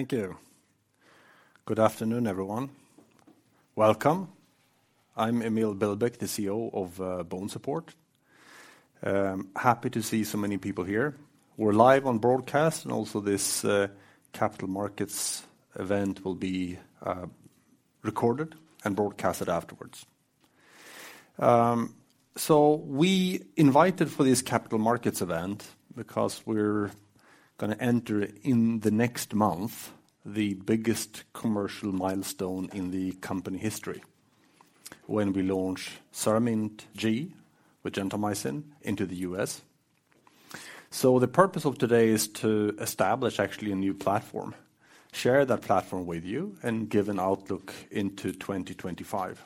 Thank you. Good afternoon, everyone. Welcome. I'm Emil Billbäck, the CEO of BONESUPPORT. Happy to see so many people here. We're live on broadcast, and also this capital markets event will be recorded and broadcasted afterwards. We invited for this capital markets event because we're gonna enter in the next month the biggest commercial milestone in the company history when we launch CERAMENT G with gentamicin into the U.S. The purpose of today is to establish actually a new platform, share that platform with you, and give an outlook into 2025.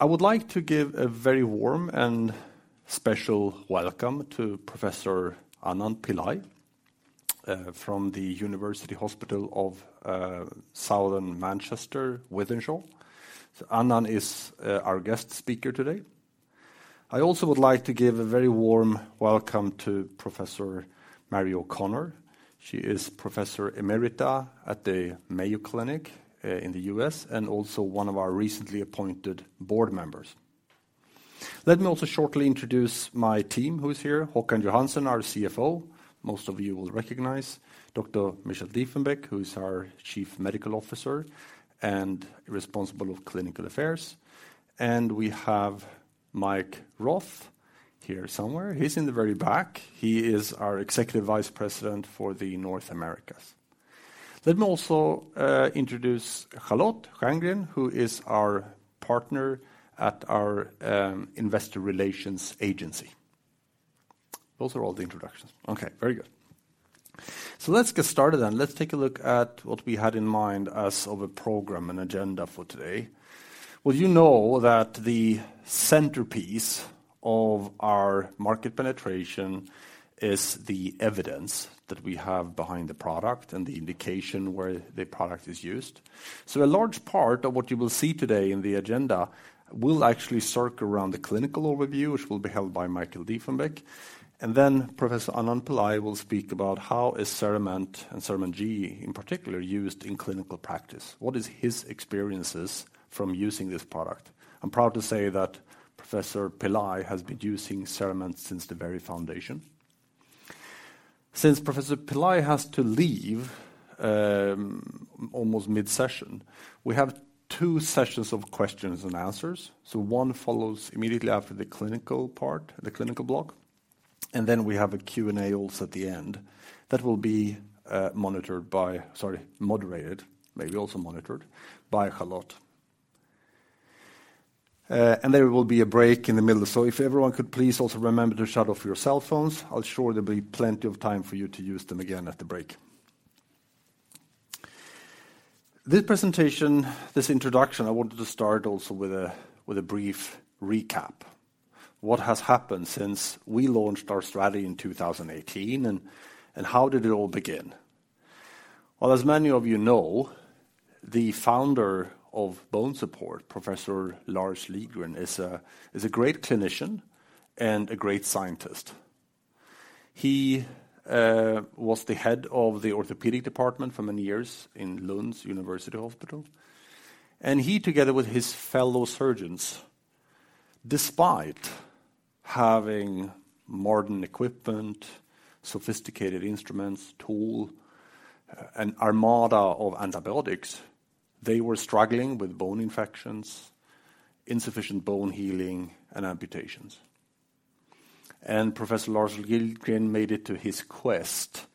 I would like to give a very warm and special welcome to Professor Anand Pillai from the University Hospital of South Manchester, Wythenshawe. Anand is our guest speaker today. I also would like to give a very warm welcome to Professor Mary O'Connor. She is Professor Emerita at the Mayo Clinic in the U.S., and also one of our recently appointed board members. Let me also shortly introduce my team who is here. Håkan Johansson, our CFO, most of you will recognize. Dr. Michael Diefenbeck, who is our Chief Medical Officer and responsible of Clinical Affairs. We have Mike Roth here somewhere. He's in the very back. He is our Executive Vice President for the North America. Let me also introduce Charlotte Stjerngren, who is our partner at our investor relations agency. Those are all the introductions. Okay, very good. Let's get started then. Let's take a look at what we had in mind as our program and agenda for today. Well, you know that the centerpiece of our market penetration is the evidence that we have behind the product and the indication where the product is used. A large part of what you will see today in the agenda will actually circle around the clinical overview, which will be held by Michael Diefenbeck. Professor Anand Pillai will speak about how is CERAMENT and CERAMENT G in particular used in clinical practice. What is his experiences from using this product? I'm proud to say that Professor Pillai has been using CERAMENT since the very foundation. Since Professor Pillai has to leave almost mid-session, we have two sessions of questions and answers. One follows immediately after the clinical part, the clinical block, and then we have a Q&A also at the end that will be moderated, maybe also monitored, by Charlotte. There will be a break in the middle. If everyone could please also remember to shut off your cell phones. I'm sure there'll be plenty of time for you to use them again at the break. This presentation, this introduction, I wanted to start also with a brief recap. What has happened since we launched our strategy in 2018 and how did it all begin? Well, as many of you know, the founder of BONESUPPORT, Professor Lars Lidgren, is a great clinician and a great scientist. He was the head of the orthopedic department for many years in Lund University Hospital. He, together with his fellow surgeons, despite having modern equipment, sophisticated instruments, an armada of antibiotics, they were struggling with bone infections, insufficient bone healing, and amputations. Professor Lars Lidgren made it his quest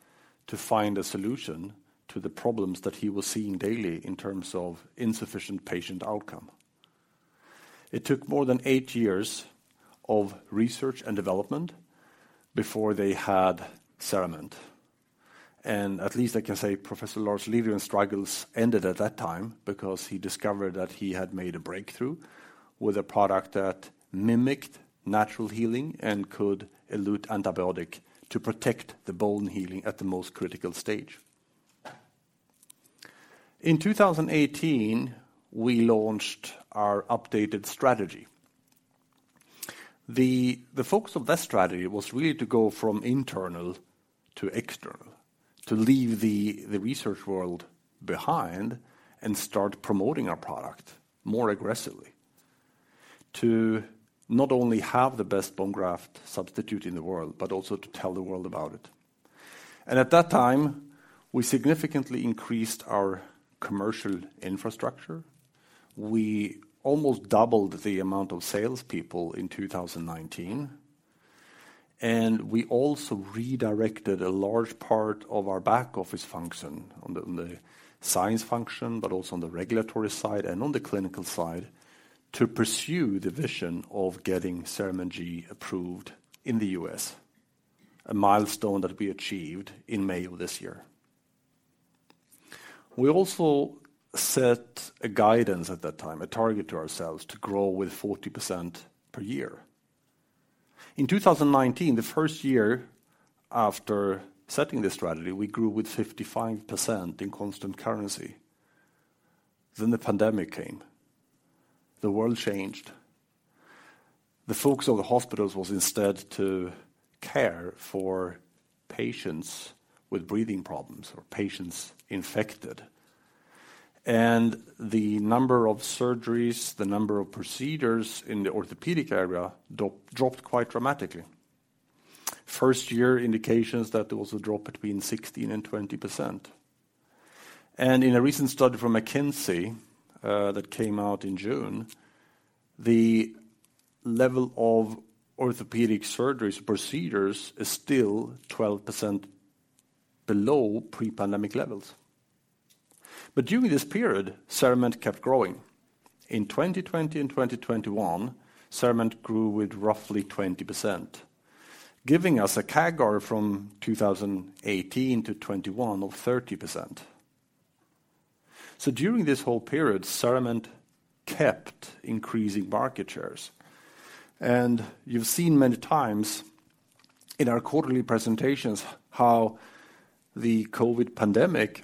to find a solution to the problems that he was seeing daily in terms of insufficient patient outcome. It took more than eight years of research and development before they had CERAMENT. At least I can say Professor Lars Lidgren's struggles ended at that time because he discovered that he had made a breakthrough with a product that mimicked natural healing and could elute antibiotic to protect the bone healing at the most critical stage. In 2018, we launched our updated strategy. The focus of that strategy was really to go from internal to external, to leave the research world behind and start promoting our product more aggressively. To not only have the best bone graft substitute in the world, but also to tell the world about it. At that time, we significantly increased our commercial infrastructure. We almost doubled the amount of salespeople in 2019, and we also redirected a large part of our back office function on the science function, but also on the regulatory side and on the clinical side to pursue the vision of getting CERAMENT G approved in the U.S., a milestone that we achieved in May of this year. We also set a guidance at that time, a target to ourselves to grow with 40% per year. In 2019, the first year after setting the strategy, we grew with 55% in constant currency. Then the pandemic came. The world changed. The focus of the hospitals was instead to care for patients with breathing problems or patients infected. The number of surgeries, the number of procedures in the orthopedic area dropped quite dramatically. First-year indications that there was a drop between 16%-20%. In a recent study from McKinsey that came out in June, the level of orthopedic surgeries procedures is still 12% below pre-pandemic levels. During this period, CERAMENT kept growing. In 2020 and 2021, CERAMENT Grew with roughly 20%, giving us a CAGR from 2018-2021 of 30%. During this whole period, CERAMENT kept increasing market shares. You've seen many times in our quarterly presentations how the COVID pandemic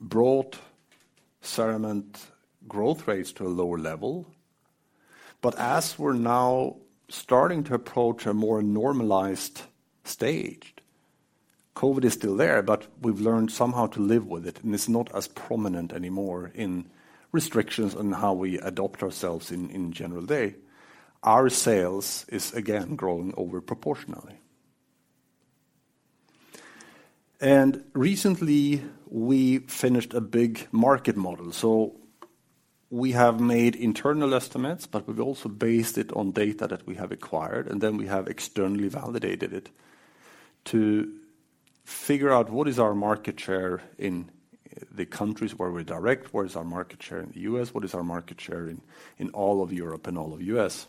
brought CERAMENT Growth rates to a lower level. As we're now starting to approach a more normalized stage, COVID is still there, but we've learned somehow to live with it, and it's not as prominent anymore in restrictions on how we adapt ourselves in general day. Our sales is again growing over proportionally. Recently, we finished a big market model. We have made internal estimates, but we've also based it on data that we have acquired, and then we have externally validated it to figure out what is our market share in the countries where we're direct, what is our market share in the U.S., what is our market share in all of Europe and all of the U.S.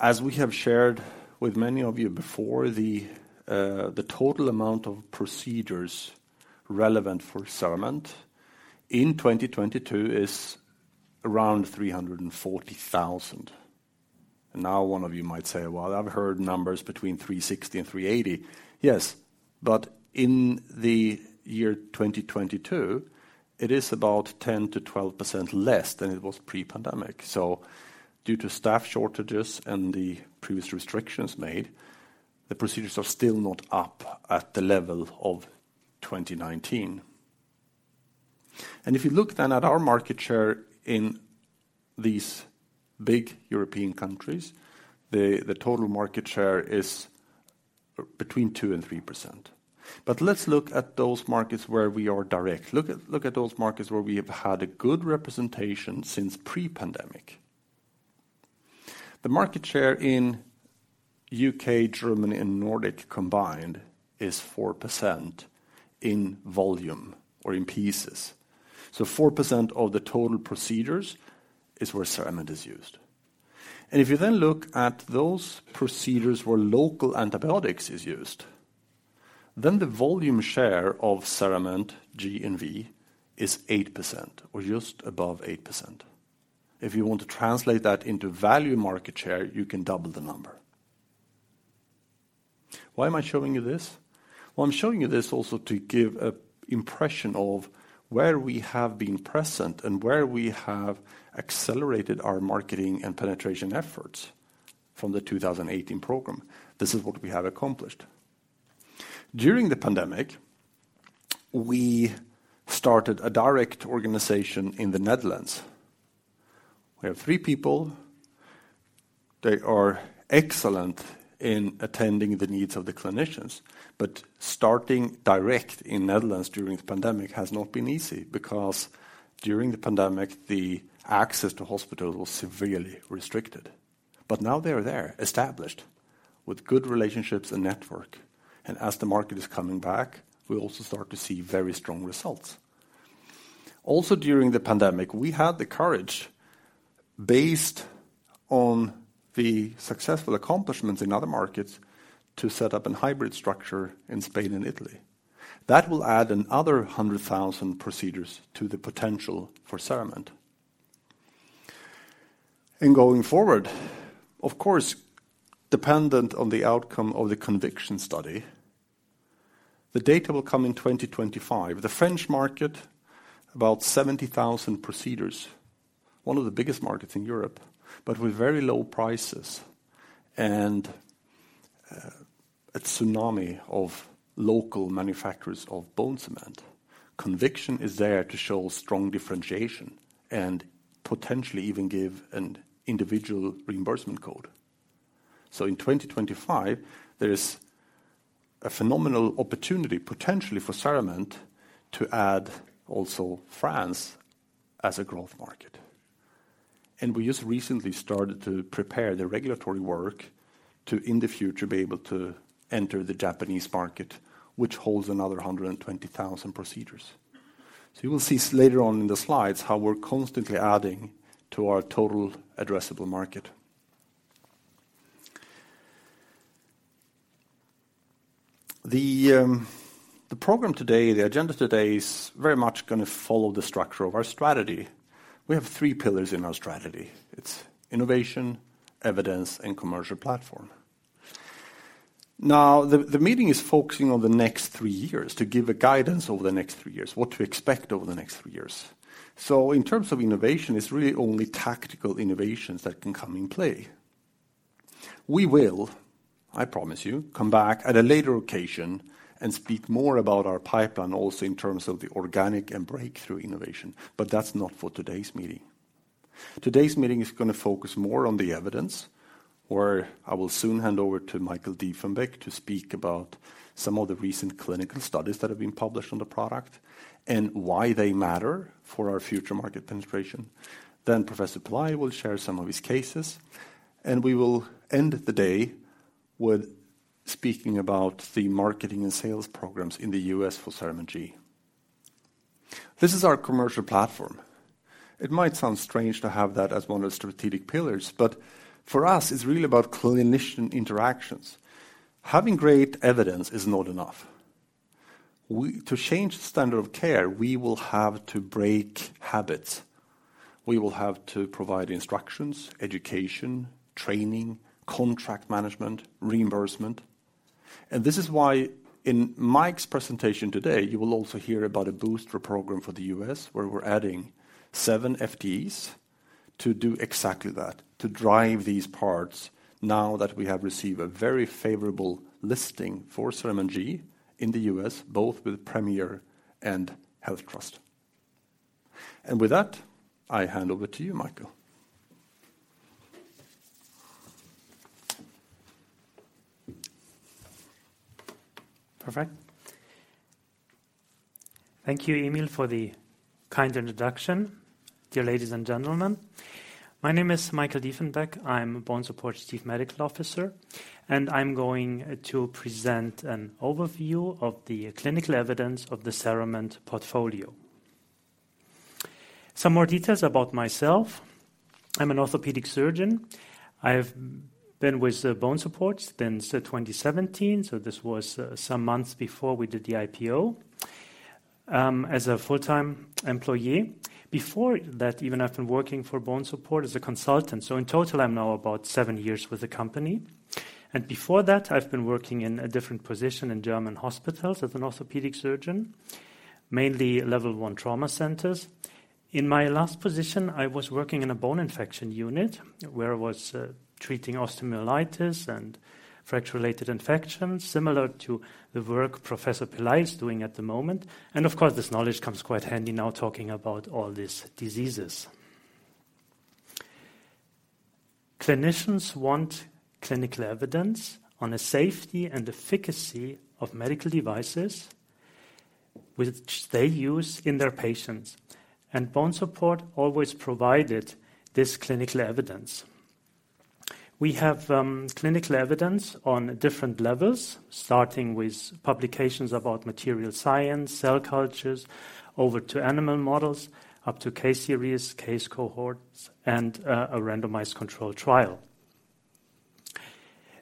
As we have shared with many of you before, the total amount of procedures relevant for CERAMENT in 2022 is around 340,000. Now, one of you might say, "Well, I've heard numbers between 360 and 380." Yes, but in the year 2022, it is about 10%-12% less than it was pre-pandemic. Due to staff shortages and the previous restrictions made, the procedures are still not up at the level of 2019. If you look then at our market share in these big European countries, the total market share is between 2% and 3%. Let's look at those markets where we are direct. Look at those markets where we have had a good representation since pre-pandemic. The market share in U.K., Germany, and Nordic combined is 4% in volume or in pieces. Four percent of the total procedures is where CERAMENT is used. If you then look at those procedures where local antibiotics is used, then the volume share of CERAMENT G and V is 8% or just above 8%. If you want to translate that into value market share, you can double the number. Why am I showing you this? Well, I'm showing you this also to give an impression of where we have been present and where we have accelerated our marketing and penetration efforts from the 2018 program. This is what we have accomplished. During the pandemic, we started a direct organization in the Netherlands. We have three people. They are excellent in attending the needs of the clinicians, but starting direct in the Netherlands during the pandemic has not been easy because during the pandemic, the access to hospitals was severely restricted. Now they are there, established with good relationships and network. As the market is coming back, we also start to see very strong results. Also, during the pandemic, we had the courage, based on the successful accomplishments in other markets, to set up a hybrid structure in Spain and Italy. That will add another 100,000 procedures to the potential for CERAMENT. Going forward, of course, dependent on the outcome of the CONVICTION study, the data will come in 2025. The French market, about 70,000 procedures, one of the biggest markets in Europe, but with very low prices and a tsunami of local manufacturers of bone cement. CONVICTION is there to show strong differentiation and potentially even give an individual reimbursement code. In 2025, there is a phenomenal opportunity potentially for CERAMENT to add also France as a growth market. We just recently started to prepare the regulatory work to, in the future, be able to enter the Japanese market, which holds another 120,000 procedures. You will see later on in the slides how we're constantly adding to our total addressable market. The program today, the agenda today is very much gonna follow the structure of our strategy. We have three pillars in our strategy. It's innovation, evidence, and commercial platform. Now, the meeting is focusing on the next three years to give a guidance over the next three years, what to expect over the next three years. In terms of innovation, it's really only tactical innovations that can come in play. We will, I promise you, come back at a later occasion and speak more about our pipeline also in terms of the organic and breakthrough innovation, but that's not for today's meeting. Today's meeting is gonna focus more on the evidence, or I will soon hand over to Michael Diefenbeck to speak about some of the recent clinical studies that have been published on the product and why they matter for our future market penetration. Professor Pillai will share some of his cases, and we will end the day with speaking about the marketing and sales programs in the U.S. for CERAMENT G. This is our commercial platform. It might sound strange to have that as one of the strategic pillars, but for us, it's really about clinician interactions. Having great evidence is not enough. We, to change the standard of care, we will have to break habits. We will have to provide instructions, education, training, contract management, reimbursement. This is why in Mike's presentation today, you will also hear about a booster program for the U.S., where we're adding seven FDs to do exactly that, to drive these parts now that we have received a very favorable listing for CERAMENT G in the U.S., both with Premier and HealthTrust. With that, I hand over to you, Michael. Perfect. Thank you, Emil, for the kind introduction. Dear ladies and gentlemen, my name is Michael Diefenbeck. I'm BONESUPPORT's chief medical officer, and I'm going to present an overview of the clinical evidence of the CERAMENT portfolio. Some more details about myself. I'm an orthopedic surgeon. I've been with BONESUPPORT since 2017, so this was some months before we did the IPO, as a full-time employee. Before that, even I've been working for BONESUPPORT as a consultant. So in total, I'm now about seven years with the company. Before that, I've been working in a different position in German hospitals as an orthopedic surgeon, mainly level one trauma centers. In my last position, I was working in a bone infection unit where I was treating osteomyelitis and fracture-related infections, similar to the work Professor Pillai is doing at the moment. Of course, this knowledge comes quite handy now talking about all these diseases. Clinicians want clinical evidence on the safety and efficacy of medical devices which they use in their patients, and BONESUPPORT always provided this clinical evidence. We have clinical evidence on different levels, starting with publications about material science, cell cultures, over to animal models, up to case series, case cohorts, and a randomized control trial.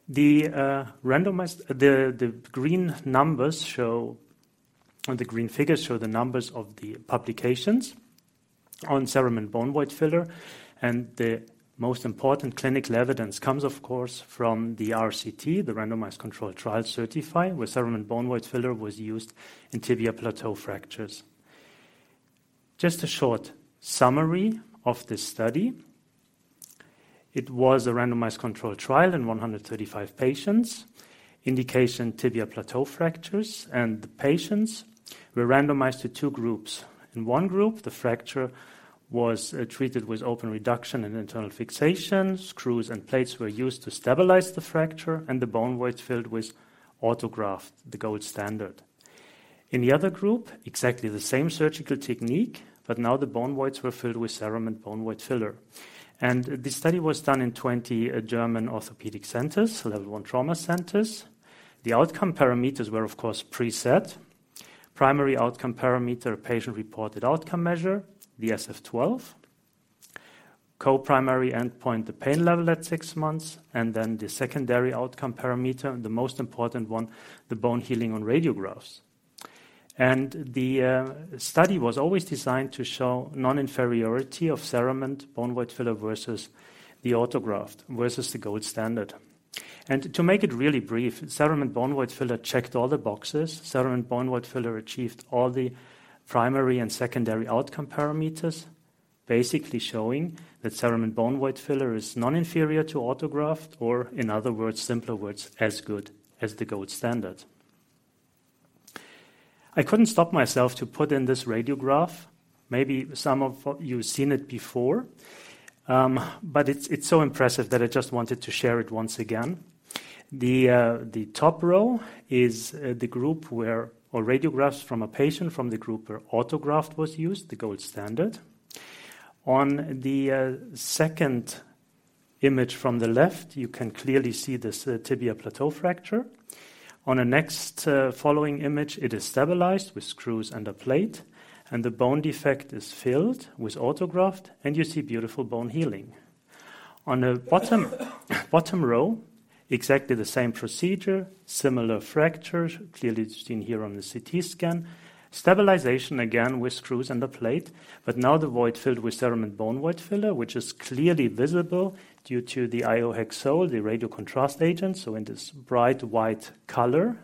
The green figures show the numbers of the publications on CERAMENT BONE VOID FILLER. The most important clinical evidence comes, of course, from the RCT, the randomized control trial CERTiFy, where CERAMENT BONE VOID FILLER was used in tibial plateau fractures. Just a short summary of this study. It was a randomized control trial in 135 patients. Indication, tibial plateau fractures. The patients were randomized to two groups. In one group, the fracture was treated with open reduction and internal fixation. Screws and plates were used to stabilize the fracture, and the bone void filled with autograft, the gold standard. In the other group, exactly the same surgical technique, but now the bone voids were filled with CERAMENT BONE VOID FILLER. The study was done in 20 German orthopedic centers, so level one trauma centers. The outcome parameters were, of course, preset. Primary outcome parameter, patient-reported outcome measure, the SF-12. Co-primary endpoint, the pain level at six months, and then the secondary outcome parameter, and the most important one, the bone healing on radiographs. The study was always designed to show non-inferiority of CERAMENT BONE VOID FILLER versus the autograft, versus the gold standard. To make it really brief, CERAMENT BONE VOID FILLER checked all the boxes. CERAMENT BONE VOID FILLER achieved all the primary and secondary outcome parameters, basically showing that CERAMENT BONE VOID FILLER is non-inferior to autograft, or in other words, simpler words, as good as the gold standard. I couldn't stop myself to put in this radiograph. Maybe some of you have seen it before, but it's so impressive that I just wanted to share it once again. The top row is radiographs from a patient from the group where autograft was used, the gold standard. On the second image from the left, you can clearly see this tibial plateau fracture. On a next following image, it is stabilized with screws and a plate, and the bone defect is filled with autograft, and you see beautiful bone healing. On the bottom row, exactly the same procedure, similar fracture, clearly seen here on the CT scan. Stabilization again with screws and a plate, but now the void filled with CERAMENT BONE VOID FILLER, which is clearly visible due to the iohexol, the radiocontrast agent, so in this bright white color.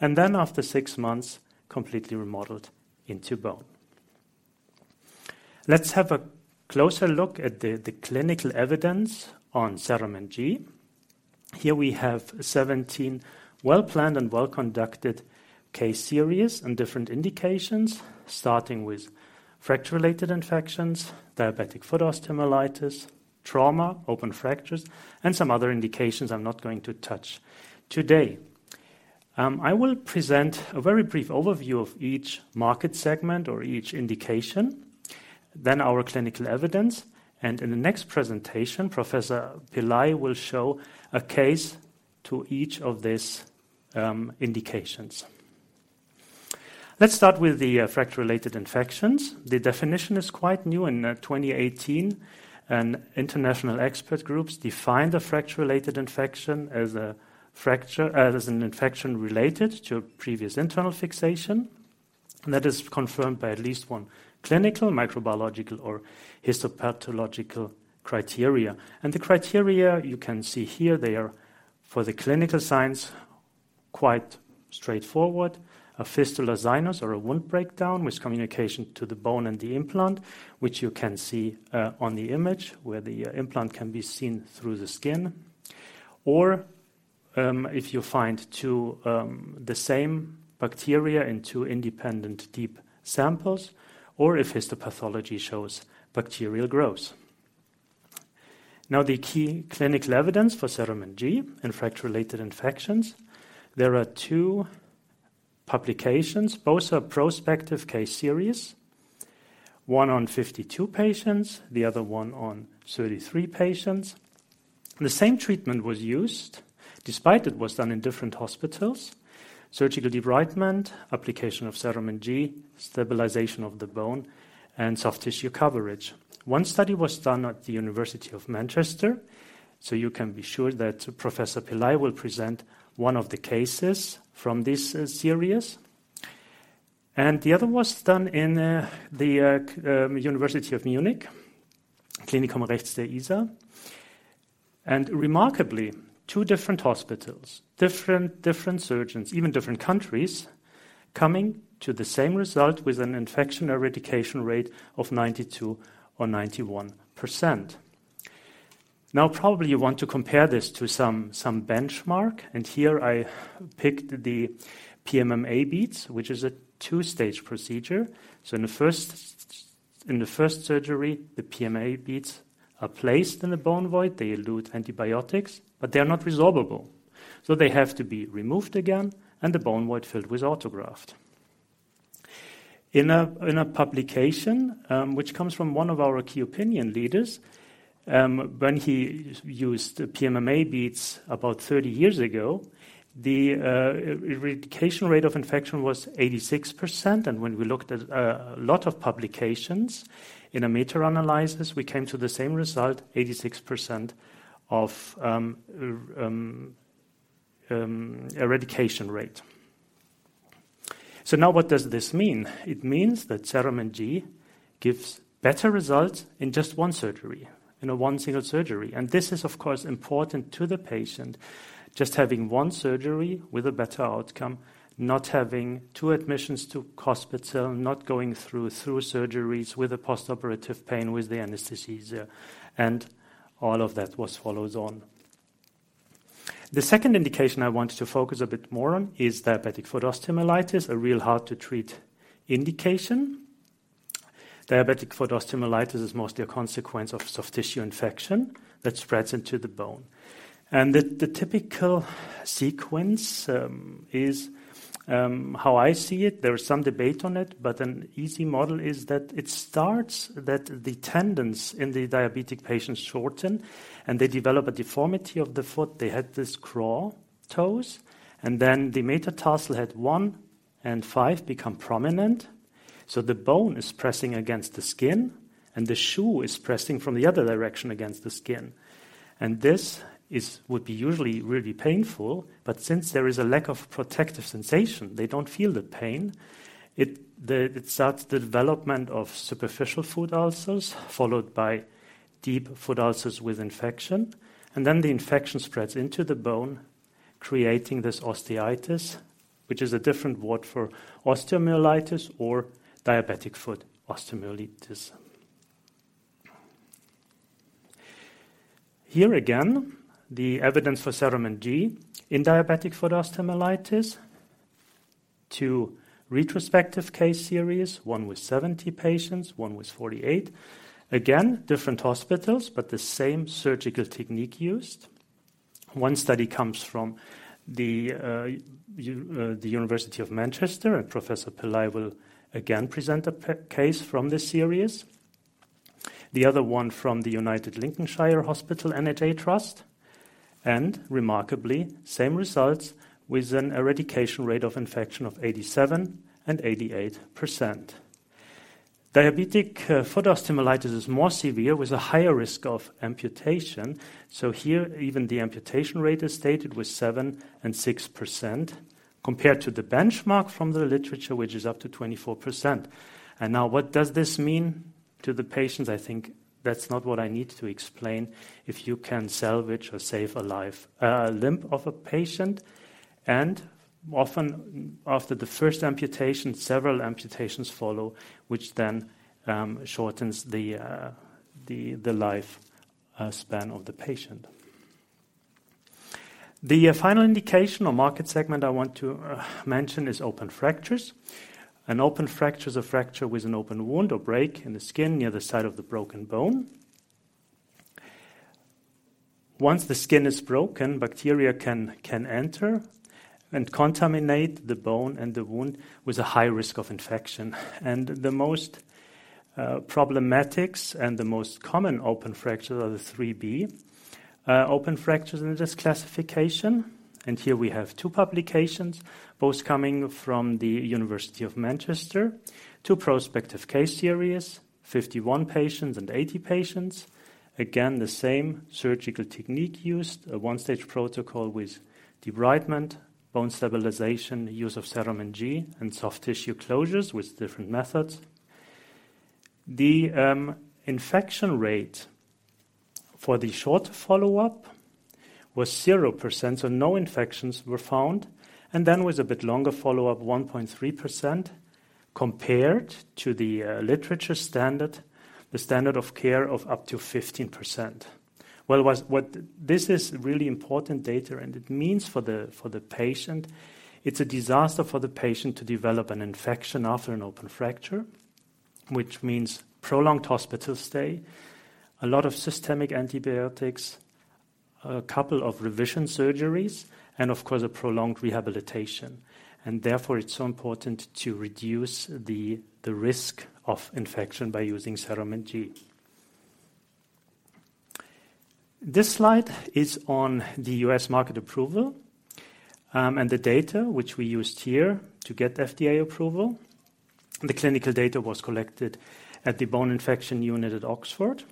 Then after six months, completely remodeled into bone. Let's have a closer look at the clinical evidence on CERAMENT G. Here we have 17 well-planned and well-conducted case series and different indications, starting with fracture-related infections, diabetic foot osteomyelitis, trauma, open fractures, and some other indications I'm not going to touch today. I will present a very brief overview of each market segment or each indication, then our clinical evidence. In the next presentation, Professor Pillai will show a case to each of these indications. Let's start with the fracture-related infections. The definition is quite new. In 2018, an international expert groups defined a fracture-related infection as an infection related to a previous internal fixation. That is confirmed by at least one clinical, microbiological or histopathological criteria. The criteria you can see here, they are for the clinical signs quite straightforward. A fistula sinus or a wound breakdown with communication to the bone and the implant, which you can see on the image, where the implant can be seen through the skin. Or if you find two the same bacteria in two independent deep samples, or if histopathology shows bacterial growth. Now, the key clinical evidence for CERAMENT G in fracture-related infections, there are two publications. Both are prospective case series, one on 52 patients, the other one on 33 patients. The same treatment was used, despite it was done in different hospitals. Surgical debridement, application of CERAMENT G, stabilization of the bone, and soft tissue coverage. One study was done at the University of Manchester, so you can be sure that Professor Pillai will present one of the cases from this series. The other was done in the University of Munich, Klinikum rechts der Isar. Remarkably, two different hospitals, different surgeons, even different countries, coming to the same result with an infection eradication rate of 92% or 91%. Now, probably you want to compare this to some benchmark, and here I picked the PMMA beads, which is a two-stage procedure. In the first surgery, the PMMA beads are placed in the bone void. They elute antibiotics, but they are not resorbable, so they have to be removed again, and the bone void filled with autograft. In a publication which comes from one of our key opinion leaders, when he used PMMA beads about 30 years ago, the eradication rate of infection was 86%. When we looked at a lot of publications in a meta-analysis, we came to the same result, 86% eradication rate. Now what does this mean? It means that CERAMENT G gives better results in just one surgery. In one single surgery. This is, of course, important to the patient. Just having one surgery with a better outcome, not having two admissions to hospital, not going through surgeries with a postoperative pain, with the anesthesia and all of that which follows on. The second indication I wanted to focus a bit more on is diabetic foot osteomyelitis, a real hard to treat indication. Diabetic foot osteomyelitis is mostly a consequence of soft tissue infection that spreads into the bone. The typical sequence is how I see it, there is some debate on it, but an easy model is that it starts that the tendons in the diabetic patients shorten, and they develop a deformity of the foot. They had this claw toes, and then the metatarsal head one and five become prominent. The bone is pressing against the skin, and the shoe is pressing from the other direction against the skin. This would be usually really painful, but since there is a lack of protective sensation, they don't feel the pain. It starts the development of superficial foot ulcers, followed by deep foot ulcers with infection, and then the infection spreads into the bone, creating this osteitis, which is a different word for osteomyelitis or diabetic foot osteomyelitis. Here again, the evidence for CERAMENT G in diabetic foot osteomyelitis. Two retrospective case series, one with 70 patients, one with 48. Again, different hospitals, but the same surgical technique used. One study comes from the University of Manchester, and Professor Pillai will again present a case from this series. The other one from the United Lincolnshire Hospitals NHS Trust. Remarkably, same results with an eradication rate of infection of 87% and 88%. Diabetic foot osteomyelitis is more severe with a higher risk of amputation. Here, even the amputation rate is stated with 7% and 6% compared to the benchmark from the literature, which is up to 24%. Now what does this mean to the patients? I think that's not what I need to explain. If you can salvage or save a life, a limb of a patient, and often after the first amputation, several amputations follow, which then shortens the lifespan of the patient. The final indication or market segment I want to mention is open fractures. An open fracture is a fracture with an open wound or break in the skin near the site of the broken bone. Once the skin is broken, bacteria can enter and contaminate the bone and the wound with a high risk of infection. The most problematic and the most common open fractures are the IIIB open fractures in this classification. Here we have two publications, both coming from the University of Manchester. Two prospective case series, 51 patients and 80 patients. Again, the same surgical technique used. A one-stage protocol with debridement, bone stabilization, use of CERAMENT G, and soft tissue closures with different methods. The infection rate for the short follow-up was 0%, so no infections were found. With a bit longer follow-up, 1.3% compared to the literature standard, the standard of care of up to 15%. This is really important data, and it means for the patient, it's a disaster for the patient to develop an infection after an open fracture, which means prolonged hospital stay, a lot of systemic antibiotics, a couple of revision surgeries, and of course, a prolonged rehabilitation. Therefore, it's so important to reduce the risk of infection by using CERAMENT G. This slide is on the U.S. market approval, and the data which we used here to get FDA approval. The clinical data was collected at the Bone Infection Unit at Oxford,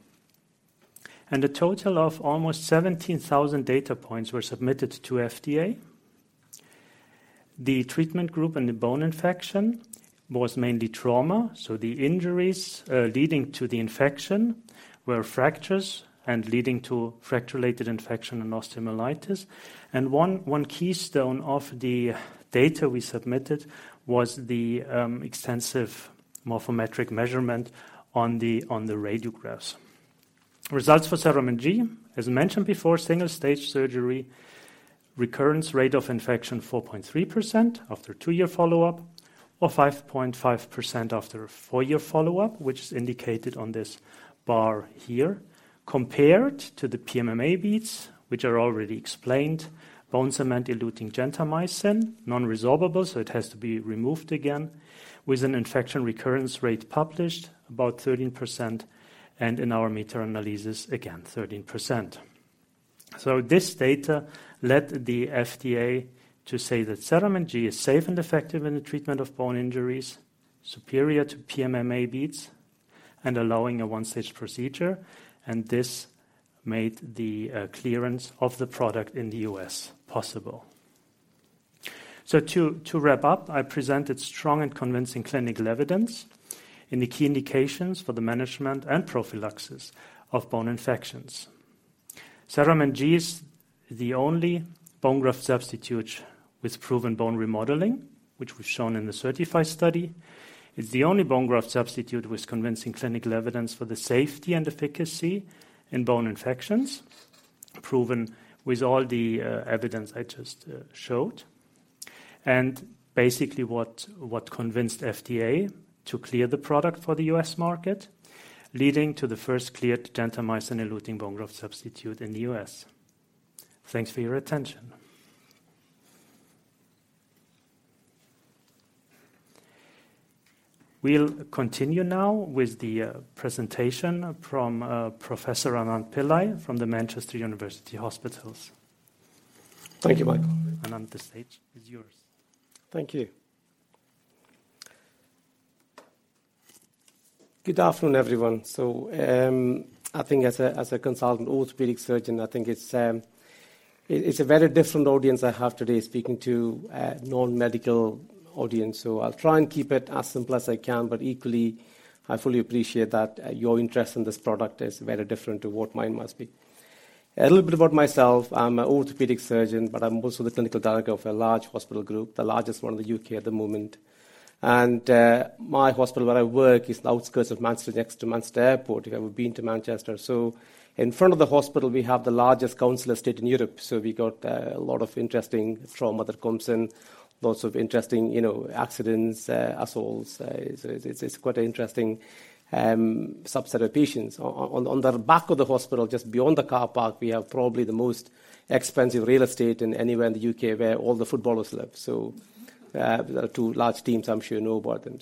and a total of almost 17,000 data points were submitted to FDA. The treatment group and the bone infection was mainly trauma. The injuries leading to the infection were fractures leading to fracture-related infection and osteomyelitis. One keystone of the data we submitted was the extensive morphometric measurement on the radiographs. Results for CERAMENT G. As mentioned before, single-stage surgery. Recurrence rate of infection, 4.3% after two year follow-up or 5.5% after a 4-year follow-up, which is indicated on this bar here. Compared to the PMMA beads, which are already explained, bone cement eluting gentamicin, non-resorbable, so it has to be removed again, with an infection recurrence rate published about 13% and in our meta-analysis, again, 13%. This data led the FDA to say that CERAMENT G is safe and effective in the treatment of bone injuries, superior to PMMA beads and allowing a one-stage procedure. This made the clearance of the product in the U.S. possible. To wrap up, I presented strong and convincing clinical evidence in the key indications for the management and prophylaxis of bone infections. CERAMENT G is the only bone graft substitute with proven bone remodeling, which was shown in the CERTiFy study. It's the only bone graft substitute with convincing clinical evidence for the safety and efficacy in bone infections, proven with all the evidence I just showed. Basically what convinced FDA to clear the product for the U.S. market, leading to the first cleared gentamicin-eluting bone graft substitute in the U.S. Thanks for your attention. We'll continue now with the presentation from Professor Anand Pillai from the Manchester University NHS Foundation Trust. Thank you, Michael. Anand, the stage is yours. Thank you. Good afternoon, everyone. I think as a consultant orthopedic surgeon, I think it's a very different audience I have today speaking to a non-medical audience. I'll try and keep it as simple as I can, but equally, I fully appreciate that, your interest in this product is very different to what mine must be. A little bit about myself. I'm an orthopedic surgeon, but I'm also the clinical director of a large hospital group, the largest one in the U.K. at the moment. My hospital where I work is the outskirts of Manchester, next to Manchester Airport, if you have ever been to Manchester. In front of the hospital, we have the largest council estate in Europe. We got a lot of interesting trauma that comes in, lots of interesting, you know, accidents, assaults. It's quite an interesting subset of patients. On the back of the hospital, just beyond the car park, we have probably the most expensive real estate in anywhere in the U.K. where all the footballers live. There are two large teams. I'm sure you know about them.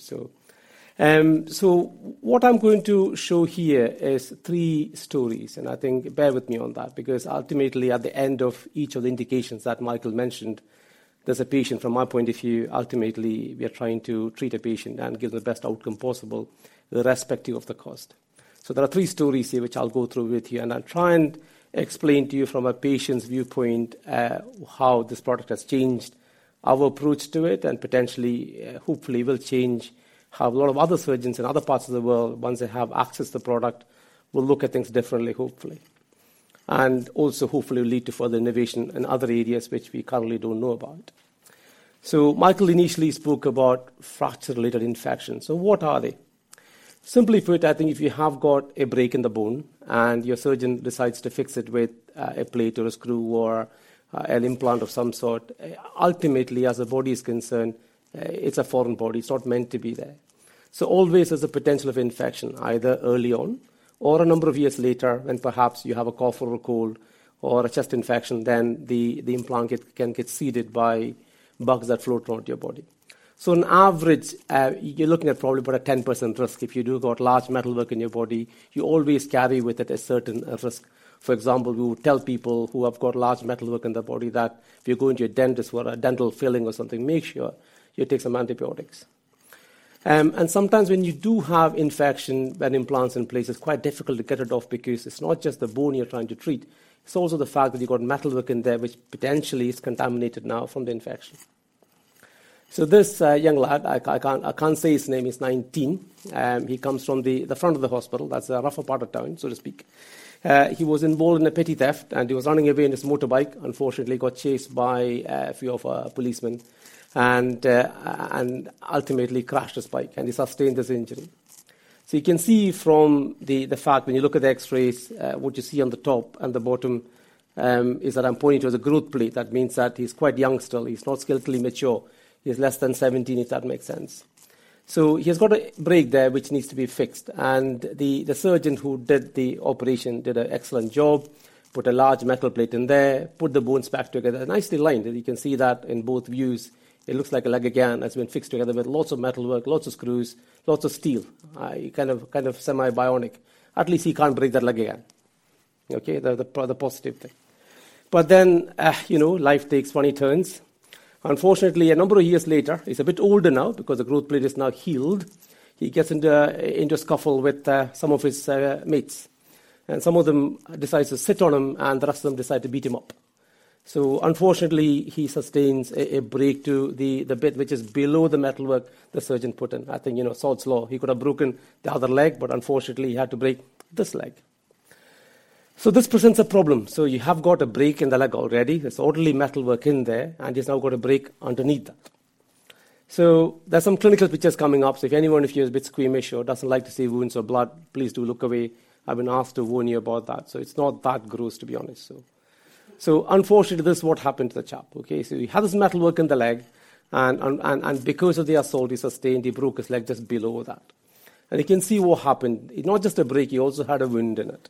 What I'm going to show here is three stories. I think bear with me on that because ultimately at the end of each of the indications that Michael mentioned, there's a patient. From my point of view, ultimately, we are trying to treat a patient and give the best outcome possible irrespective of the cost. There are three stories here which I'll go through with you, and I'll try and explain to you from a patient's viewpoint how this product has changed our approach to it and potentially, hopefully will change how a lot of other surgeons in other parts of the world, once they have access to the product, will look at things differently, hopefully. And also hopefully lead to further innovation in other areas which we currently don't know about. Michael initially spoke about fracture-related infections. What are they? Simply put, I think if you have got a break in the bone and your surgeon decides to fix it with a plate or a screw or an implant of some sort, ultimately, as the body is concerned, it's a foreign body. It's not meant to be there. Always there's a potential of infection, either early on or a number of years later when perhaps you have a cough or a cold or a chest infection, then the implant can get seeded by bugs that float around your body. On average, you're looking at probably about a 10% risk. If you do got large metalwork in your body, you always carry with it a certain risk. For example, we would tell people who have got large metalwork in their body that if you're going to a dentist for a dental filling or something, make sure you take some antibiotics. Sometimes when you do have infection and implants in place, it's quite difficult to get it off because it's not just the bone you're trying to treat, it's also the fact that you've got metalwork in there which potentially is contaminated now from the infection. This young lad, I can't say his name. He's 19. He comes from the front of the hospital. That's a rougher part of town, so to speak. He was involved in a petty theft, and he was running away on his motorbike. Unfortunately, got chased by a few of our policemen and ultimately crashed his bike, and he sustained this injury. You can see from the fact when you look at the X-rays, what you see on the top and the bottom, is that I'm pointing to the growth plate. That means that he's quite young still. He's not skeletally mature. He's less than 17, if that makes sense. He's got a break there which needs to be fixed, and the surgeon who did the operation did an excellent job, put a large metal plate in there, put the bones back together, nicely aligned. You can see that in both views. It looks like a leg again. It's been fixed together with lots of metalwork, lots of screws, lots of steel. Kind of semi-bionic. At least he can't break that leg again. Okay. The positive thing. You know, life takes funny turns. Unfortunately, a number of years later, he's a bit older now because the growth plate is now healed. He gets into a scuffle with some of his mates, and some of them decides to sit on him, and the rest of them decide to beat him up. Unfortunately, he sustains a break to the bit which is below the metalwork the surgeon put in. I think, you know, Sod's Law. He could have broken the other leg, but unfortunately, he had to break this leg. This presents a problem. You have got a break in the leg already. There's already metalwork in there, and he's now got a break underneath that. There's some clinical pictures coming up. If any one of you is a bit squeamish or doesn't like to see wounds or blood, please do look away. I've been asked to warn you about that, so it's not that gross, to be honest. Unfortunately, this is what happened to the chap, okay? He had this metalwork in the leg and because of the assault, he broke his leg just below that. You can see what happened. It's not just a break. He also had a wound in it.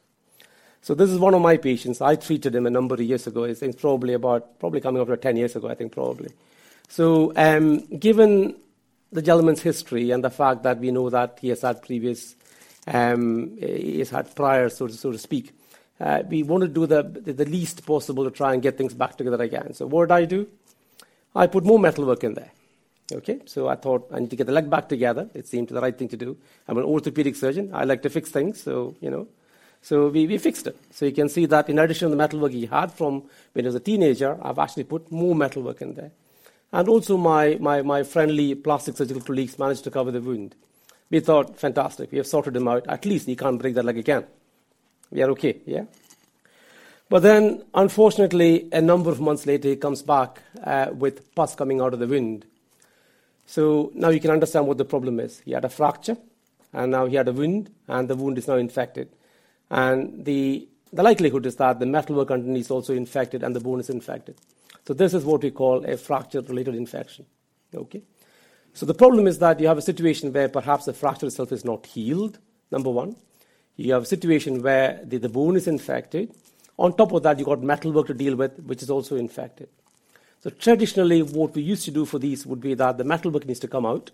This is one of my patients. I treated him a number of years ago. I think probably coming up to 10 years ago, I think. Given the gentleman's history and the fact that we know that he has had previous, he's had prior so to speak, we want to do the least possible to try and get things back together again. What did I do? I put more metalwork in there. Okay. I thought, "I need to get the leg back together." It seemed the right thing to do. I'm an orthopedic surgeon. I like to fix things, you know. We fixed it. You can see that in addition to the metalwork he had from when he was a teenager, I've actually put more metalwork in there. Also my friendly plastic surgical colleagues managed to cover the wound. We thought, "Fantastic. We have sorted him out. At least he can't break that leg again. We are okay." Yeah. Unfortunately, a number of months later, he comes back with pus coming out of the wound. Now you can understand what the problem is. He had a fracture, and now he had a wound, and the wound is now infected. The likelihood is that the metalwork underneath is also infected, and the bone is infected. This is what we call a fracture-related infection. Okay? The problem is that you have a situation where perhaps the fracture itself is not healed, number one. You have a situation where the bone is infected. On top of that, you've got metalwork to deal with, which is also infected. Traditionally, what we used to do for these would be that the metalwork needs to come out.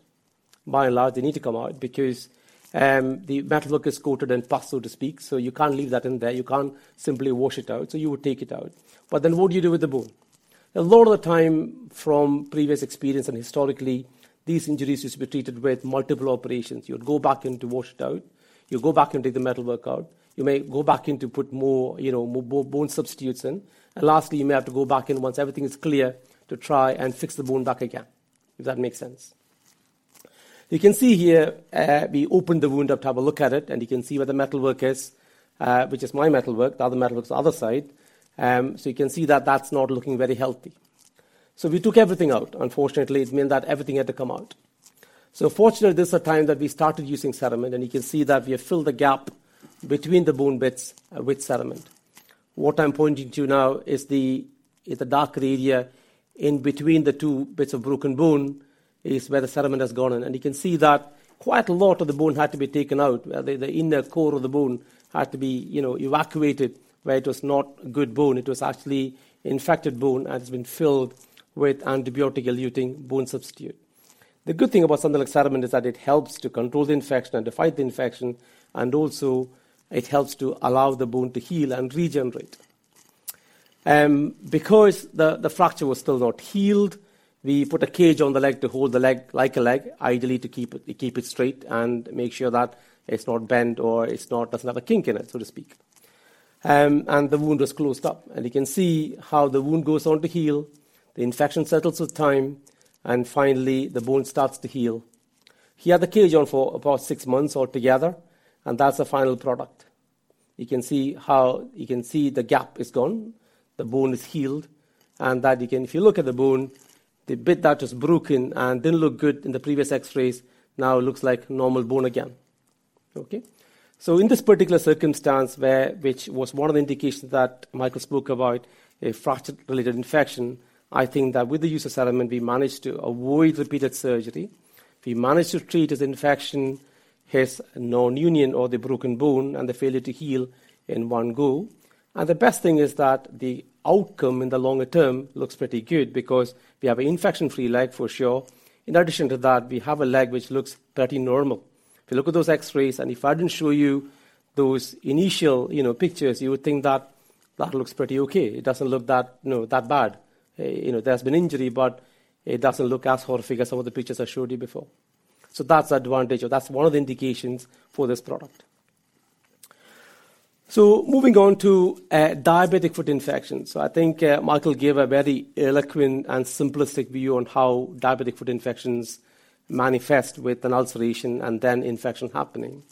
By and large, they need to come out because the metalwork is coated in pus, so to speak. You can't leave that in there. You can't simply wash it out. You would take it out. What do you do with the bone? A lot of the time, from previous experience and historically, these injuries used to be treated with multiple operations. You'd go back in to wash it out. You go back in, take the metalwork out. You may go back in to put more, you know, more bone substitutes in. Lastly, you may have to go back in once everything is clear to try and fix the bone back again, if that makes sense. You can see here, we opened the wound up to have a look at it, and you can see where the metalwork is, which is my metalwork. The other metalwork's the other side. You can see that that's not looking very healthy. We took everything out. Unfortunately, it meant that everything had to come out. Fortunately, this is the time that we started using cement, and you can see that we have filled the gap between the bone bits with cement. What I'm pointing to now is the darker area in between the two bits of broken bone is where the cement has gone in. You can see that quite a lot of the bone had to be taken out. The inner core of the bone had to be, you know, evacuated where it was not good bone. It was actually infected bone and has been filled with antibiotic-eluting bone substitute. The good thing about something like cement is that it helps to control the infection and to fight the infection, and also it helps to allow the bone to heal and regenerate. Because the fracture was still not healed, we put a cage on the leg to hold the leg like a leg, ideally to keep it straight and make sure that it doesn't have a kink in it, so to speak. The wound was closed up. You can see how the wound goes on to heal, the infection settles with time, and finally, the bone starts to heal. He had the cage on for about six months altogether, and that's the final product. You can see the gap is gone. The bone is healed, and that you can. If you look at the bone, the bit that is broken and didn't look good in the previous X-rays now looks like normal bone again. Okay? In this particular circumstance where, which was one of the indications that Michael spoke about, a fracture-related infection, I think that with the use of CERAMENT, we managed to avoid repeated surgery. We managed to treat his infection, his non-union or the broken bone and the failure to heal in one go. The best thing is that the outcome in the longer term looks pretty good because we have an infection-free leg for sure. In addition to that, we have a leg which looks pretty normal. If you look at those X-rays, and if I didn't show you those initial, you know, pictures, you would think that that looks pretty okay. It doesn't look that, you know, that bad. You know, there's been injury, but it doesn't look as horrific as some of the pictures I showed you before. That's the advantage. That's one of the indications for this product. Moving on to diabetic foot infections. I think Michael gave a very eloquent and simplistic view on how diabetic foot infections manifest with an ulceration and then infection happening.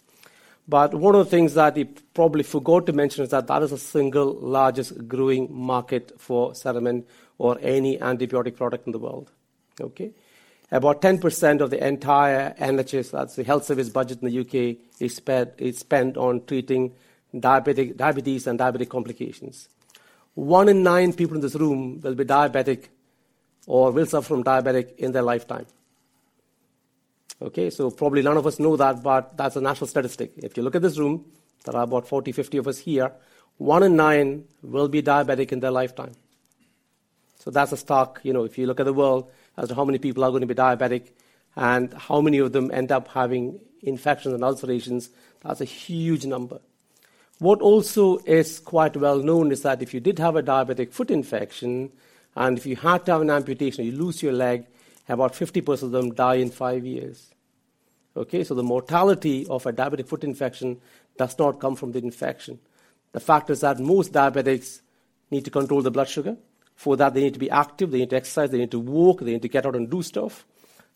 One of the things that he probably forgot to mention is that that is the single largest growing market for CERAMENT or any antibiotic product in the world. Okay? About 10% of the entire NHS, that's the health service budget in the U.K., is spent on treating diabetes and diabetic complications. One in nine people in this room will be diabetic or will suffer from diabetes in their lifetime. Okay? Probably none of us know that, but that's a national statistic. If you look at this room, there are about 40, 50 of us here. One in nine will be diabetic in their lifetime. That's a stark. You know, if you look at the world as to how many people are gonna be diabetic and how many of them end up having infections and ulcerations, that's a huge number. What also is quite well known is that if you did have a diabetic foot infection, and if you had to have an amputation, you lose your leg, about 50% of them die in five years. Okay. The mortality of a diabetic foot infection does not come from the infection. The fact is that most diabetics need to control their blood sugar. For that, they need to be active, they need to exercise, they need to walk, they need to get out and do stuff.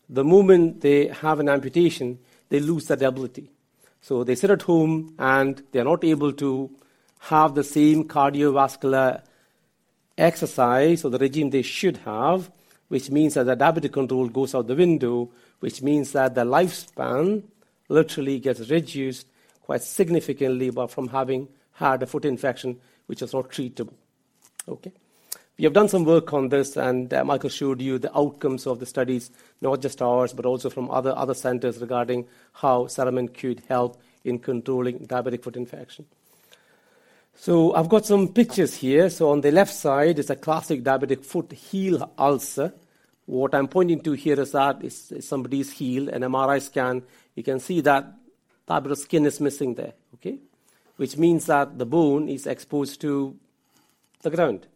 The moment they have an amputation, they lose that ability. They sit at home, and they're not able to have the same cardiovascular exercise or the regimen they should have, which means that their diabetic control goes out the window, which means that their lifespan literally gets reduced quite significantly by from having had a foot infection which is not treatable. We have done some work on this, and Michael showed you the outcomes of the studies, not just ours, but also from other centers regarding how CERAMENT could help in controlling diabetic foot infection. I've got some pictures here. On the left side is a classic diabetic foot heel ulcer. What I'm pointing to here is somebody's heel, an MRI scan. You can see that bit of skin is missing there, okay? Which means that the bone is exposed to the ground.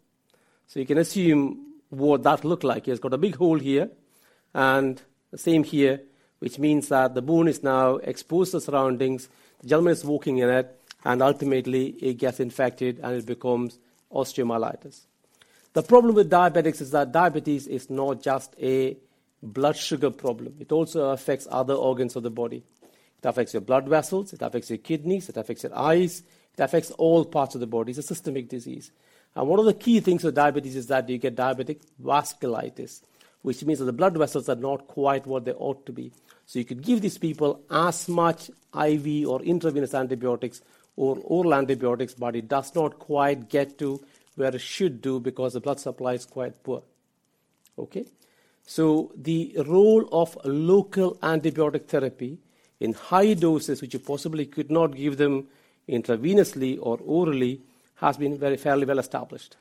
You can assume what that look like. It's got a big hole here and the same here, which means that the bone is now exposed to surroundings. The gentleman is walking in it, and ultimately it gets infected, and it becomes osteomyelitis. The problem with diabetics is that diabetes is not just a blood sugar problem. It also affects other organs of the body. It affects your blood vessels, it affects your kidneys, it affects your eyes, it affects all parts of the body. It's a systemic disease. One of the key things with diabetes is that you get diabetic vasculitis, which means that the blood vessels are not quite what they ought to be. You could give these people as much IV or intravenous antibiotics or oral antibiotics, but it does not quite get to where it should do because the blood supply is quite poor. Okay? The role of local antibiotic therapy in high doses, which you possibly could not give them intravenously or orally, has been very fairly well established.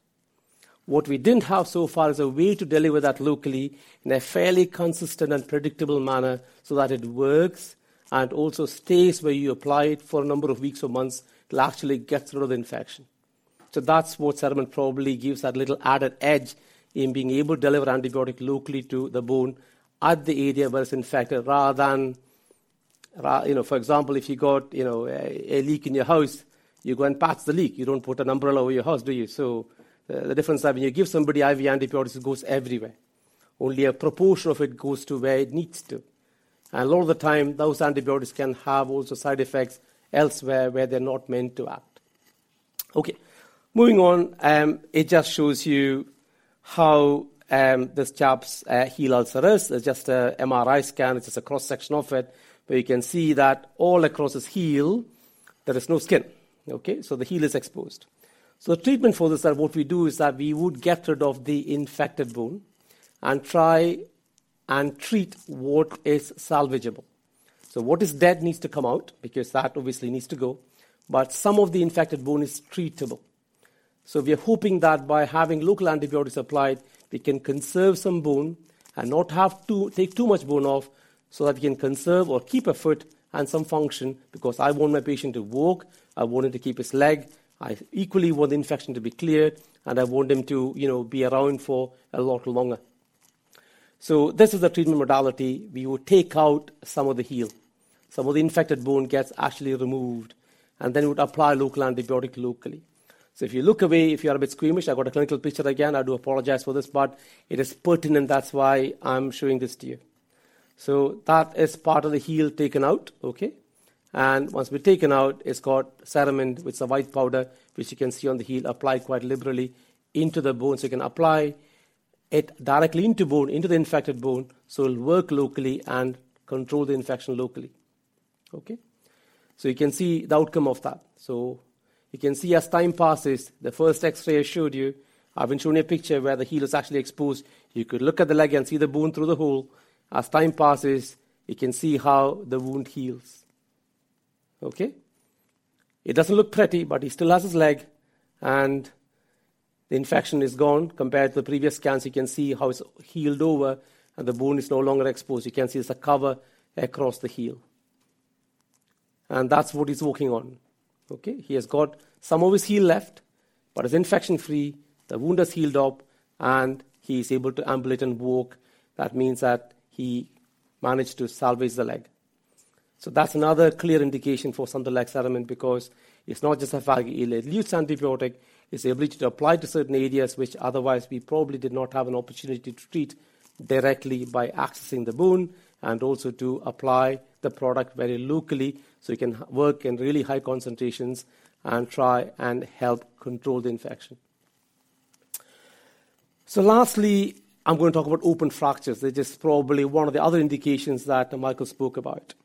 What we didn't have so far is a way to deliver that locally in a fairly consistent and predictable manner so that it works and also stays where you apply it for a number of weeks or months to actually get rid of the infection. That's what CERAMENT probably gives that little added edge in being able to deliver antibiotic locally to the bone at the area where it's infected rather than. You know, for example, if you got, you know, a leak in your house, you go and patch the leak. You don't put an umbrella over your house, do you? The difference that when you give somebody IV antibiotics, it goes everywhere. Only a proportion of it goes to where it needs to. And a lot of the time, those antibiotics can have also side effects elsewhere where they're not meant to act. Okay. Moving on, it just shows you how this chap's heel ulcer is. It's just a MRI scan. It's just a cross-section of it, but you can see that all across his heel, there is no skin. Okay? The heel is exposed. Treatment for this, what we do is that we would get rid of the infected bone and try and treat what is salvageable. What is dead needs to come out because that obviously needs to go, but some of the infected bone is treatable. We are hoping that by having local antibiotics applied, we can conserve some bone and not have to take too much bone off so that we can conserve or keep a foot and some function, because I want my patient to walk, I want him to keep his leg. I equally want the infection to be cleared, and I want him to, you know, be around for a lot longer. This is the treatment modality. We would take out some of the heel. Some of the infected bone gets actually removed, and then we would apply local antibiotic locally. If you look away, if you're a bit squeamish, I've got a clinical picture again. I do apologize for this, but it is pertinent, that's why I'm showing this to you. That is part of the heel taken out, okay? Once we've taken out, it's got CERAMENT, which is a white powder, which you can see on the heel applied quite liberally into the bone. You can apply it directly into bone, into the infected bone, so it'll work locally and control the infection locally. Okay? You can see the outcome of that. You can see as time passes, the first X-ray I showed you, I've been showing a picture where the heel is actually exposed. You could look at the leg and see the bone through the hole. As time passes, you can see how the wound heals. Okay? It doesn't look pretty, but he still has his leg, and the infection is gone. Compared to the previous scans, you can see how it's healed over, and the bone is no longer exposed. You can see there's a cover across the heel. That's what he's walking on. Okay? He has got some of his heel left, but it's infection-free. The wound has healed up, and he is able to ambulate and walk. That means that he managed to salvage the leg. That's another clear indication for something like CERAMENT, because it's not just a vaguely ill-used antibiotic, it's the ability to apply to certain areas which otherwise we probably did not have an opportunity to treat directly by accessing the bone, and also to apply the product very locally, so it can work in really high concentrations and try and help control the infection. Lastly, I'm going to talk about open fractures. They're just probably one of the other indications that Michael spoke about.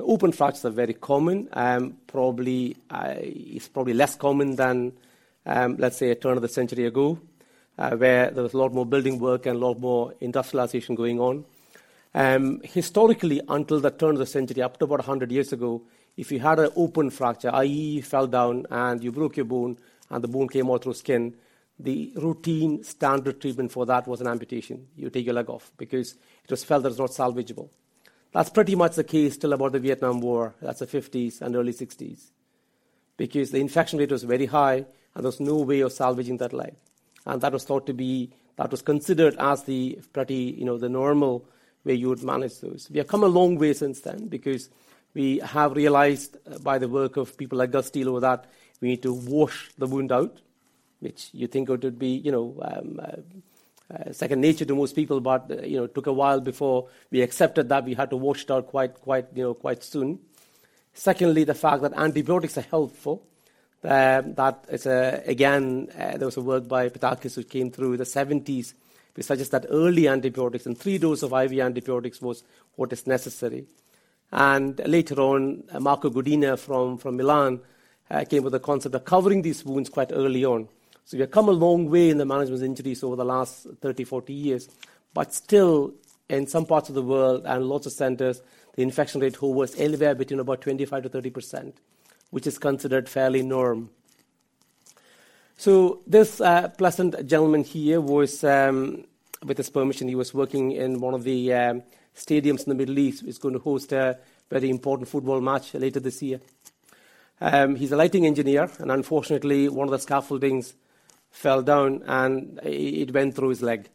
Open fractures are very common, probably, it's probably less common than, let's say a turn of the century ago, where there was a lot more building work and a lot more industrialization going on. Historically, until the turn of the century, up to about a hundred years ago, if you had an open fracture, i.e. You fell down and you broke your bone and the bone came out through skin. The routine standard treatment for that was an amputation. You take your leg off because it was felt that it was not salvageable. That's pretty much the case till about the Vietnam War. That's the 1950s and early 1960s. Because the infection rate was very high, and there was no way of salvaging that leg. That was thought to be. That was considered as the pretty, you know, the normal way you would manage those. We have come a long way since then because we have realized by the work of people like Gustilo that we need to wash the wound out, which you think would be, you know, second nature to most people, but, you know, it took a while before we accepted that we had to wash it out quite soon. Secondly, the fact that antibiotics are helpful. That is, again, there was a work by Patzakis which came through the '70s, which suggests that early antibiotics and three dose of IV antibiotics was what is necessary. Later on, Marko Godina from Milan came with the concept of covering these wounds quite early on. We have come a long way in the management of injuries over the last 30, 40 years. Still, in some parts of the world and lots of centers, the infection rate hovers anywhere between about 25%-30%, which is considered fairly normal. This pleasant gentleman here was, with his permission, he was working in one of the stadiums in the Middle East. It's going to host a very important football match later this year. He's a lighting engineer, and unfortunately, one of the scaffoldings fell down, and it went through his leg,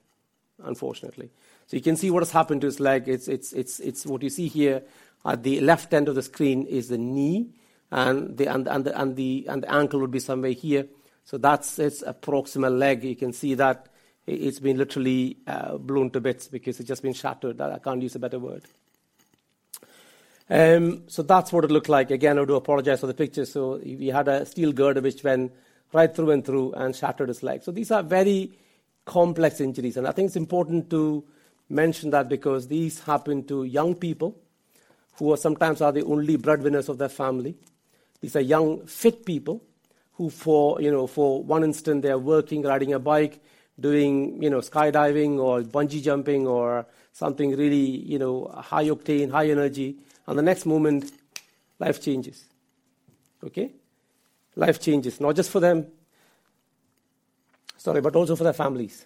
unfortunately. You can see what has happened to his leg. It's what you see here. At the left end of the screen is the knee, and the ankle would be somewhere here. That's his proximal leg. You can see that it's been literally blown to bits because it's just been shattered. I can't use a better word. That's what it looked like. Again, I do apologize for the picture. He had a steel girder which went right through and through and shattered his leg. These are very complex injuries, and I think it's important to mention that because these happen to young people who are sometimes the only breadwinners of their family. These are young, fit people who for, you know, for one instant, they are working, riding a bike, doing, you know, skydiving or bungee jumping or something really, you know, high octane, high energy, and the next moment, life changes. Okay? Life changes, not just for them, sorry, but also for their families.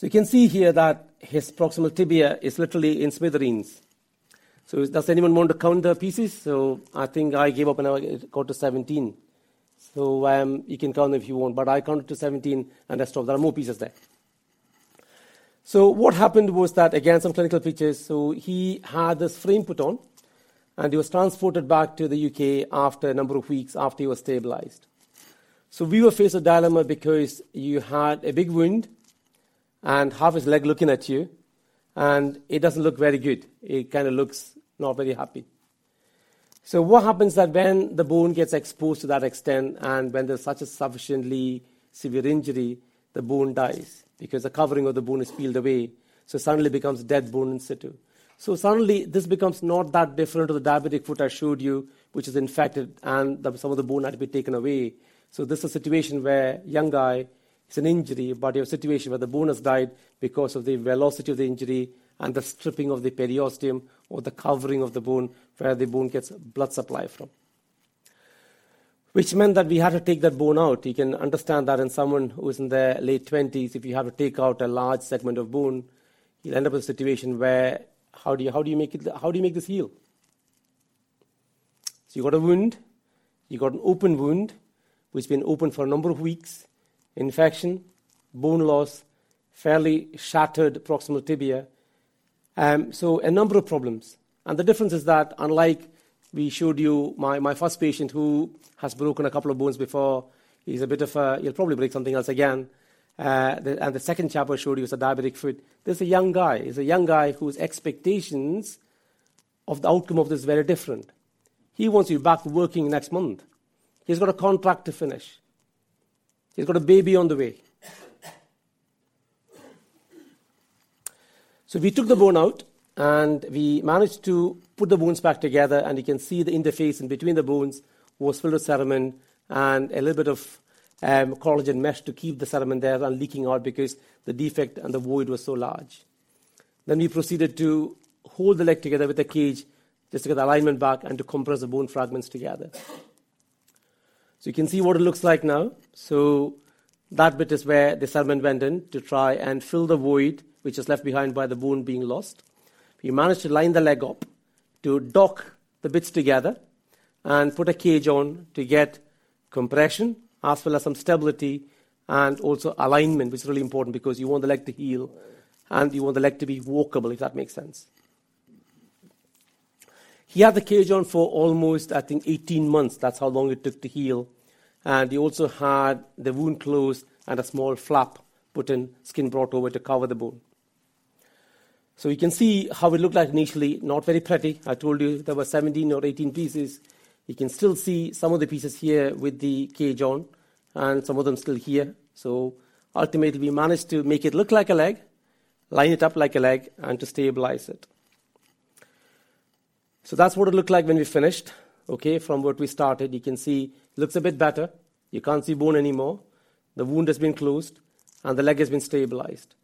You can see here that his proximal tibia is literally in smithereens. Does anyone want to count the pieces? I think I gave up and I got to 17. You can count if you want, but I counted to 17, and I stopped. There are more pieces there. What happened was that, again, some clinical pictures. He had this frame put on, and he was transported back to the UK after a number of weeks, after he was stabilized. We were faced with a dilemma because you had a big wound and half his leg looking at you, and it doesn't look very good. It kind of looks not very happy. What happens that when the bone gets exposed to that extent, and when there's such a sufficiently severe injury, the bone dies because the covering of the bone is peeled away. Suddenly becomes dead bone in situ. Suddenly, this becomes not that different to the diabetic foot I showed you, which is infected, and the, some of the bone had to be taken away. This is a situation where young guy has an injury, but a situation where the bone has died because of the velocity of the injury and the stripping of the periosteum or the covering of the bone where the bone gets blood supply from. Which meant that we had to take that bone out. You can understand that in someone who is in their late twenties, if you have to take out a large segment of bone, you'll end up with a situation where, how do you make this heal? You've got a wound. You've got an open wound which has been open for a number of weeks, infection, bone loss, fairly shattered proximal tibia. A number of problems. The difference is that unlike we showed you my first patient who has broken a couple of bones before, he'll probably break something else again. The second chap I showed you is a diabetic foot. This is a young guy. He's a young guy whose expectations of the outcome of this is very different. He wants to be back to working next month. He's got a contract to finish. He's got a baby on the way. We took the bone out, and we managed to put the bones back together, and you can see the interface in between the bones was full of CERAMENT and a little bit of collagen mesh to keep the CERAMENT there and leaking out because the defect and the void were so large. We proceeded to hold the leg together with a cage just to get the alignment back and to compress the bone fragments together. You can see what it looks like now. That bit is where the CERAMENT went in to try and fill the void, which is left behind by the bone being lost. We managed to line the leg up to dock the bits together and put a cage on to get compression as well as some stability and also alignment, which is really important because you want the leg to heal, and you want the leg to be walkable, if that makes sense. He had the cage on for almost, I think, 18 months. That's how long it took to heal. He also had the wound closed and a small flap put in, skin brought over to cover the bone. You can see how it looked like initially, not very pretty. I told you there were 17 or 18 pieces. You can still see some of the pieces here with the cage on and some of them still here. Ultimately, we managed to make it look like a leg, line it up like a leg, and to stabilize it. That's what it looked like when we finished, okay, from what we started. You can see it looks a bit better. You can't see bone anymore. The wound has been closed, and the leg has been stabilized.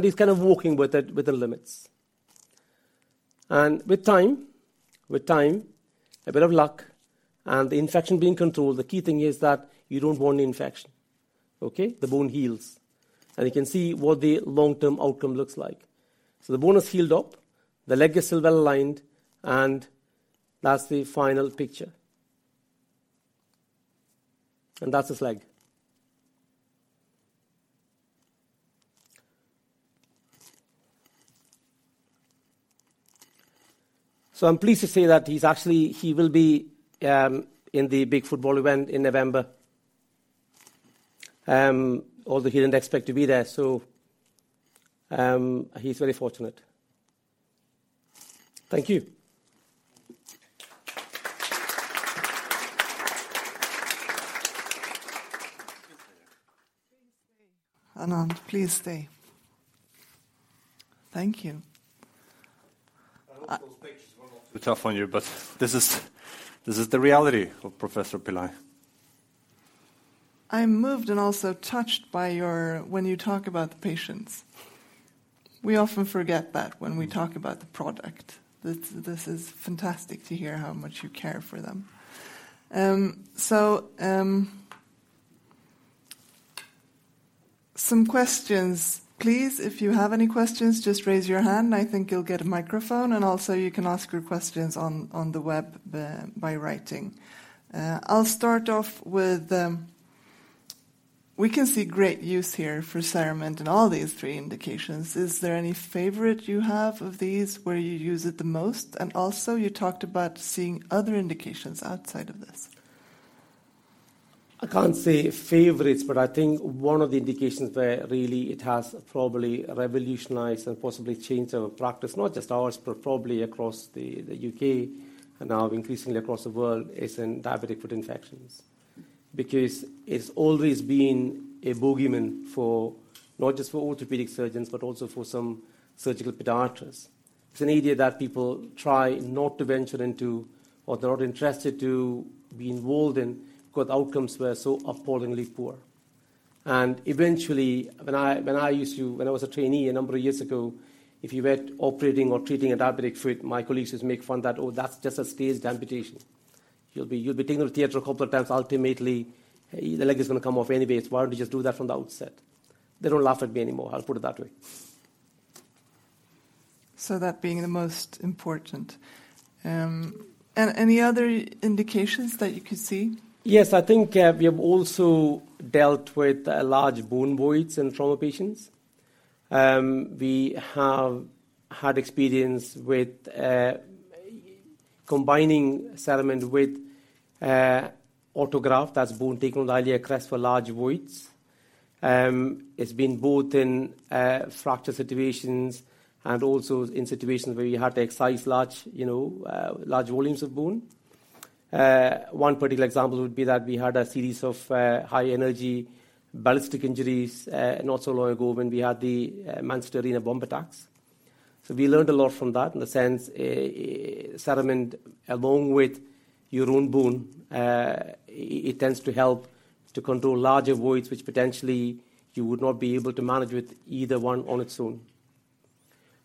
He's kind of walking with it, with the limits. With time, a bit of luck, and the infection being controlled, the key thing is that you don't want the infection, okay? The bone heals. You can see what the long-term outcome looks like. The bone has healed up, the leg is still well-aligned, and that's the final picture. That's his leg. I'm pleased to say that he's actually, he will be in the big football event in November, although he didn't expect to be there, so, he's very fortunate. Thank you. Anand, please stay. Thank you. I hope those pictures were not too tough on you, but this is the reality of Professor Pillai. I'm moved and also touched by when you talk about the patients. We often forget that when we talk about the product. This is fantastic to hear how much you care for them. Some questions, please, if you have any questions, just raise your hand. I think you'll get a microphone, and also you can ask your questions on the web by writing. I'll start off with we can see great use here for CERAMENT in all these three indications. Is there any favorite you have of these where you use it the most? Also, you talked about seeing other indications outside of this. I can't say favorites, but I think one of the indications where really it has probably revolutionized and possibly changed our practice, not just ours, but probably across the UK and now increasingly across the world, is in diabetic foot infections. Because it's always been a boogeyman for not just orthopedic surgeons, but also for some surgical podiatrists. It's an area that people try not to venture into, or they're not interested to be involved in because outcomes were so appallingly poor. Eventually, when I was a trainee a number of years ago, if you went operating or treating a diabetic foot, my colleagues used to make fun that, "Oh, that's just a staged amputation. You'll be taking him to theater a couple of times. Ultimately, the leg is gonna come off anyways. Why don't you just do that from the outset?" They don't laugh at me anymore, I'll put it that way. That being the most important. Any other indications that you could see? Yes. I think we have also dealt with large bone voids in trauma patients. We have had experience with combining CERAMENT with autograft. That's bone taken ideally across for large voids. It's been both in fracture situations and also in situations where you have to excise large, you know, volumes of bone. One particular example would be that we had a series of high-energy ballistic injuries not so long ago when we had the Manchester Arena bomb attacks. We learned a lot from that in the sense a CERAMENT, along with your own bone, it tends to help to control larger voids, which potentially you would not be able to manage with either one on its own.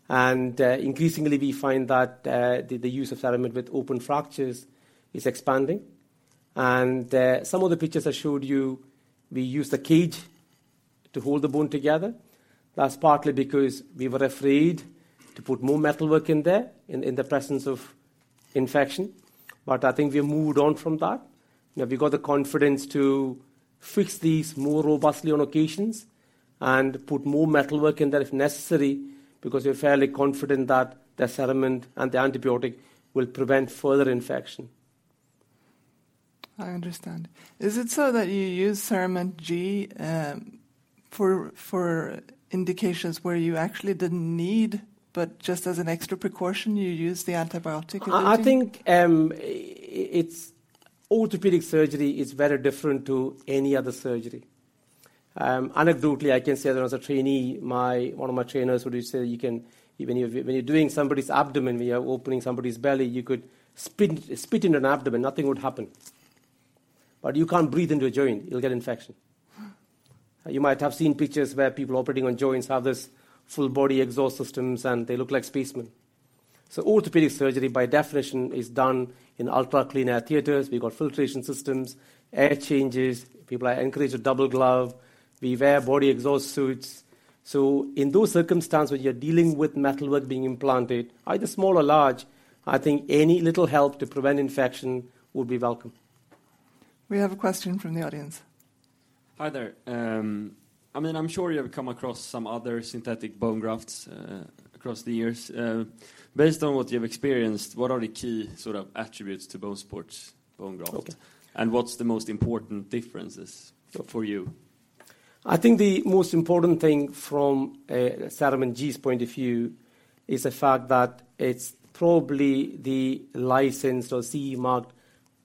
Increasingly we find that the use of CERAMENT with open fractures is expanding. Some of the pictures I showed you, we used a cage to hold the bone together. That's partly because we were afraid to put more metalwork in there in the presence of infection. I think we've moved on from that. We have got the confidence to fix these more robustly on occasions and put more metalwork in there if necessary, because we're fairly confident that the CERAMENT and the antibiotic will prevent further infection. I understand. Is it so that you use CERAMENT G for indications where you actually didn't need, but just as an extra precaution, you use the antibiotic routine? I think, orthopedic surgery is very different to any other surgery. Anecdotally, I can say that as a trainee, one of my trainers would just say when you're doing somebody's abdomen, when you're opening somebody's belly, you could spit in an abdomen, nothing would happen. You can't breathe into a joint, you'll get infection. Hmm. You might have seen pictures where people operating on joints have these full body exhaust systems, and they look like spacemen. Orthopedic surgery by definition is done in ultra-clean air theaters. We've got filtration systems, air changes. People are encouraged to double glove. We wear body exhaust suits. In those circumstances, you're dealing with metalwork being implanted, either small or large. I think any little help to prevent infection would be welcome. We have a question from the audience. Hi there. I mean, I'm sure you have come across some other synthetic bone grafts across the years. Based on what you've experienced, what are the key sort of attributes to BONESUPPORT's bone graft? Okay. What's the most important differences for you? I think the most important thing from CERAMENT G's point of view is the fact that it's probably the licensed or CE mark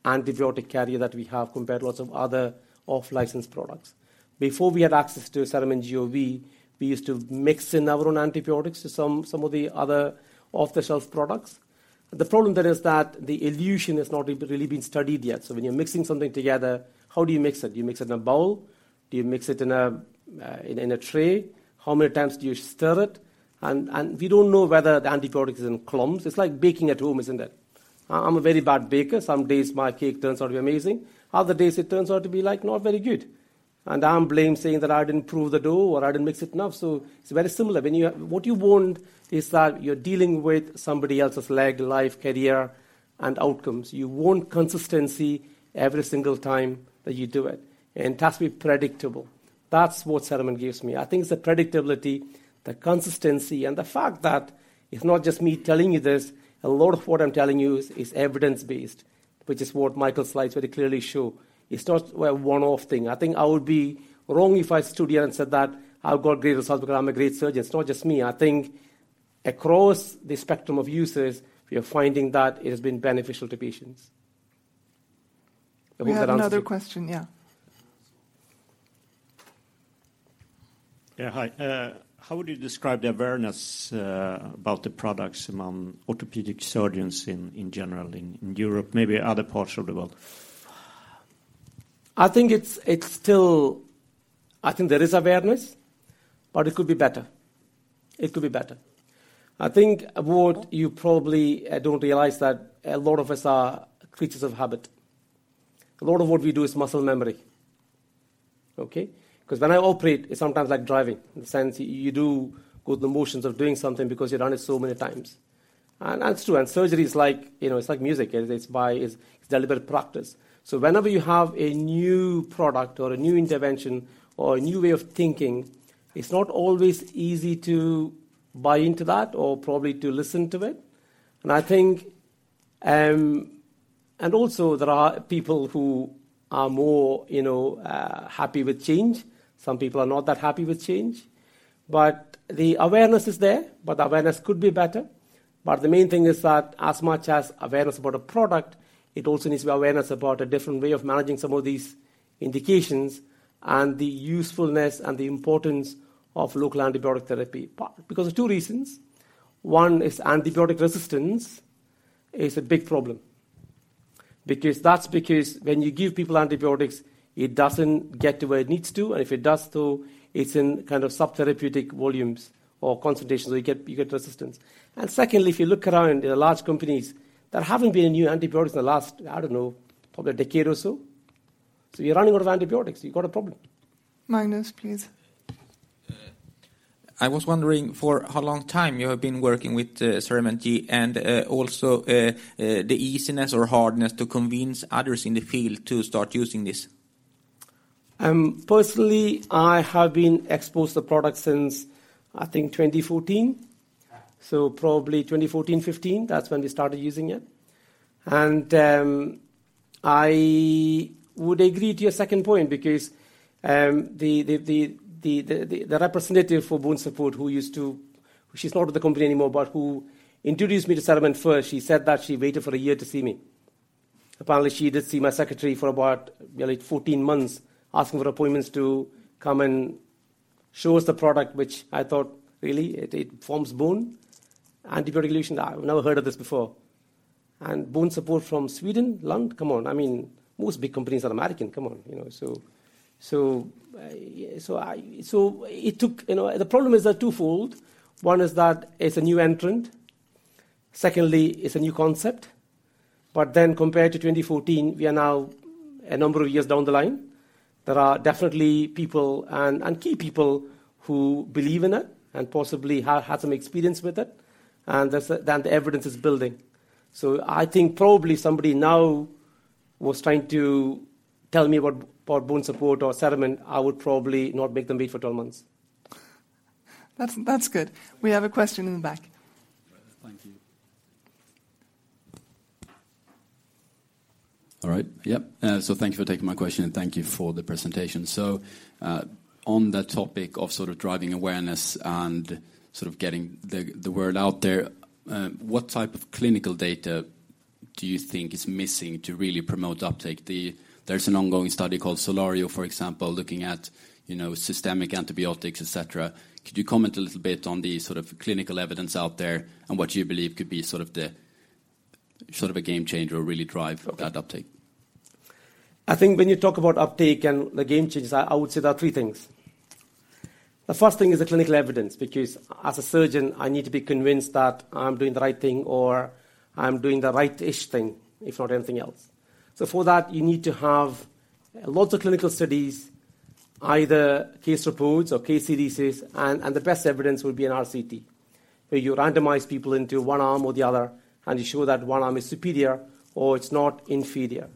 antibiotic carrier that we have compared lots of other off-label products. Before we had access to CERAMENT G or V, we used to mix in our own antibiotics to some of the other off-the-shelf products. The problem there is that the elution has not really been studied yet. When you're mixing something together, how do you mix it? Do you mix it in a bowl? Do you mix it in a tray? How many times do you stir it? And we don't know whether the antibiotic is in clumps. It's like baking at home, isn't it? I'm a very bad baker. Some days my cake turns out amazing. Other days it turns out to be, like, not very good. I'm blamed saying that I didn't prove the dough or I didn't mix it enough, so it's very similar. What you want is that you're dealing with somebody else's leg, life, career, and outcomes. You want consistency every single time that you do it, and it has to be predictable. That's what CERAMENT Gives me. I think it's the predictability, the consistency, and the fact that it's not just me telling you this. A lot of what I'm telling you is evidence-based, which is what Michael Diefenbeck's slides very clearly show. It's not a one-off thing. I think I would be wrong if I stood here and said that I've got greater results because I'm a great surgeon. It's not just me. I think across the spectrum of users, we are finding that it has been beneficial to patients. I hope that answers it. We have another question. Yeah. Yeah. Hi. How would you describe the awareness about the products among orthopedic surgeons in general in Europe, maybe other parts of the world? I think there is awareness, but it could be better. It could be better. I think what you probably don't realize that a lot of us are creatures of habit. A lot of what we do is muscle memory. Okay? 'Cause when I operate, it's sometimes like driving. In the sense you do go through the motions of doing something because you've done it so many times. That's true. Surgery is like, you know, it's like music. It's deliberate practice. Whenever you have a new product or a new intervention or a new way of thinking, it's not always easy to buy into that or probably to listen to it. I think also there are people who are more, you know, happy with change. Some people are not that happy with change. The awareness is there, but the awareness could be better. The main thing is that as much as awareness about a product, it also needs to be awareness about a different way of managing some of these indications and the usefulness and the importance of local antibiotic therapy because of two reasons. One is antibiotic resistance is a big problem. That's because when you give people antibiotics, it doesn't get to where it needs to, and if it does too, it's in kind of subtherapeutic volumes or concentrations, so you get resistance. Secondly, if you look around in the large companies, there haven't been any new antibiotics in the last, I don't know, probably a decade or so. You're running out of antibiotics. You've got a problem. Magnus, please. I was wondering for how long time you have been working with CERAMENT G and also the easiness or hardness to convince others in the field to start using this? Personally, I have been exposed to the product since, I think, 2014. Probably 2014, 2015, that's when we started using it. I would agree to your second point because the representative for BONESUPPORT who used to—she's not with the company anymore, but who introduced me to CERAMENT first. She said that she waited for a year to see me. Apparently, she did see my secretary for about nearly 14 months, asking for appointments to come and show us the product, which I thought, "Really? It forms bone? Antibiotic elution? I've never heard of this before." BONESUPPORT from Sweden? Lund? Come on. I mean, most big companies are American. Come on, you know. It took, you know. The problem is that twofold. One is that it's a new entrant. Secondly, it's a new concept. Compared to 2014, we are now a number of years down the line. There are definitely people and key people who believe in it and possibly have had some experience with it, and that's. Then the evidence is building. I think probably somebody now was trying to tell me about BONESUPPORT or CERAMENT, I would probably not make them wait for 12 months. That's good. We have a question in the back. Thank you. All right. Yep. Thank you for taking my question, and thank you for the presentation. On the topic of sort of driving awareness and sort of getting the word out there, what type of clinical data do you think is missing to really promote uptake? There's an ongoing study called SOLARIO, for example, looking at, you know, systemic antibiotics, etc. Could you comment a little bit on the sort of clinical evidence out there and what you believe could be sort of a game changer or really drive that uptake? I think when you talk about uptake and the game changers, I would say there are three things. The first thing is the clinical evidence, because as a surgeon, I need to be convinced that I'm doing the right thing or I'm doing the right-ish thing, if not anything else. So for that, you need to have lots of clinical studies, either case reports or case series, and the best evidence would be an RCT, where you randomize people into one arm or the other, and you show that one arm is superior or it's not inferior.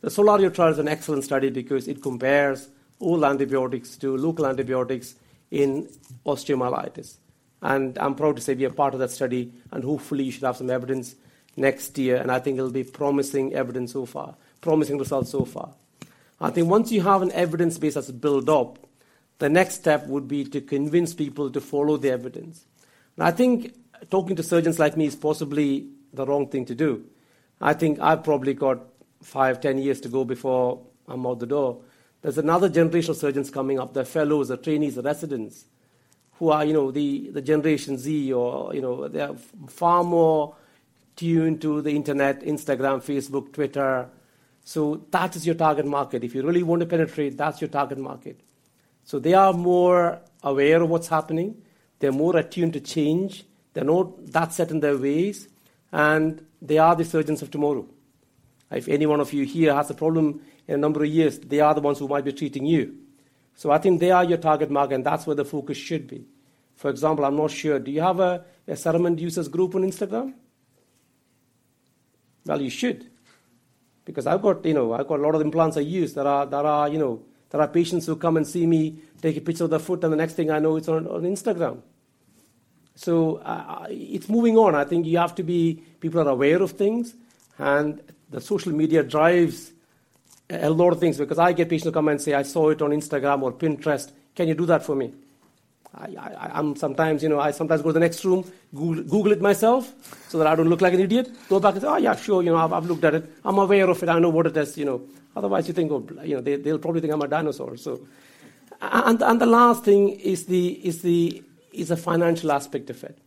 The SOLARIO trial is an excellent study because it compares all antibiotics to local antibiotics in osteomyelitis. I'm proud to say we are part of that study, and hopefully you should have some evidence next year, and I think it'll be promising results so far. I think once you have an evidence base that's built up, the next step would be to convince people to follow the evidence. I think talking to surgeons like me is possibly the wrong thing to do. I think I've probably got five to 10 years to go before I'm out the door. There's another generation of surgeons coming up. They're fellows, they're trainees, they're residents, who are, you know, the Generation Z or, you know, they are far more tuned to the internet, Instagram, Facebook, Twitter. That is your target market. If you really want to penetrate, that's your target market. They are more aware of what's happening, they're more attuned to change, they're not that set in their ways, and they are the surgeons of tomorrow. If anyone here has a problem in a number of years, they are the ones who might be treating you. I think they are your target market, and that's where the focus should be. For example, I'm not sure, do you have a resident users group on Instagram? Well, you should, because I've got a lot of implants I use that are. There are patients who come and see me take a picture of their foot, and the next thing I know, it's on Instagram. It's moving on. I think you have to people are aware of things, and the social media drives a lot of things, because I get patients who come and say, "I saw it on Instagram or Pinterest. Can you do that for me? I'm sometimes, you know, I sometimes go to the next room, Google it myself, so that I don't look like an idiot. Go back and say, 'Oh, yeah, sure. You know, I've looked at it. I'm aware of it. I know what it is,' you know. Otherwise, you know, they'll probably think I'm a dinosaur, so. The last thing is the financial aspect of it.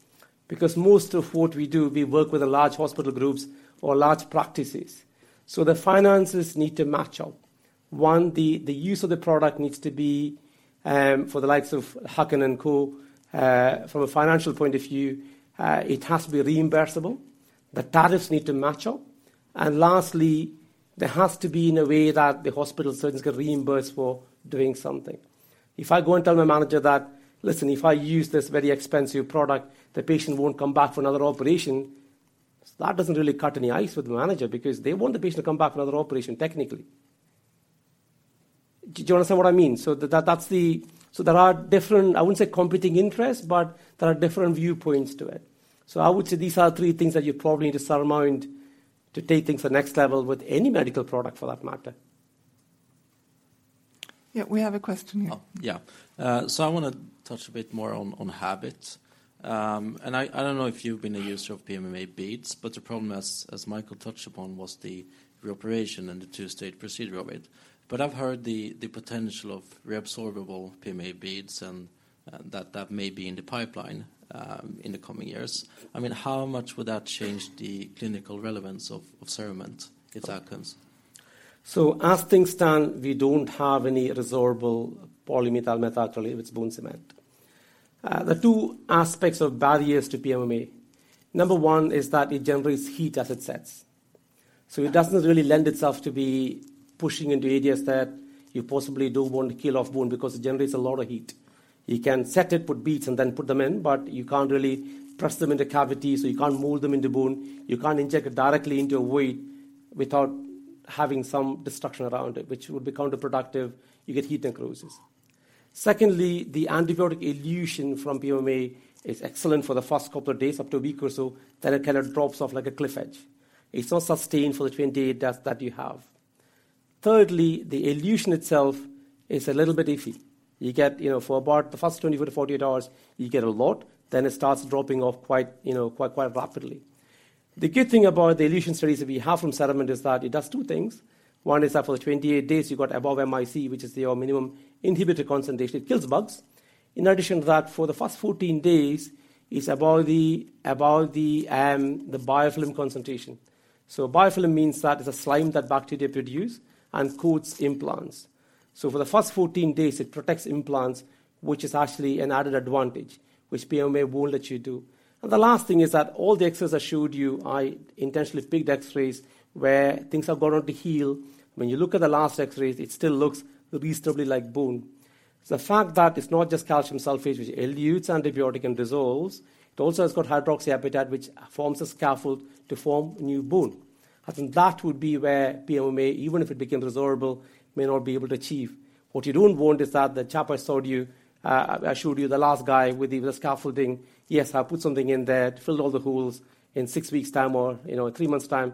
Because most of what we do, we work with large hospital groups or large practices. So the finances need to match up. One, the use of the product needs to be, for the likes of Håkan & Co., from a financial point of view, it has to be reimbursable. The tariffs need to match up. Lastly, there has to be in a way that the hospital surgeons get reimbursed for doing something. If I go and tell my manager that, "Listen, if I use this very expensive product, the patient won't come back for another operation," that doesn't really cut any ice with the manager because they want the patient to come back for another operation, technically. Do you understand what I mean? There are different, I wouldn't say competing interests, but there are different viewpoints to it. I would say these are three things that you probably need to bear in mind to take things to the next level with any medical product, for that matter. Yeah, we have a question here. I wanna touch a bit more on habits. I don't know if you've been a user of PMMA beads, but the problem as Michael touched upon was the reoperation and the two-stage procedure of it. I've heard the potential of resorbable PMMA beads and that may be in the pipeline in the coming years. I mean, how much would that change the clinical relevance of CERAMENT if that comes? As things stand, we don't have any resorbable polymethyl methacrylate with bone cement. There are two aspects of barriers to PMMA. Number one is that it generates heat as it sets. It doesn't really lend itself to be pushing into areas that you possibly don't want to kill off bone because it generates a lot of heat. You can set it with beads and then put them in, but you can't really press them into cavities, so you can't mold them into bone. You can't inject it directly into a wound without having some destruction around it, which would be counterproductive. You get heat necrosis. Secondly, the antibiotic elution from PMMA is excellent for the first couple of days, up to a week or so, then it kind of drops off like a cliff edge. It's not sustained for the 28 days that you have. Thirdly, the elution itself is a little bit iffy. You get, you know, for about the first 24-48 hours, you get a lot, then it starts dropping off quite rapidly. The good thing about the elution studies that we have from CERAMENT is that it does two things. One is that for the 28 days, you got above MIC, which is your minimum inhibitory concentration. It kills bugs. In addition to that, for the first 14 days, it's about the biofilm concentration. So biofilm means that it's a slime that bacteria produce and coats implants. So for the first 14 days, it protects implants, which is actually an added advantage, which PMMA won't let you do. The last thing is that all the X-rays I showed you, I intentionally picked X-rays where things are going to heal. When you look at the last X-rays, it still looks reasonably like bone. The fact that it's not just calcium sulfate which elutes antibiotic and dissolves, it also has got hydroxyapatite which forms a scaffold to form new bone. I think that would be where PMMA, even if it became resorbable, may not be able to achieve. What you don't want is that the chap I showed you, the last guy with even a scaffold. Yes, I put something in there to fill all the holes. In six weeks time or, you know, three months time,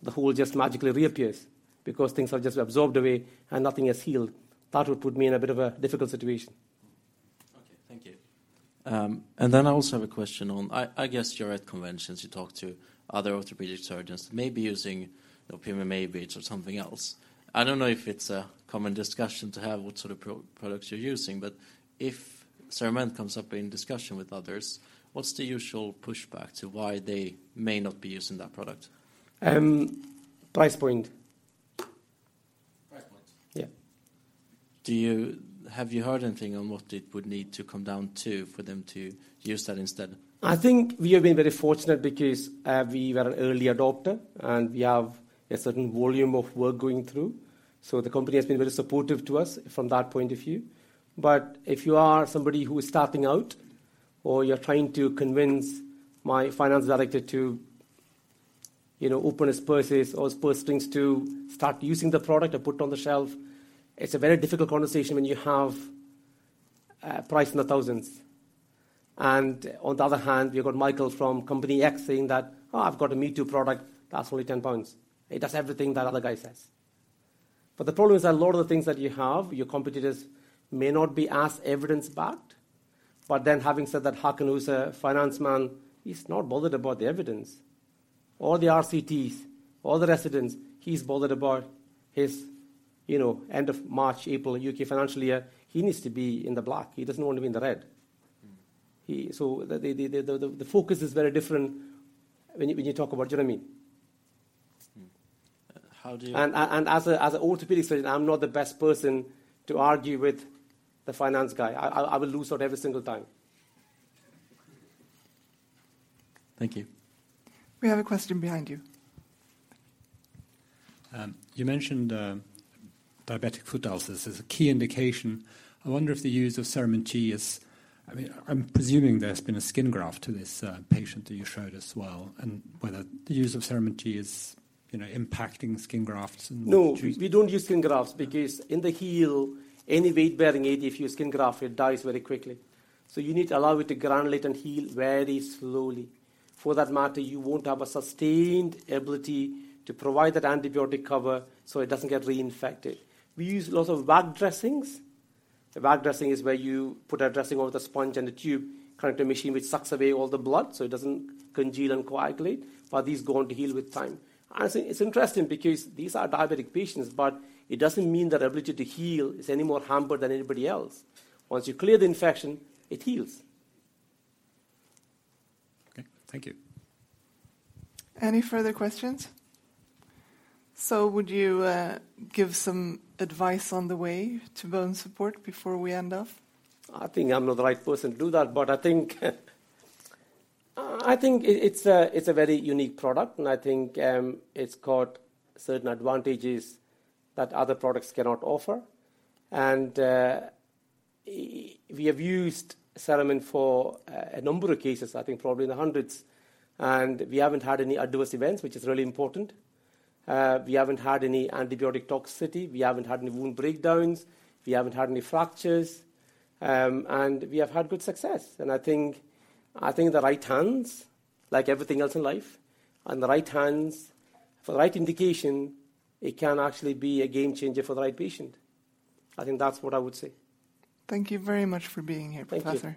the hole just magically reappears because things have just absorbed away and nothing has healed. That would put me in a bit of a difficult situation. Okay, thank you. I also have a question on, I guess you're at conventions, you talk to other orthopedic surgeons maybe using, you know, PMMA beads or something else. I don't know if it's a common discussion to have what sort of products you're using, but if CERAMENT comes up in discussion with others, what's the usual pushback to why they may not be using that product? Price point. Price point? Yeah. Have you heard anything on what it would need to come down to for them to use that instead? I think we have been very fortunate because, we were an early adopter, and we have a certain volume of work going through. The company has been very supportive to us from that point of view. If you are somebody who is starting out or you're trying to convince my finance director to, you know, open his purses or purse strings to start using the product or put it on the shelf, it's a very difficult conversation when you have a price in the thousands. On the other hand, you've got Michael from Company X saying that, "Oh, I've got a me-too product that's only 10 pounds. It does everything that other guy says." The problem is a lot of the things that you have, your competitors may not be as evidence-backed. having said that, how can you as a finance man? He's not bothered about the evidence or the RCTs or the residents. He's bothered about his, you know, end of March, April, U.K. financial year. He needs to be in the black. He doesn't want to be in the red. Mm-hmm. The focus is very different when you talk about. Do you know what I mean? Mm-hmm. How do you? As a orthopedic surgeon, I'm not the best person to argue with the finance guy. I will lose out every single time. Thank you. We have a question behind you. You mentioned diabetic foot ulcers as a key indication. I wonder if the use of CERAMENT G, I mean, I'm presuming there's been a skin graft to this patient that you showed as well, and whether the use of CERAMENT G is, you know, impacting skin grafts and what you No, we don't use skin grafts because in the heel, any weight-bearing aid, if you skin graft, it dies very quickly. You need to allow it to granulate and heal very slowly. For that matter, you won't have a sustained ability to provide that antibiotic cover, so it doesn't get reinfected. We use lots of VAC dressings. A VAC dressing is where you put a dressing over the sponge and a tube connected to a machine which sucks away all the blood, so it doesn't congeal and coagulate. These go on to heal with time. Honestly, it's interesting because these are diabetic patients, but it doesn't mean their ability to heal is any more hampered than anybody else. Once you clear the infection, it heals. Okay, thank you. Any further questions? Would you give some advice on the way to BONESUPPORT before we end off? I think I'm not the right person to do that. I think it's a very unique product, and I think it's got certain advantages that other products cannot offer. We have used CERAMENT for a number of cases, I think probably in the hundreds, and we haven't had any adverse events, which is really important. We haven't had any antibiotic toxicity. We haven't had any wound breakdowns. We haven't had any fractures. We have had good success. I think in the right hands, like everything else in life, in the right hands, for the right indication, it can actually be a game changer for the right patient. I think that's what I would say. Thank you very much for being here, Professor. Thank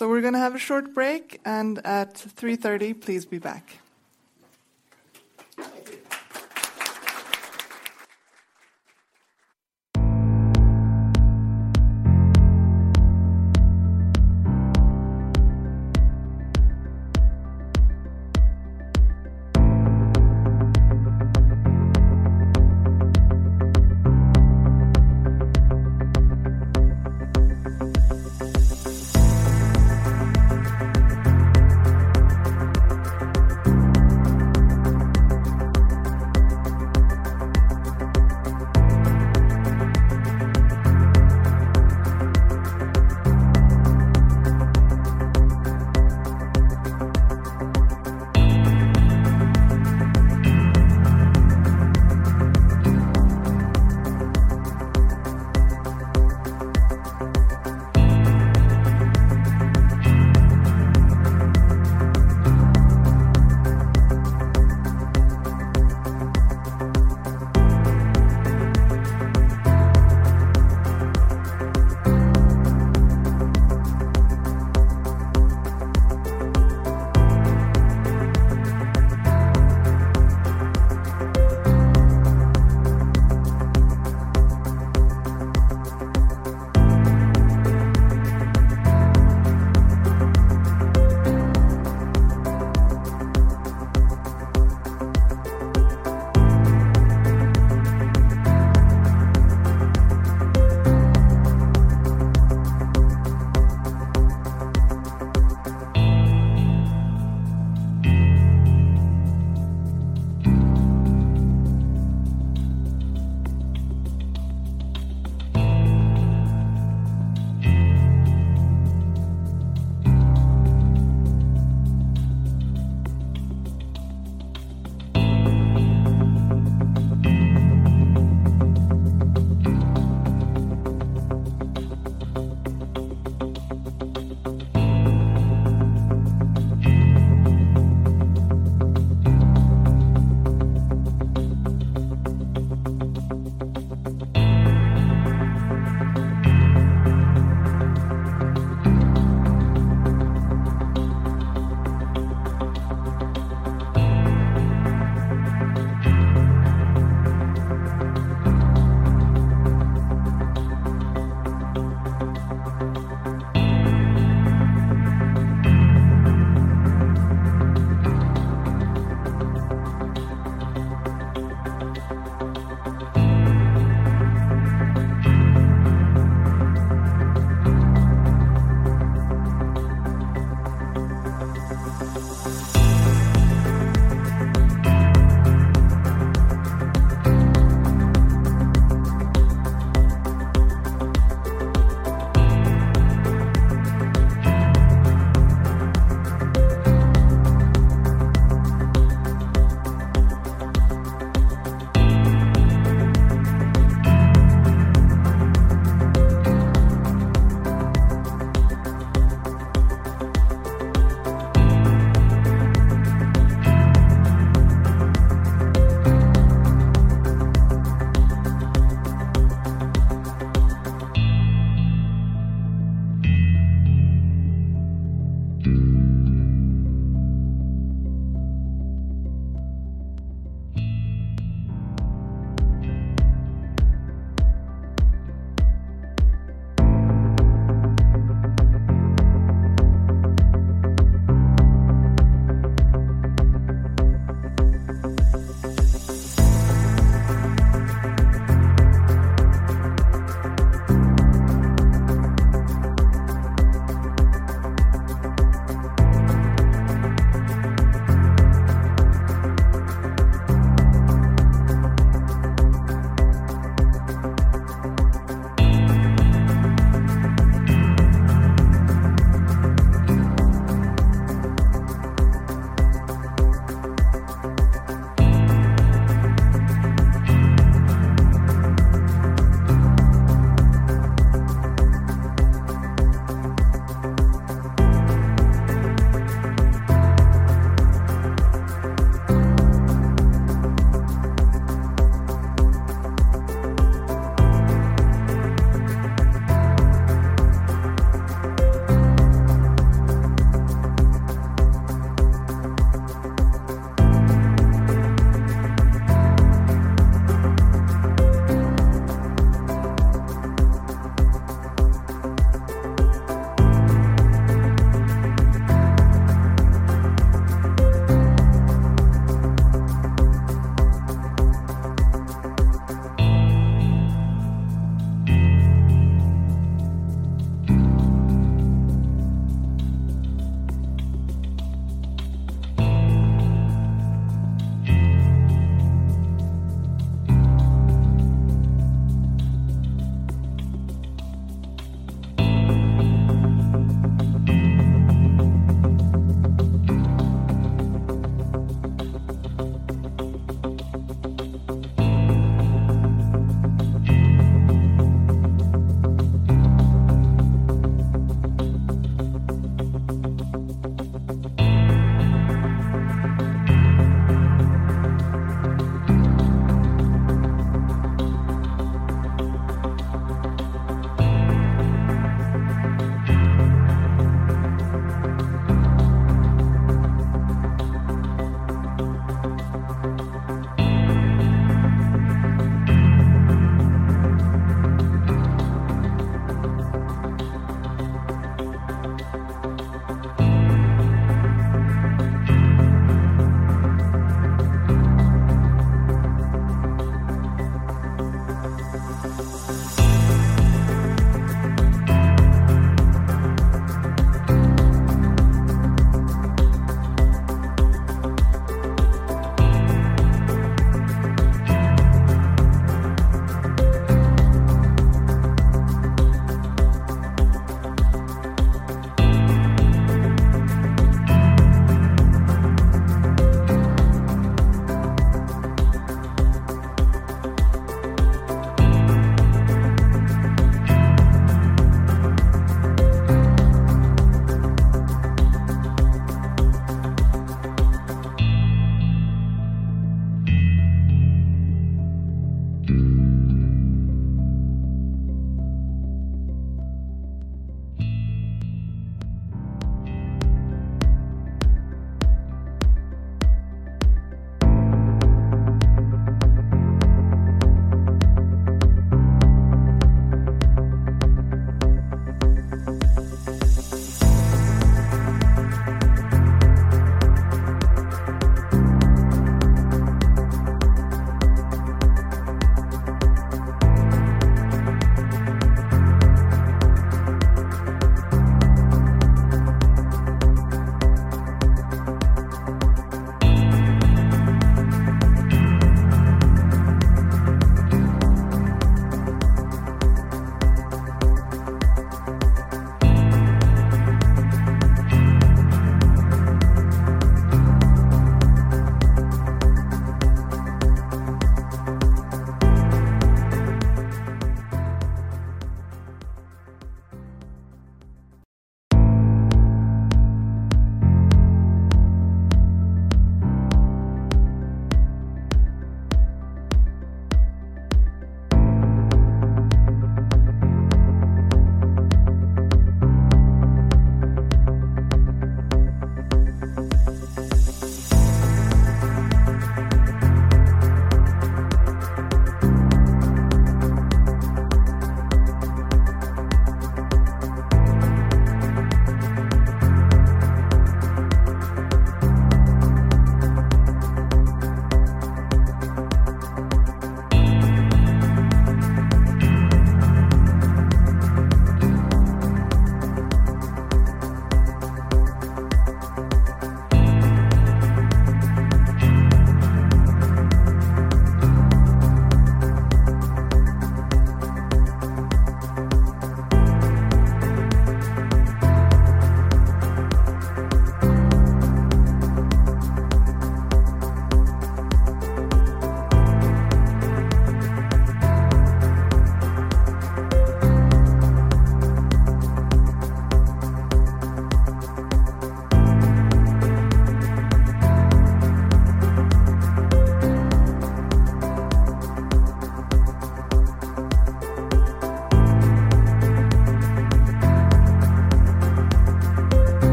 you. We're gonna have a short break, and at 3:30 P.M., please be back.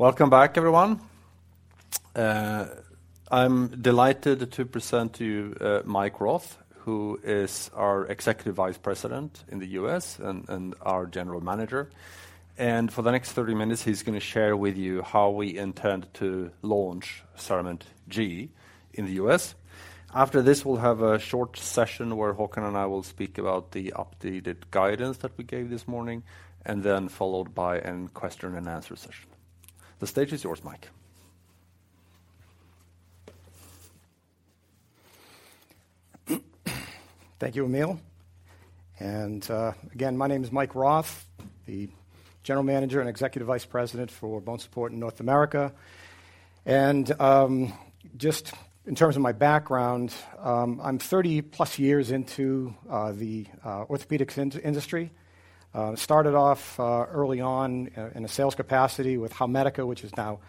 Thank you. Welcome back, everyone. I'm delighted to present to you Mike Roth, who is our Executive Vice President in the U.S. and our General Manager. For the next 30 minutes, he's gonna share with you how we intend to launch CERAMENT G in the U.S. After this, we'll have a short session where Håkan and I will speak about the updated guidance that we gave this morning, and then followed by a question and answer session. The stage is yours, Mike. Thank you, Emil. Again, my name is Mike Roth, the General Manager and Executive Vice President for BONESUPPORT in North America. Just in terms of my background, I'm 30+ years into the orthopedics industry. Started off early on in a sales capacity with Howmedica, which is now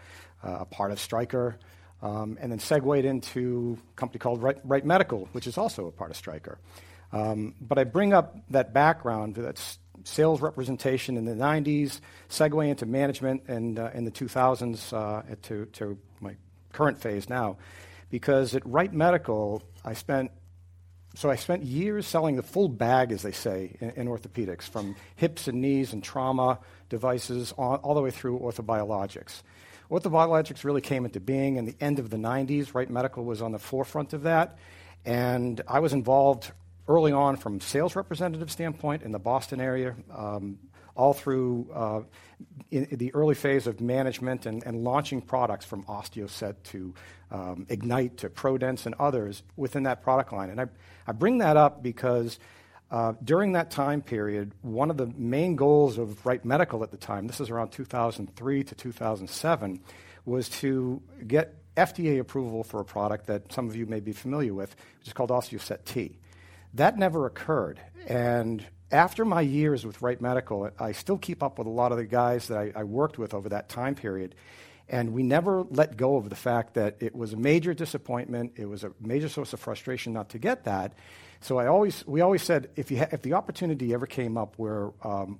a part of Stryker, and then segued into a company called Wright Medical, which is also a part of Stryker. I bring up that background, that sales representation in the 1990s, segue into management and in the 2000s to my current phase now, because at Wright Medical, I spent years selling the full bag, as they say, in orthopedics, from hips and knees and trauma devices, all the way through orthobiologics. Orthobiologics really came into being in the end of the 1990s. Wright Medical was on the forefront of that, and I was involved early on from a sales representative standpoint in the Boston area, all through in the early phase of management and launching products from OsteoSet to IGNITE to PRO-DENSE and others within that product line. I bring that up because during that time period, one of the main goals of Wright Medical at the time, this is around 2003-2007, was to get FDA approval for a product that some of you may be familiar with, which is called OsteoSet T. That never occurred, and after my years with Wright Medical, I still keep up with a lot of the guys that I worked with over that time period, and we never let go of the fact that it was a major disappointment. It was a major source of frustration not to get that. We always said, "If the opportunity ever came up where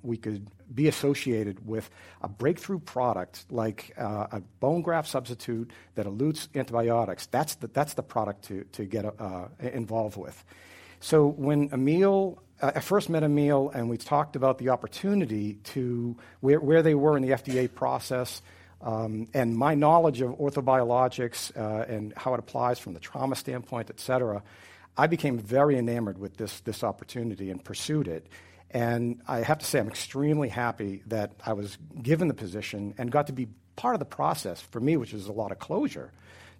we could be associated with a breakthrough product like a bone graft substitute that elutes antibiotics, that's the product to get involved with." When I first met Emil, and we talked about the opportunity to where they were in the FDA process, and my knowledge of orthobiologics, and how it applies from the trauma standpoint, etc, I became very enamored with this opportunity and pursued it. I have to say I'm extremely happy that I was given the position and got to be part of the process for me, which is a lot of closure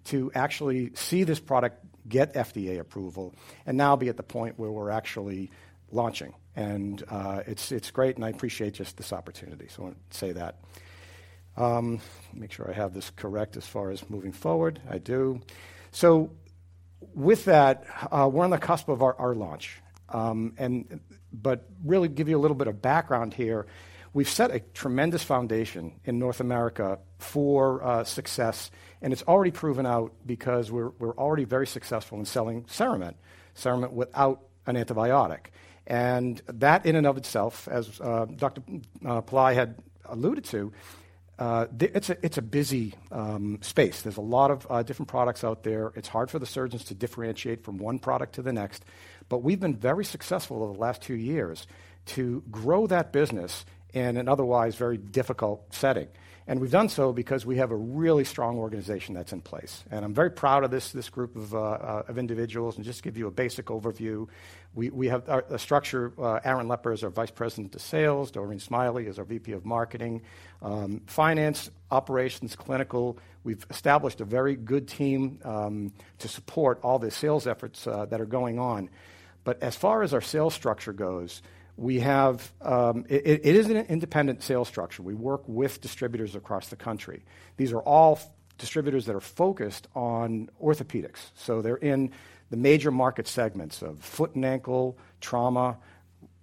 to actually see this product get FDA approval and now be at the point where we're actually launching. It's great, and I appreciate just this opportunity. I want to say that. Make sure I have this correct as far as moving forward. I do. With that, we're on the cusp of our launch. But really give you a little bit of background here. We've set a tremendous foundation in North America for success, and it's already proven out because we're already very successful in selling CERAMENT without an antibiotic. That in and of itself, as Dr. Pillai had alluded to, it's a busy space. There's a lot of different products out there. It's hard for the surgeons to differentiate from one product to the next. We've been very successful over the last two years to grow that business in an otherwise very difficult setting. We've done so because we have a really strong organization that's in place. I'm very proud of this group of individuals. Just give you a basic overview. We have our structure. Aaron Lepper is our Vice President of Sales. Doreen Smiley is our VP of Marketing. Finance, operations, clinical. We've established a very good team to support all the sales efforts that are going on. As far as our sales structure goes, it is an independent sales structure. We work with distributors across the country. These are all distributors that are focused on orthopedics. They're in the major market segments of foot and ankle, trauma,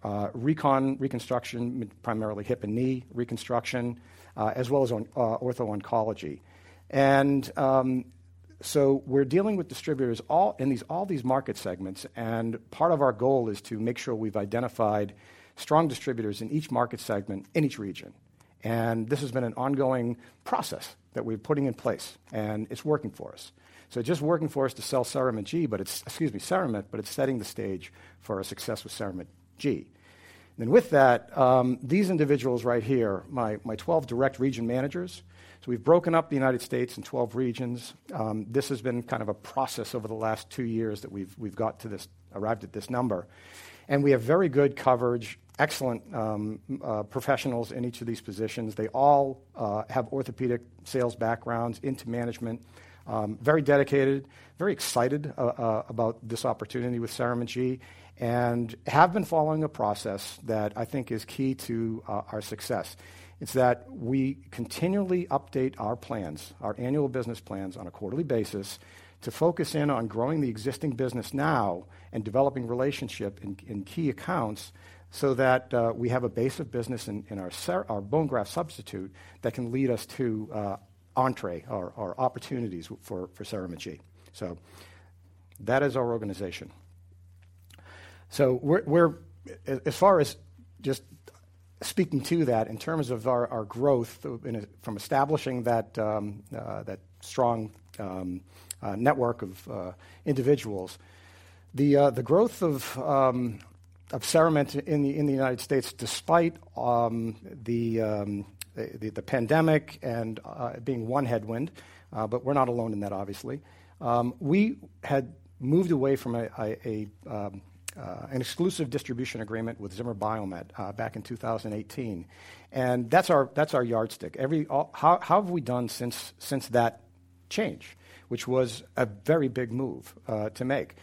reconstruction, primarily hip and knee reconstruction, as well as ortho-oncology. We're dealing with distributors in all these market segments, and part of our goal is to make sure we've identified strong distributors in each market segment in each region. This has been an ongoing process that we're putting in place, and it's working for us. It's just working for us to sell CERAMENT, but it's setting the stage for a success with CERAMENT G. With that, these individuals right here, my 12 direct region managers. We've broken up the United States into 12 regions. This has been kind of a process over the last two years that we've arrived at this number. We have very good coverage, excellent professionals in each of these positions. They all have orthopedic sales backgrounds into management, very dedicated, very excited about this opportunity with CERAMENT G and have been following a process that I think is key to our success. It's that we continually update our plans, our annual business plans on a quarterly basis to focus in on growing the existing business now and developing relationship in key accounts so that we have a base of business in our bone graft substitute that can lead us to entry or opportunities for CERAMENT G. That is our organization. We're as far as just speaking to that in terms of our growth in and from establishing that strong network of individuals. The growth of CERAMENT in the United States, despite the pandemic and being one headwind, but we're not alone in that, obviously. We had moved away from an exclusive distribution agreement with Zimmer Biomet back in 2018. That's our yardstick. How have we done since that change, which was a very big move to make.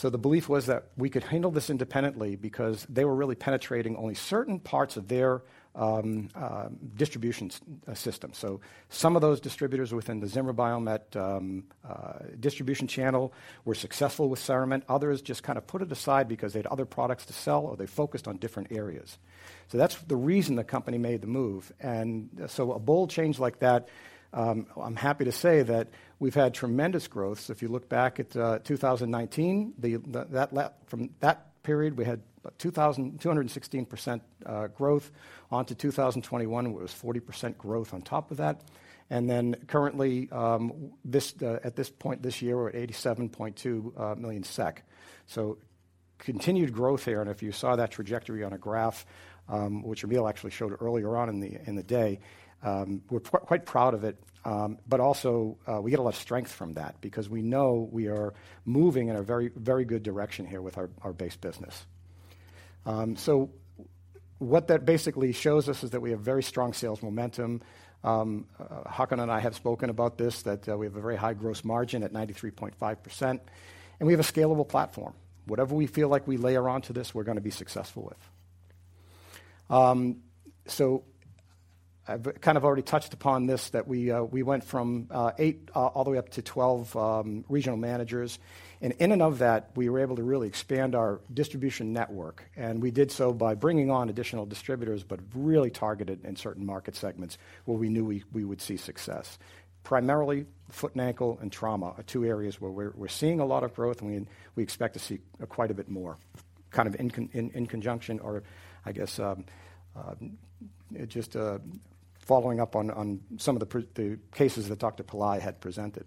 The belief was that we could handle this independently because they were really penetrating only certain parts of their distribution system. Some of those distributors within the Zimmer Biomet distribution channel were successful with CERAMENT. Others just kind of put it aside because they had other products to sell, or they focused on different areas. That's the reason the company made the move. A bold change like that, I'm happy to say that we've had tremendous growth. If you look back at 2019, from that period, we had 216% growth. Onto 2021, it was 40% growth on top of that. Currently, at this point this year, we're at 87.2 million SEK. Continued growth here. If you saw that trajectory on a graph, which Emil actually showed earlier on in the day, we're quite proud of it. But also, we get a lot of strength from that because we know we are moving in a very, very good direction here with our base business. What that basically shows us is that we have very strong sales momentum. Håkan and I have spoken about this that we have a very high gross margin at 93.5%, and we have a scalable platform. Whatever we feel like we layer on to this, we're gonna be successful with. I've kind of already touched upon this that we went from eight all the way up to 12 regional managers. In and of that, we were able to really expand our distribution network, and we did so by bringing on additional distributors, but really targeted in certain market segments where we knew we would see success. Primarily foot and ankle and trauma are two areas where we're seeing a lot of growth, and we expect to see quite a bit more. Following up on some of the cases that Dr. Pillai had presented.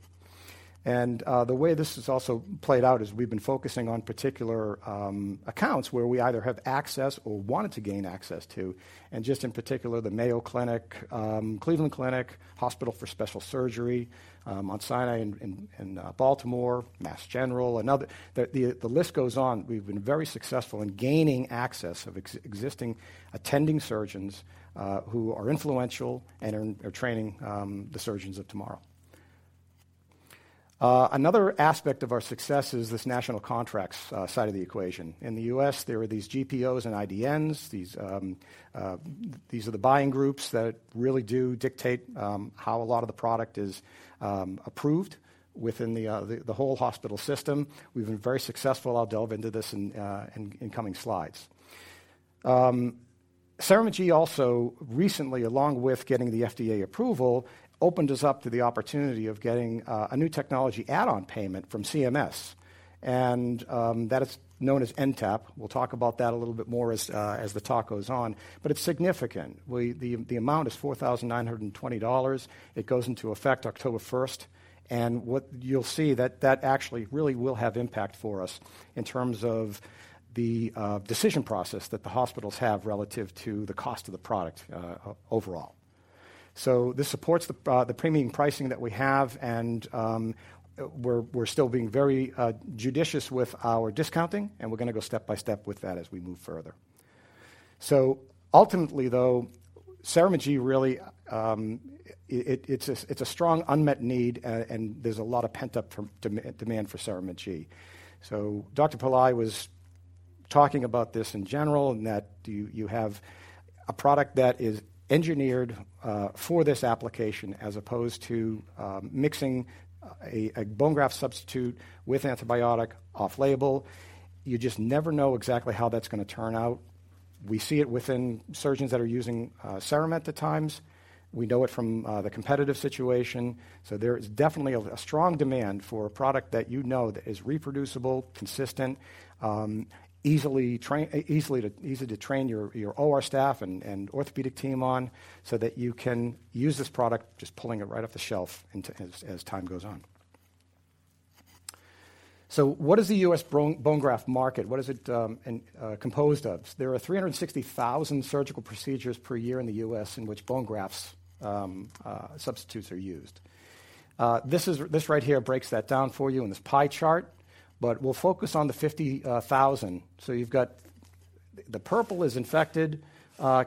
The way this has also played out is we've been focusing on particular accounts where we either have access or wanted to gain access to, and just in particular, the Mayo Clinic, Cleveland Clinic, Hospital for Special Surgery, Sinai Hospital in Baltimore, Mass General, and others. The list goes on. We've been very successful in gaining access to existing attending surgeons who are influential and are training the surgeons of tomorrow. Another aspect of our success is this national contracts side of the equation. In the US, there are these GPOs and IDNs. These are the buying groups that really do dictate how a lot of the product is approved within the whole hospital system. We've been very successful. I'll delve into this in coming slides. CERAMENT G also recently, along with getting the FDA approval, opened us up to the opportunity of getting a new technology add-on payment from CMS, and that is known as NTAP. We'll talk about that a little bit more as the talk goes on, but it's significant. The amount is $4,920. It goes into effect October first, and what you'll see that actually really will have impact for us in terms of the decision process that the hospitals have relative to the cost of the product overall. This supports the premium pricing that we have, and we're still being very judicious with our discounting, and we're gonna go step by step with that as we move further. Ultimately, though, CERAMENT G really, it is a strong unmet need, and there's a lot of pent-up demand for CERAMENT G. Dr. Pillai was talking about this in general and that you have a product that is engineered for this application as opposed to mixing a bone graft substitute with antibiotic off-label. You just never know exactly how that's gonna turn out. We see it within surgeons that are using CERAMENT at times. We know it from the competitive situation, so there is definitely a strong demand for a product that you know that is reproducible, consistent, easy to train your OR staff and orthopedic team on so that you can use this product just pulling it right off the shelf into use as time goes on. What is the US bone graft market? What is it and composed of? There are 360,000 surgical procedures per year in the US in which bone grafts substitutes are used. This right here breaks that down for you in this pie chart, but we'll focus on the 50,000. You've got the purple is infected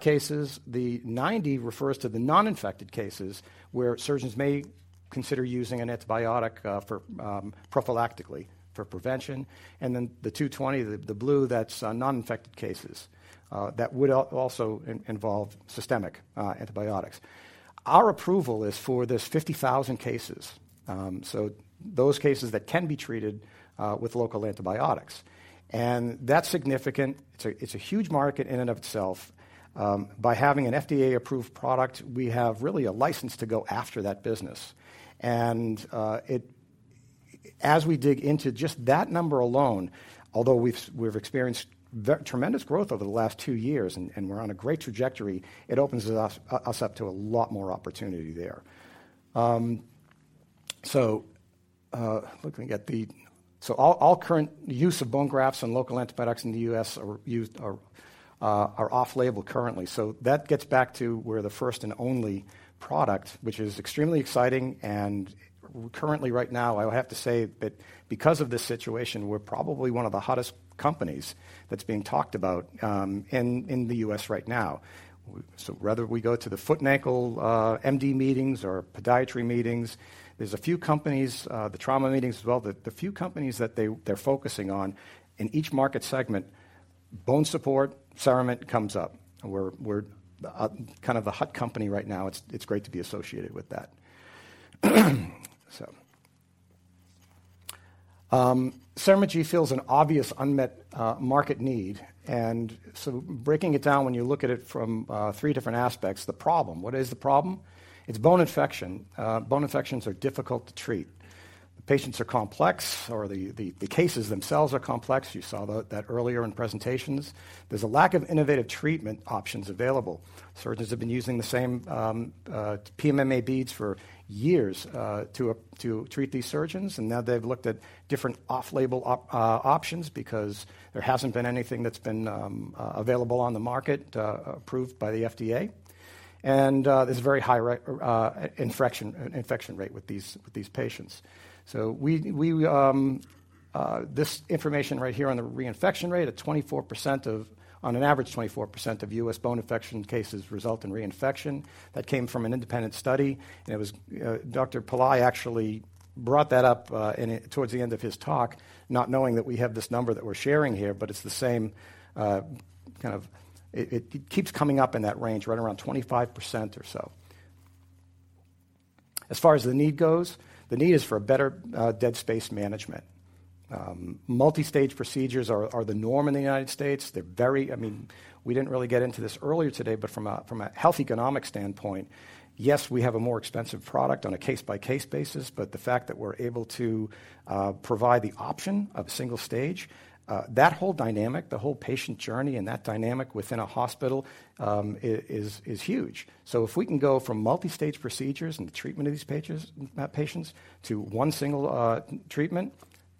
cases. The 90 refers to the non-infected cases, where surgeons may consider using an antibiotic for prophylactically for prevention. Then the 220, the blue, that's non-infected cases that would also involve systemic antibiotics. Our approval is for this 50,000 cases. Those cases that can be treated with local antibiotics, and that's significant. It's a huge market in and of itself. By having an FDA-approved product, we have really a license to go after that business. As we dig into just that number alone, although we've experienced tremendous growth over the last two years and we're on a great trajectory, it opens us up to a lot more opportunity there. Looking at the All current use of bone grafts and local antibiotics in the US are used off-label currently. That gets back to we're the first and only product, which is extremely exciting and currently right now, I have to say that because of this situation, we're probably one of the hottest companies that's being talked about in the U.S. right now. Whether we go to the foot and ankle MD meetings or podiatry meetings, there's a few companies, the trauma meetings as well. The few companies that they're focusing on in each market segment, BONESUPPORT, CERAMENT comes up. We're kind of a hot company right now. It's great to be associated with that. CERAMENT G fills an obvious unmet market need, and so breaking it down when you look at it from three different aspects, the problem. What is the problem? It's bone infection. Bone infections are difficult to treat. The patients are complex, or the cases themselves are complex. You saw that earlier in presentations. There's a lack of innovative treatment options available. Surgeons have been using the same PMMA beads for years to treat these infections, and now they've looked at different off-label options because there hasn't been anything that's been available on the market approved by the FDA. There's a very high infection rate with these patients. This information right here on the reinfection rate at 24%, on an average, 24% of U.S. bone infection cases result in reinfection. That came from an independent study, and it was Dr. Pillai actually brought that up towards the end of his talk, not knowing that we have this number that we're sharing here, but it's the same kind of. It keeps coming up in that range, right around 25% or so. As far as the need goes, the need is for better dead space management. Multistage procedures are the norm in the United States. They're very. I mean, we didn't really get into this earlier today, but from a health economic standpoint, yes, we have a more expensive product on a case-by-case basis, but the fact that we're able to provide the option of a single stage, that whole dynamic, the whole patient journey and that dynamic within a hospital, is huge. If we can go from multistage procedures and the treatment of these patients to one single treatment,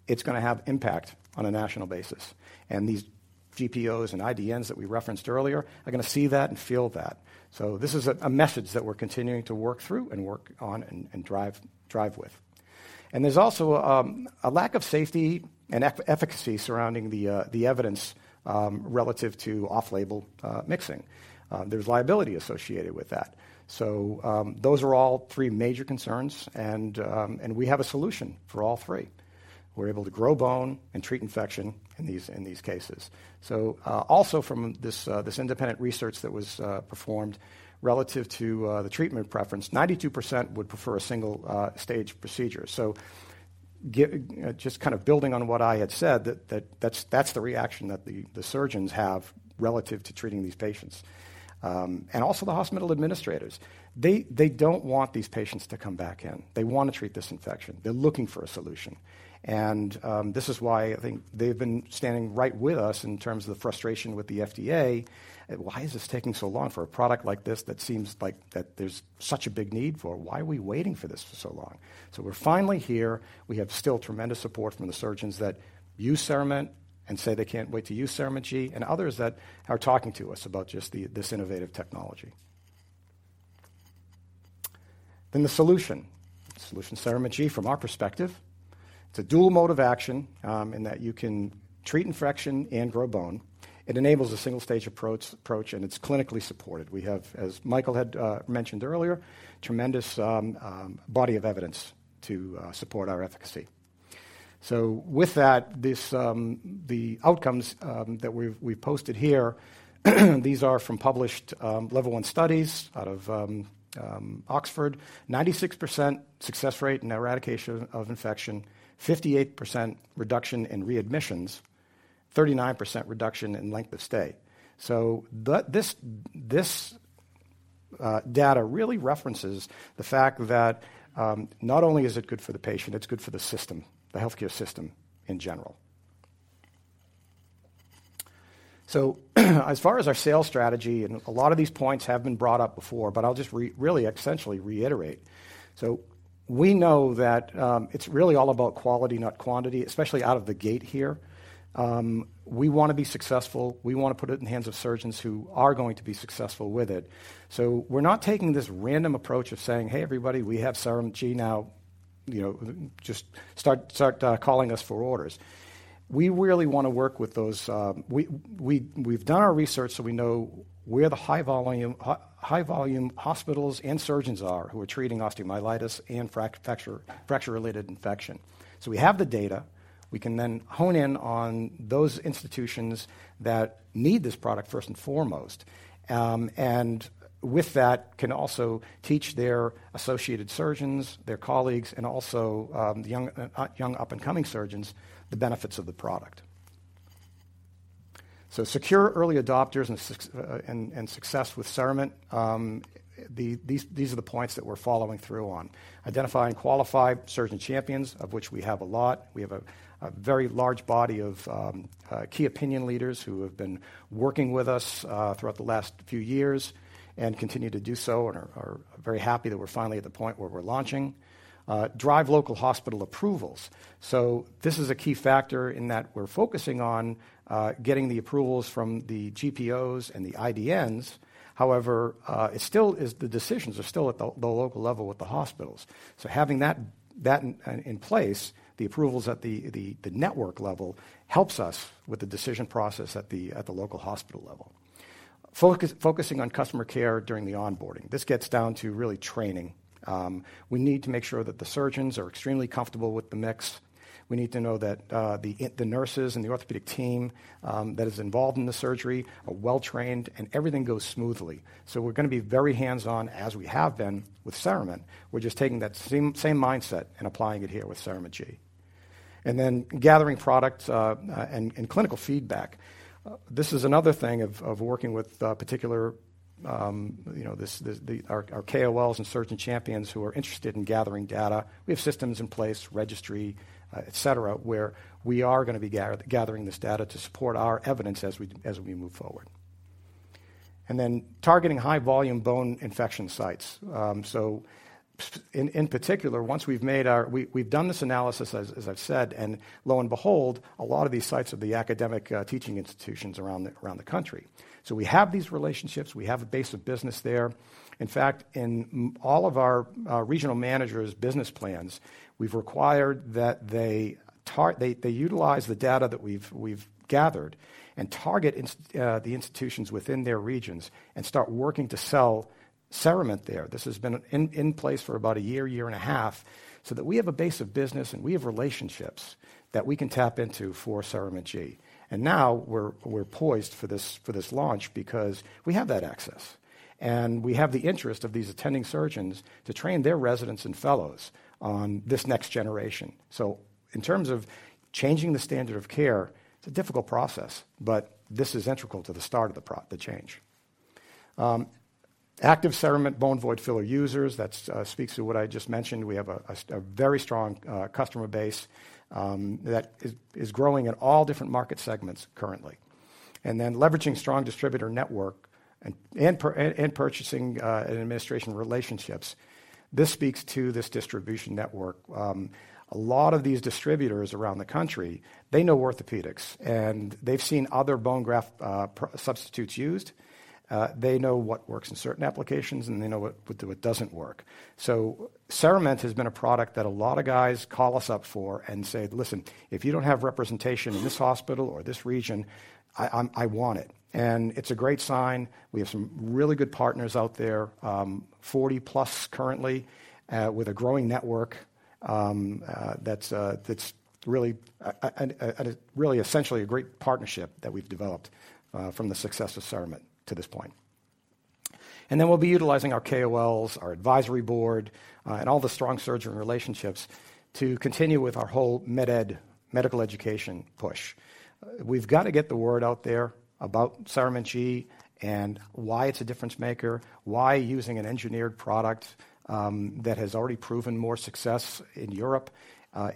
it's gonna have impact on a national basis. These GPOs and IDNs that we referenced earlier are gonna see that and feel that. This is a message that we're continuing to work through and work on and drive with. There's also a lack of safety and efficacy surrounding the evidence relative to off-label mixing. There's liability associated with that. Those are all three major concerns and we have a solution for all three. We're able to grow bone and treat infection in these cases. Also from this independent research that was performed relative to the treatment preference, 92% would prefer a single stage procedure. Just kind of building on what I had said that's the reaction that the surgeons have relative to treating these patients. Also the hospital administrators, they don't want these patients to come back in. They wanna treat this infection. They're looking for a solution. This is why I think they've been standing right with us in terms of the frustration with the FDA. Why is this taking so long for a product like this that seems like that there's such a big need for? Why are we waiting for this for so long? We're finally here. We have still tremendous support from the surgeons that use CERAMENT and say they can't wait to use CERAMENT G and others that are talking to us about just this innovative technology. The solution. The solution, CERAMENT G from our perspective, it's a dual mode of action in that you can treat infection and grow bone. It enables a single-stage approach and it's clinically supported. We have, as Michael had mentioned earlier, tremendous body of evidence to support our efficacy. With that, this, the outcomes that we've posted here, these are from published level one studies out of Oxford. 96% success rate in eradication of infection, 58% reduction in readmissions, 39% reduction in length of stay. This data really references the fact that, not only is it good for the patient, it's good for the system, the healthcare system in general. As far as our sales strategy, and a lot of these points have been brought up before, but I'll just really essentially reiterate. We know that it's really all about quality, not quantity, especially out of the gate here. We wanna be successful. We wanna put it in the hands of surgeons who are going to be successful with it. We're not taking this random approach of saying, "Hey everybody, we have CERAMENT G now, you know, just start calling us for orders." We really wanna work with those... We've done our research, so we know where the high volume hospitals and surgeons are who are treating osteomyelitis and fracture-related infection. We have the data. We can then hone in on those institutions that need this product first and foremost, and with that can also teach their associated surgeons, their colleagues, and also young up-and-coming surgeons the benefits of the product. Secure early adopters and success with CERAMENT. These are the points that we're following through on. Identifying qualified surgeon champions, of which we have a lot. We have a very large body of key opinion leaders who have been working with us throughout the last few years and continue to do so and are very happy that we're finally at the point where we're launching. Drive local hospital approvals. This is a key factor in that we're focusing on getting the approvals from the GPOs and the IDNs. However, the decisions are still at the local level with the hospitals. Having that in place, the approvals at the network level helps us with the decision process at the local hospital level. Focusing on customer care during the onboarding. This gets down to really training. We need to make sure that the surgeons are extremely comfortable with the mix. We need to know that the nurses and the orthopedic team that is involved in the surgery are well trained and everything goes smoothly. We're gonna be very hands-on as we have been with CERAMENT. We're just taking that same mindset and applying it here with CERAMENT G. Gathering product and clinical feedback. This is another thing of working with particular, you know, our KOLs and surgeon champions who are interested in gathering data. We have systems in place, registry, etc, where we are gonna be gathering this data to support our evidence as we move forward. Targeting high volume bone infection sites. In particular, once we've made our... We've done this analysis, as I've said, and lo and behold, a lot of these sites are the academic teaching institutions around the country. We have these relationships, we have a base of business there. In fact, in all of our regional managers' business plans, we've required that they utilize the data that we've gathered and target the institutions within their regions and start working to sell CERAMENT there. This has been in place for about a year and a half, so that we have a base of business and we have relationships that we can tap into for CERAMENT G. Now we're poised for this launch because we have that access, and we have the interest of these attending surgeons to train their residents and fellows on this next generation. In terms of changing the standard of care, it's a difficult process, but this is integral to the start of the change. Active CERAMENT Bone Void Filler users, that speaks to what I just mentioned. We have a very strong customer base that is growing in all different market segments currently. Leveraging strong distributor network and purchasing and administration relationships. This speaks to this distribution network. A lot of these distributors around the country, they know orthopedics, and they've seen other bone graft substitutes used. They know what works in certain applications, and they know what doesn't work. CERAMENT has been a product that a lot of guys call us up for and say, "Listen, if you don't have representation in this hospital or this region, I want it." It's a great sign. We have some really good partners out there, 40+ currently, with a growing network, that's really essentially a great partnership that we've developed from the success of CERAMENT to this point. Then we'll be utilizing our KOLs, our advisory board, and all the strong surgeon relationships to continue with our whole med ed, medical education push. We've gotta get the word out there about CERAMENT G and why it's a difference maker, why using an engineered product that has already proven more success in Europe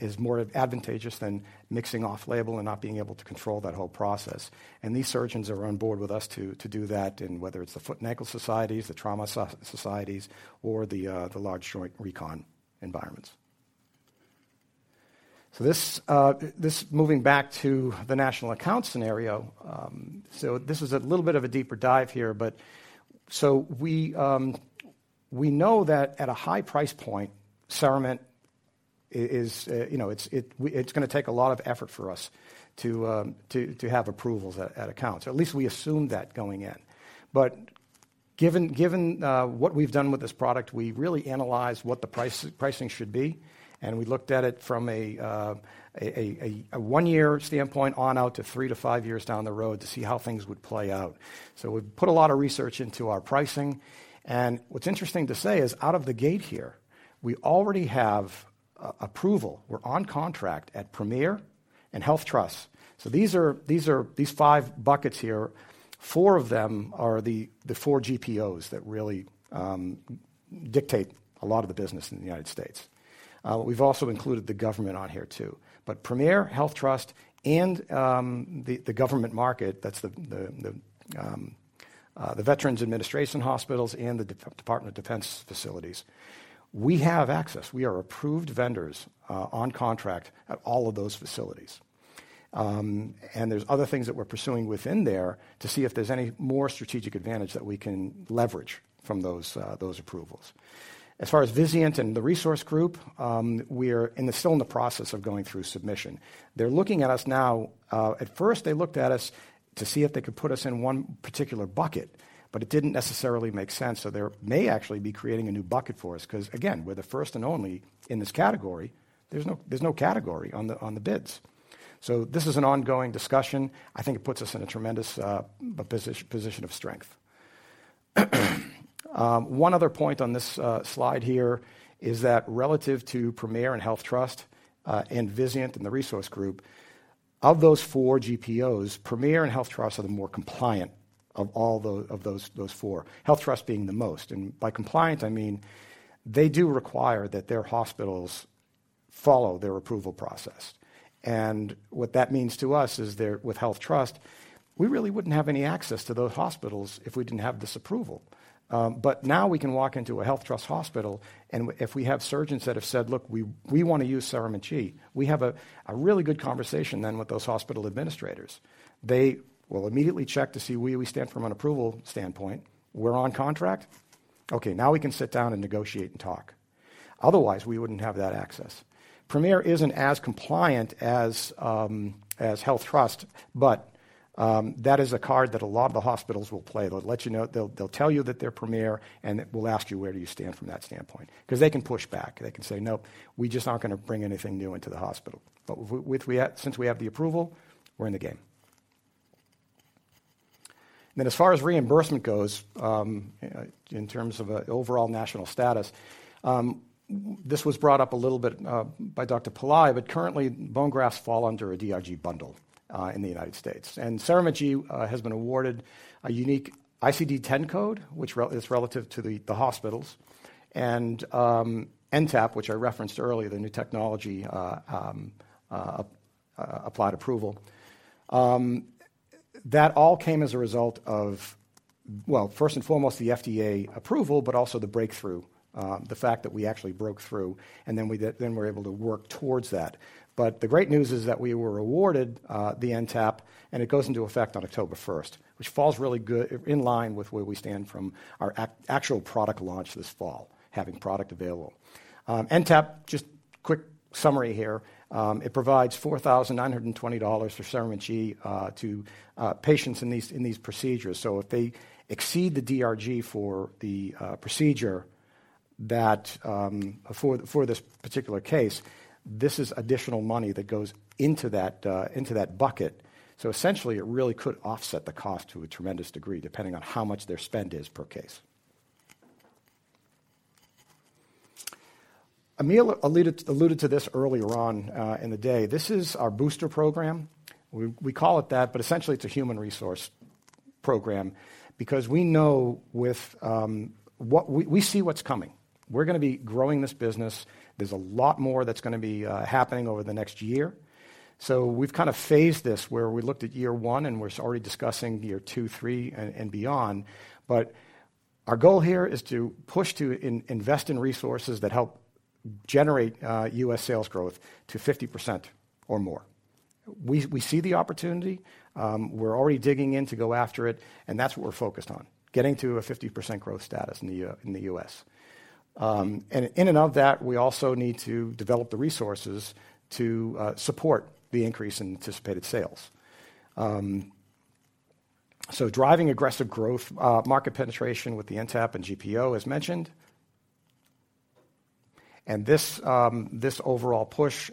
is more advantageous than mixing off-label and not being able to control that whole process. These surgeons are on board with us to do that in whether it's the foot and ankle societies, the trauma societies, or the large joint recon environments. This moving back to the national account scenario is a little bit of a deeper dive here, but we know that at a high price point, CERAMENT is, you know, it's gonna take a lot of effort for us to have approvals at accounts, or at least we assume that going in. Given what we've done with this product, we've really analyzed what the pricing should be, and we looked at it from a one year standpoint out to three to five years down the road to see how things would play out. We've put a lot of research into our pricing, and what's interesting to say is out of the gate here, we already have approval. We're on contract at Premier and HealthTrust. These are five buckets here, four of them are the four GPOs that really dictate a lot of the business in the United States. We've also included the government on here too, but Premier, HealthTrust, and the government market, that's the Veterans Administration hospitals and the Department of Defense facilities. We have access. We are approved vendors on contract at all of those facilities. There's other things that we're pursuing within there to see if there's any more strategic advantage that we can leverage from those approvals. As far as Vizient and The Resource Group, we're still in the process of going through submission. They're looking at us now. At first they looked at us to see if they could put us in one particular bucket, but it didn't necessarily make sense, so they may actually be creating a new bucket for us 'cause, again, we're the first and only in this category. There's no category on the bids. So this is an ongoing discussion. I think it puts us in a tremendous position of strength. One other point on this slide here is that relative to Premier and HealthTrust, and Vizient and The Resource Group, of those four GPOs, Premier and HealthTrust are the more compliant of all of those four, HealthTrust being the most, and by compliant I mean they do require that their hospitals follow their approval process. What that means to us is they're, with HealthTrust, we really wouldn't have any access to those hospitals if we didn't have this approval. But now we can walk into a HealthTrust hospital, and if we have surgeons that have said, "Look, we wanna use CERAMENT G," we have a really good conversation then with those hospital administrators. They will immediately check to see where we stand from an approval standpoint. We're on contract. Okay, now we can sit down and negotiate and talk. Otherwise, we wouldn't have that access. Premier isn't as compliant as HealthTrust, but that is a card that a lot of the hospitals will play. They'll let you know, they'll tell you that they're Premier, and they will ask you where do you stand from that standpoint, 'cause they can push back. They can say, "No. We just aren't gonna bring anything new into the hospital." Since we have the approval, we're in the game. As far as reimbursement goes, in terms of an overall national status, this was brought up a little bit by Dr. Pillai, but currently bone grafts fall under a DRG bundle in the United States. CERAMENT G has been awarded a unique ICD-10 code, which is relative to the hospitals, and NTAP, which I referenced earlier, the new technology add-on payment approval. That all came as a result of, well, first and foremost, the FDA approval, but also the breakthrough, the fact that we actually broke through, and then we were able to work towards that. The great news is that we were awarded the NTAP, and it goes into effect on October first, which falls really good in line with where we stand from our actual product launch this fall, having product available. NTAP, just quick summary here, it provides $4,920 for CERAMENT G to patients in these procedures. If they exceed the DRG for the procedure. That, for this particular case, this is additional money that goes into that bucket. Essentially, it really could offset the cost to a tremendous degree, depending on how much their spend is per case. Emil alluded to this earlier on in the day. This is our booster program. We call it that, but essentially it's a human resource program because we know with what we see what's coming. We're gonna be growing this business. There's a lot more that's gonna be happening over the next year. We've kinda phased this where we looked at year one, and we're already discussing year two, three, and beyond. Our goal here is to push to invest in resources that help generate U.S. sales growth to 50% or more. We see the opportunity, we're already digging in to go after it, and that's what we're focused on, getting to a 50% growth status in the U.S. In and of that, we also need to develop the resources to support the increase in anticipated sales. Driving aggressive growth, market penetration with the NTAP and GPO, as mentioned. This overall push,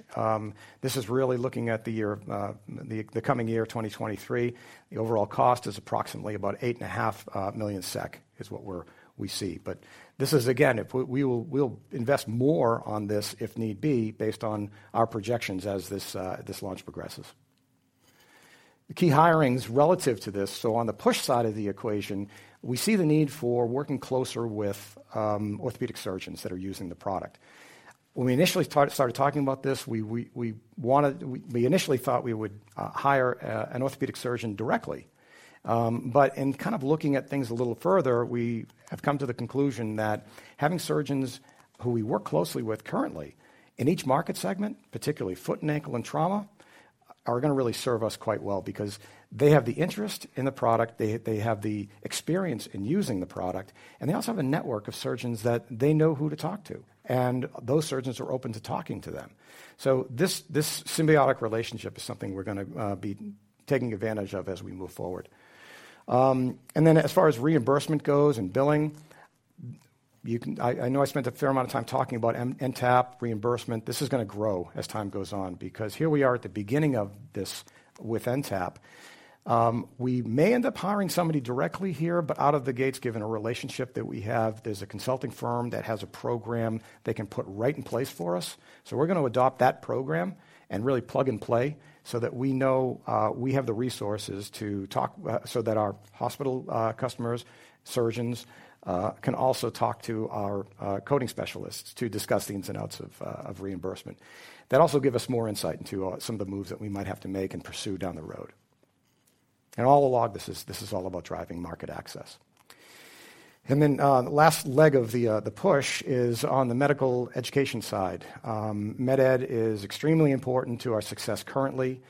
this is really looking at the year, the coming year, 2023. The overall cost is approximately about 8.5 million SEK is what we see. This is again, if we'll invest more on this if need be, based on our projections as this launch progresses. The key hirings relative to this, so on the push side of the equation, we see the need for working closer with orthopedic surgeons that are using the product. When we initially started talking about this, we initially thought we would hire an orthopedic surgeon directly. In kind of looking at things a little further, we have come to the conclusion that having surgeons who we work closely with currently in each market segment, particularly foot and ankle and trauma, are gonna really serve us quite well because they have the interest in the product, they have the experience in using the product, and they also have a network of surgeons that they know who to talk to, and those surgeons are open to talking to them. This symbiotic relationship is something we're gonna be taking advantage of as we move forward. Then as far as reimbursement goes and billing, I know I spent a fair amount of time talking about NTAP reimbursement. This is gonna grow as time goes on because here we are at the beginning of this with NTAP. We may end up hiring somebody directly here, but out of the gates, given a relationship that we have, there's a consulting firm that has a program they can put right in place for us. We're gonna adopt that program and really plug and play so that we know we have the resources to talk so that our hospital customers, surgeons, can also talk to our coding specialists to discuss the ins and outs of reimbursement. That'll also give us more insight into some of the moves that we might have to make and pursue down the road. All along, this is all about driving market access. The last leg of the push is on the medical education side. Med ed is extremely important to our success currently.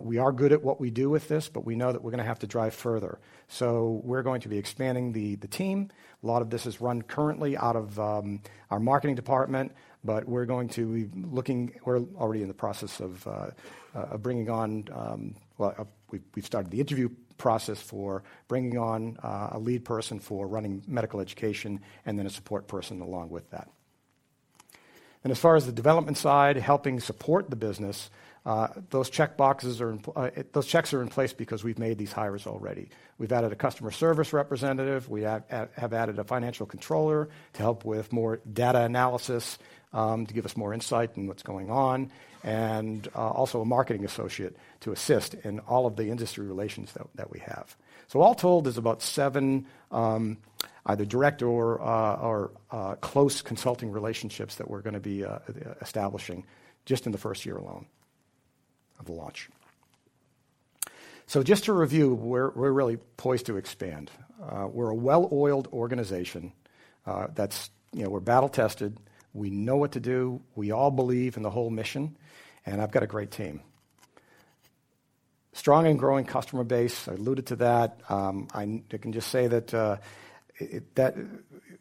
We are good at what we do with this, but we know that we're gonna have to drive further. We're going to be expanding the team. A lot of this is run currently out of our marketing department, but we're going to be looking. We're already in the process of bringing on. Well, we've started the interview process for bringing on a lead person for running medical education and then a support person along with that. As far as the development side, helping support the business, those checks are in place because we've made these hires already. We've added a customer service representative. We have added a financial controller to help with more data analysis to give us more insight in what's going on, and also a marketing associate to assist in all of the industry relations that we have. All told, there's about seven either direct or close consulting relationships that we're gonna be establishing just in the first year alone of the launch. Just to review, we're really poised to expand. We're a well-oiled organization that's you know we're battle tested, we know what to do, we all believe in the whole mission, and I've got a great team. Strong and growing customer base, I alluded to that. I can just say that that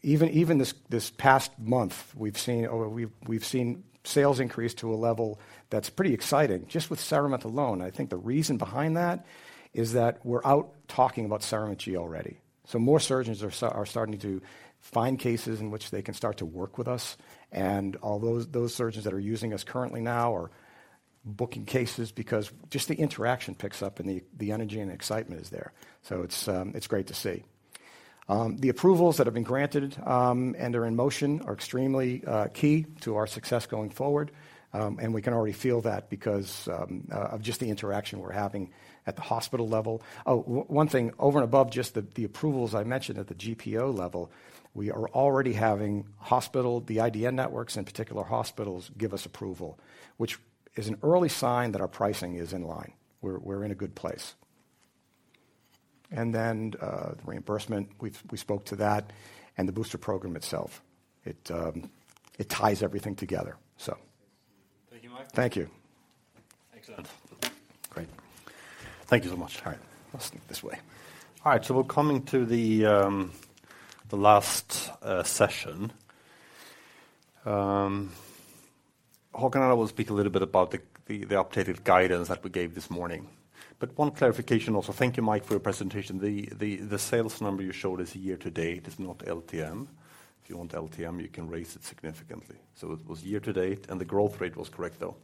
even this past month, we've seen sales increase to a level that's pretty exciting just with CERAMENT alone. I think the reason behind that is that we're out talking about CERAMENT G already. More surgeons are starting to find cases in which they can start to work with us, and all those surgeons that are using us currently now are booking cases because just the interaction picks up and the energy and excitement is there. It's great to see. The approvals that have been granted and are in motion are extremely key to our success going forward. We can already feel that because of just the interaction we're having at the hospital level. One thing, over and above just the approvals I mentioned at the GPO level, we are already having hospitals, the IDN networks, in particular hospitals, give us approval, which is an early sign that our pricing is in line. We're in a good place. The reimbursement, we've spoke to that, and the booster program itself. It ties everything together. Thank you, Mike. Thank you. Excellent. Great. Thank you so much. All right. I'll sneak this way. All right. We're coming to the last session. Håkan and I will speak a little bit about the updated guidance that we gave this morning. One clarification also. Thank you, Mike, for your presentation. The sales number you showed is year to date, it's not LTM. If you want LTM, you can raise it significantly. It was year to date, and the growth rate was correct, though.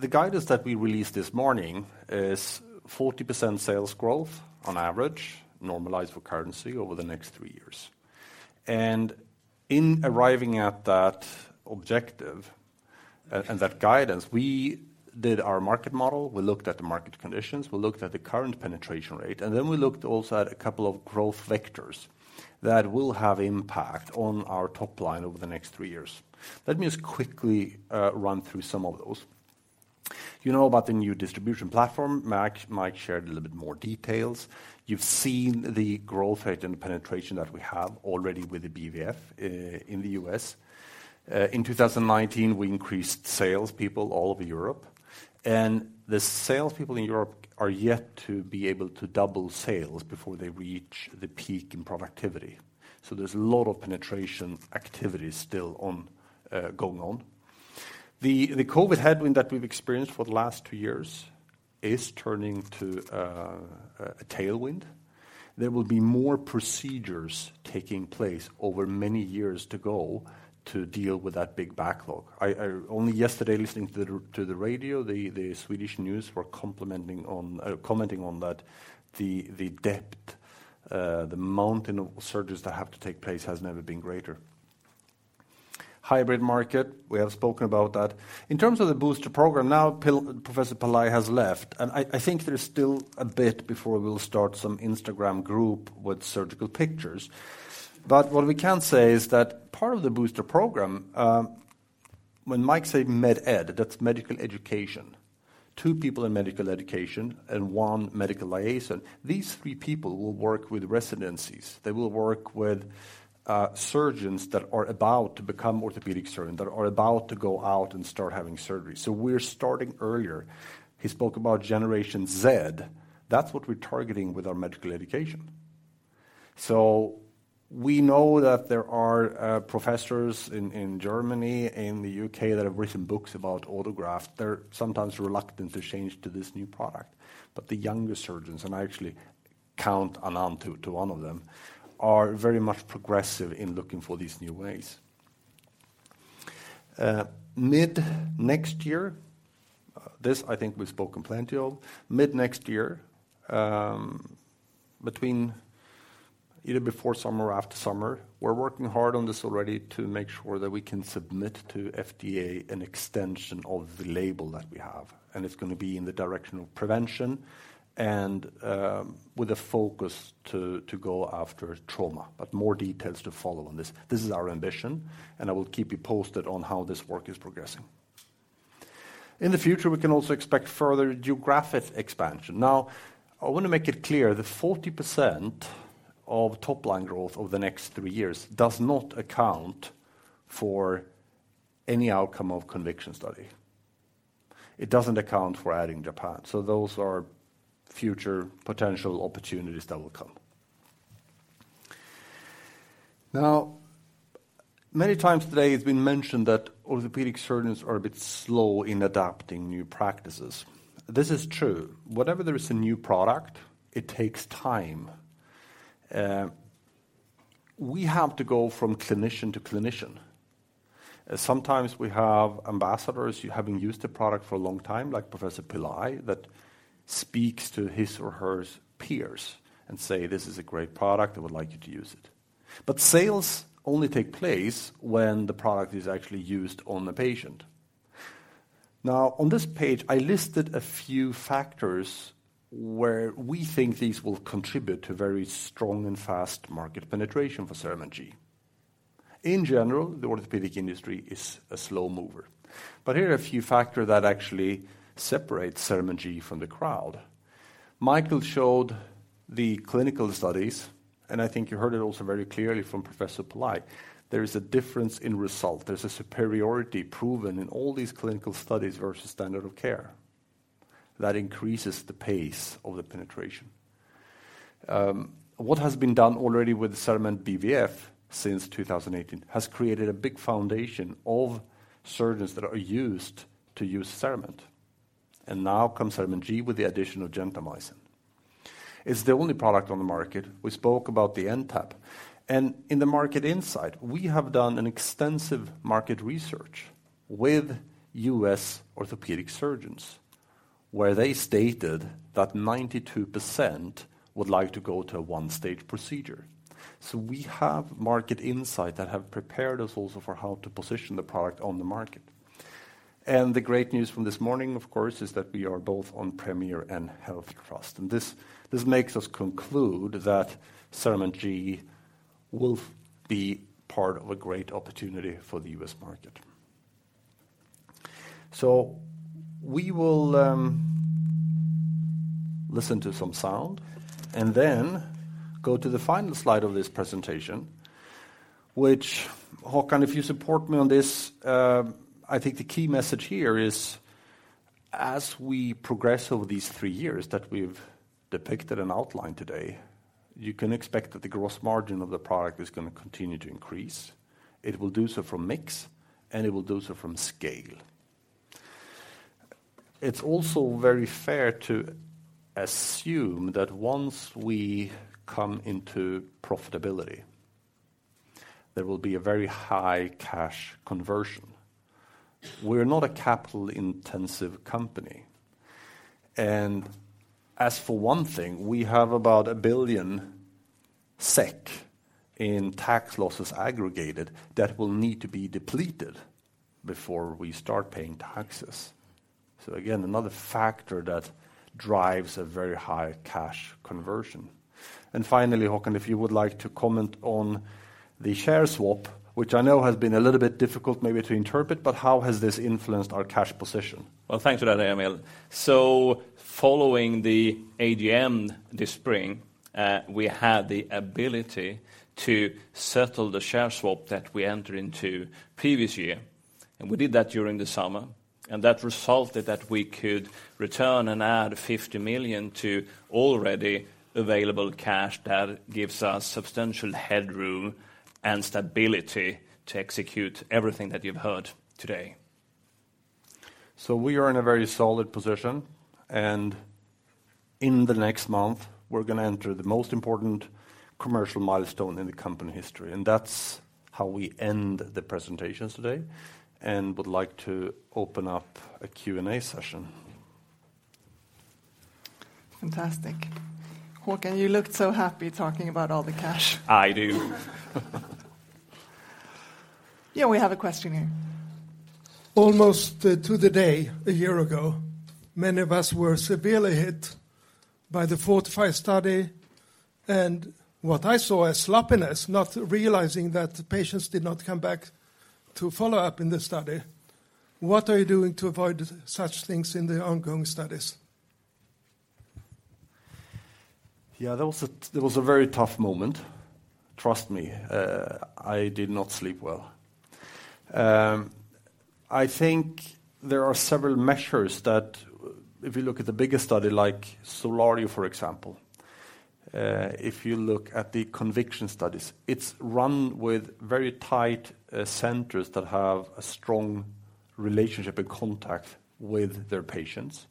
The guidance that we released this morning is 40% sales growth on average, normalized for currency over the next three years. In arriving at that objective and that guidance, we did our market model. We looked at the market conditions, we looked at the current penetration rate, and then we looked also at a couple of growth vectors that will have impact on our top line over the next three years. Let me just quickly run through some of those. You know about the new distribution platform. Mike shared a little bit more details. You've seen the growth rate and penetration that we have already with the BVF in the U.S. In 2019, we increased sales people all over Europe, and the sales people in Europe are yet to be able to double sales before they reach the peak in productivity. There's a lot of penetration activity still going on. The COVID headwind that we've experienced for the last two years is turning to a tailwind. There will be more procedures taking place over many years to go to deal with that big backlog. I only yesterday listening to the radio, the Swedish news were commenting on that the depth, the mountain of surgeries that have to take place has never been greater. Hybrid market, we have spoken about that. In terms of the booster program, now Professor Anand Pillai has left, and I think there's still a bit before we'll start some Instagram group with surgical pictures. But what we can say is that part of the booster program, when Mike say med ed, that's medical education. Two people in medical education and one medical liaison. These three people will work with residencies. They will work with surgeons that are about to become orthopedic surgeons, that are about to go out and start having surgery. We're starting earlier. He spoke about Generation Z. That's what we're targeting with our medical education. We know that there are professors in Germany, in the U.K. that have written books about autograft. They're sometimes reluctant to change to this new product. The younger surgeons, and I actually count Anand to one of them, are very much progressive in looking for these new ways. Mid next year, this I think we've spoken plenty of. Mid next year, between either before summer or after summer, we're working hard on this already to make sure that we can submit to FDA an extension of the label that we have, and it's gonna be in the direction of prevention and with a focus to go after trauma. More details to follow on this. This is our ambition, and I will keep you posted on how this work is progressing. In the future, we can also expect further geographic expansion. Now, I want to make it clear that 40% of top line growth over the next three years does not account for any outcome of CONVICTION study. It doesn't account for adding Japan. Those are future potential opportunities that will come. Now, many times today it's been mentioned that orthopedic surgeons are a bit slow in adapting new practices. This is true. Whenever there is a new product, it takes time. We have to go from clinician to clinician. Sometimes we have ambassadors who having used the product for a long time, like Professor Pillai, that speaks to his or her peers and say, "This is a great product. I would like you to use it." But sales only take place when the product is actually used on the patient. Now, on this page, I listed a few factors where we think these will contribute to very strong and fast market penetration for CERAMENT G. In general, the orthopedic industry is a slow mover. Here are a few factor that actually separates CERAMENT G from the crowd. Michael showed the clinical studies, and I think you heard it also very clearly from Professor Pillai. There is a difference in result. There's a superiority proven in all these clinical studies versus standard of care that increases the pace of the penetration. What has been done already with the CERAMENT BVF since 2018 has created a big foundation of surgeons that are used to use CERAMENT. Now comes CERAMENT G with the addition of gentamicin. It's the only product on the market. We spoke about the NTAP. In the market insight, we have done an extensive market research with U.S. orthopedic surgeons, where they stated that 92% would like to go to a one-stage procedure. We have market insight that have prepared us also for how to position the product on the market. The great news from this morning, of course, is that we are both on Premier and HealthTrust. This makes us conclude that CERAMENT G will be part of a great opportunity for the US market. We will listen to some sound and then go to the final slide of this presentation, which, Håkan, if you support me on this, I think the key message here is. As we progress over these three years that we've depicted and outlined today, you can expect that the gross margin of the product is gonna continue to increase. It will do so from mix, and it will do so from scale. It's also very fair to assume that once we come into profitability, there will be a very high cash conversion. We're not a capital-intensive company, and as for one thing, we have about 1 billion SEK in tax losses aggregated that will need to be depleted before we start paying taxes. Again, another factor that drives a very high cash conversion. Finally, Håkan, if you would like to comment on the share swap, which I know has been a little bit difficult maybe to interpret, but how has this influenced our cash position? Well, thanks for that, Emil. Following the AGM this spring, we had the ability to settle the share swap that we entered into previous year. We did that during the summer, and that resulted that we could return and add 50 million to already available cash that gives us substantial headroom and stability to execute everything that you've heard today. We are in a very solid position, and in the next month, we're gonna enter the most important commercial milestone in the company history. That's how we end the presentations today and would like to open up a Q&A session. Fantastic. Håkan, you looked so happy talking about all the cash. I do. Yeah, we have a question here. Almost, to the day a year ago, many of us were severely hit by the FORTIFY study and what I saw as sloppiness, not realizing that the patients did not come back to follow up in the study. What are you doing to avoid such things in the ongoing studies? Yeah. That was a very tough moment. Trust me, I did not sleep well. I think there are several measures that if you look at the bigger study like SOLARIO, for example, if you look at the CONVICTION studies, it's run with very tight centers that have a strong relationship and contact with their patients.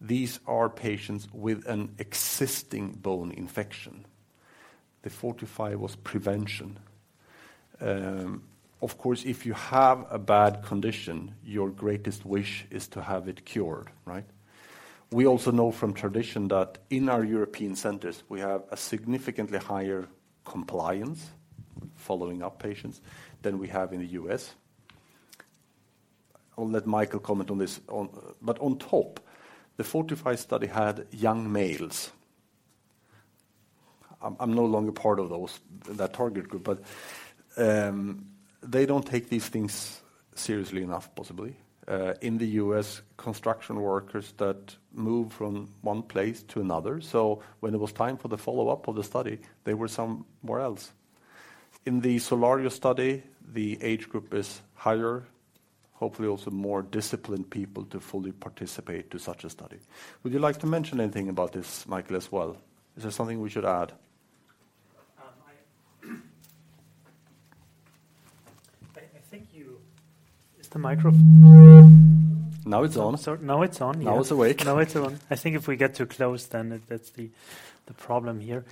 These are patients with an existing bone infection. The FORTIFY was prevention. Of course, if you have a bad condition, your greatest wish is to have it cured, right? We also know from tradition that in our European centers, we have a significantly higher compliance following up patients than we have in the U.S. I'll let Michael comment on this. On top, the FORTIFY study had young males. I'm no longer part of that target group, but they don't take these things seriously enough, possibly. In the U.S., construction workers that move from one place to another, so when it was time for the follow-up of the study, they were somewhere else. In the SOLARIO study, the age group is higher, hopefully also more disciplined people to fully participate to such a study. Would you like to mention anything about this, Michael, as well? Is there something we should add? Um, I... I, I think you... Is the microph- Now it's on. Now it's on. Yeah. Now it's awake. Now it's on. I think if we get too close, then that's the problem here.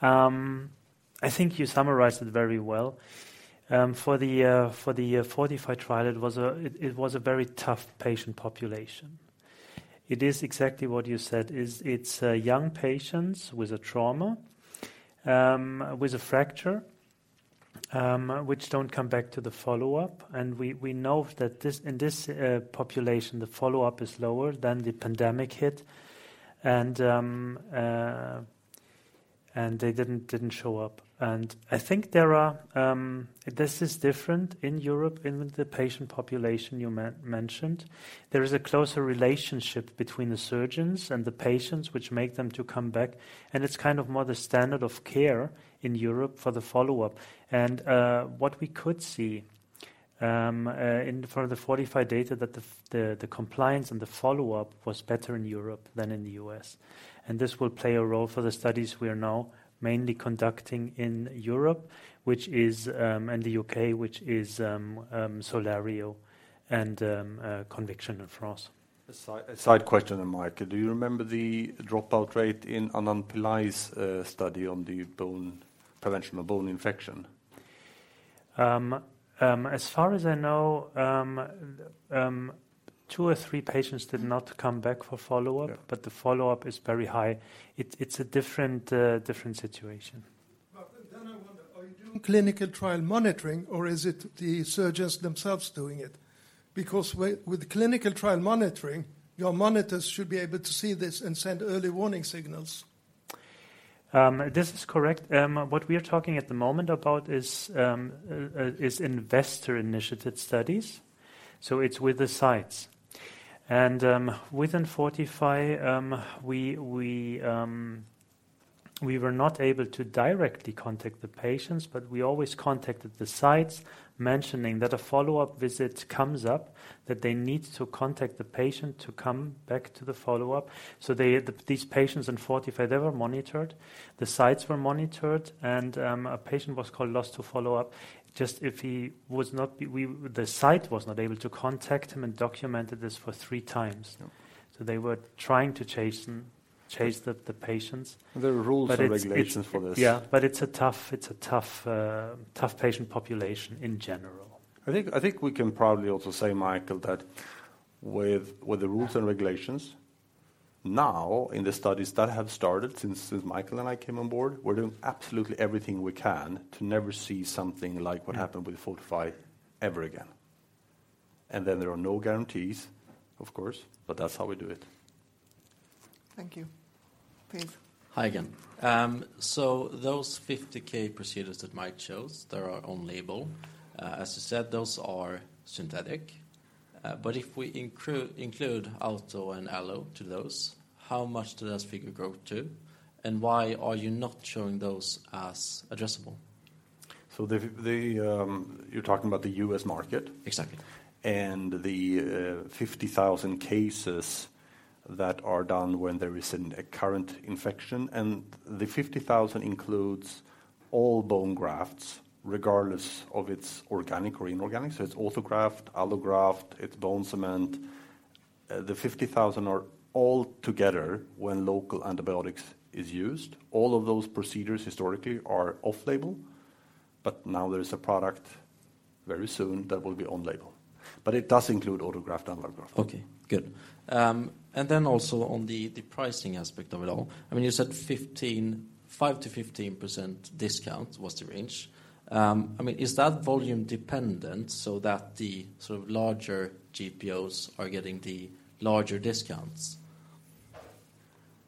I think you summarized it very well. For the FORTIFY trial, it was a very tough patient population. It is exactly what you said. It's young patients with a trauma with a fracture which don't come back to the follow-up. We know that this in this population the follow-up is lower than the pandemic hit. They didn't show up. I think there are. This is different in Europe in the patient population you mentioned. There is a closer relationship between the surgeons and the patients which make them to come back, and it's kind of more the standard of care in Europe for the follow-up. What we could see for the FORTIFY data that the compliance and the follow-up was better in Europe than in the U.S. This will play a role for the studies we are now mainly conducting in Europe and the U.K., SOLARIO and CONVICTION in France. A side question, Michael. Do you remember the dropout rate in Anand Pillai's study on the prevention of bone infection? As far as I know, two or three patients did not come back for follow-up. Yeah. The follow-up is very high. It's a different situation. I wonder, are you doing clinical trial monitoring or is it the surgeons themselves doing it? Because with clinical trial monitoring, your monitors should be able to see this and send early warning signals. This is correct. What we are talking at the moment about is investigator-initiated studies, so it's with the sites. Within FORTIFY, we were not able to directly contact the patients, but we always contacted the sites mentioning that a follow-up visit comes up, that they need to contact the patient to come back to the follow-up. These patients in FORTIFY, they were monitored, the sites were monitored, and a patient was called lost to follow-up just if the site was not able to contact him and documented this for three times. Yeah. They were trying to chase the patients. There are rules and regulations for this. It's. Yeah. But it's a tough patient population in general. I think we can probably also say, Michael, that with the rules and regulations now in the studies that have started since Michael and I came on board, we're doing absolutely everything we can to never see something like what happened with FORTIFY ever again. Then there are no guarantees, of course, but that's how we do it. Thank you. Please. Hi again. Those 50,000 procedures that Mike shows, they are on-label. As you said, those are synthetic. If we include auto and allo to those, how much does this figure grow to, and why are you not showing those as addressable? You're talking about the U.S. market. Exactly. The 50,000 cases that are done when there is a current infection. The 50,000 includes all bone grafts regardless of it's organic or inorganic. It's autograft, allograft, it's bone cement. The 50,000 are all together when local antibiotics is used. All of those procedures historically are off-label, but now there is a product very soon that will be on-label. It does include autograft and allograft. Okay, good. On the pricing aspect of it all. I mean, you said 5%-15% discount was the range. I mean, is that volume dependent so that the sort of larger GPOs are getting the larger discounts?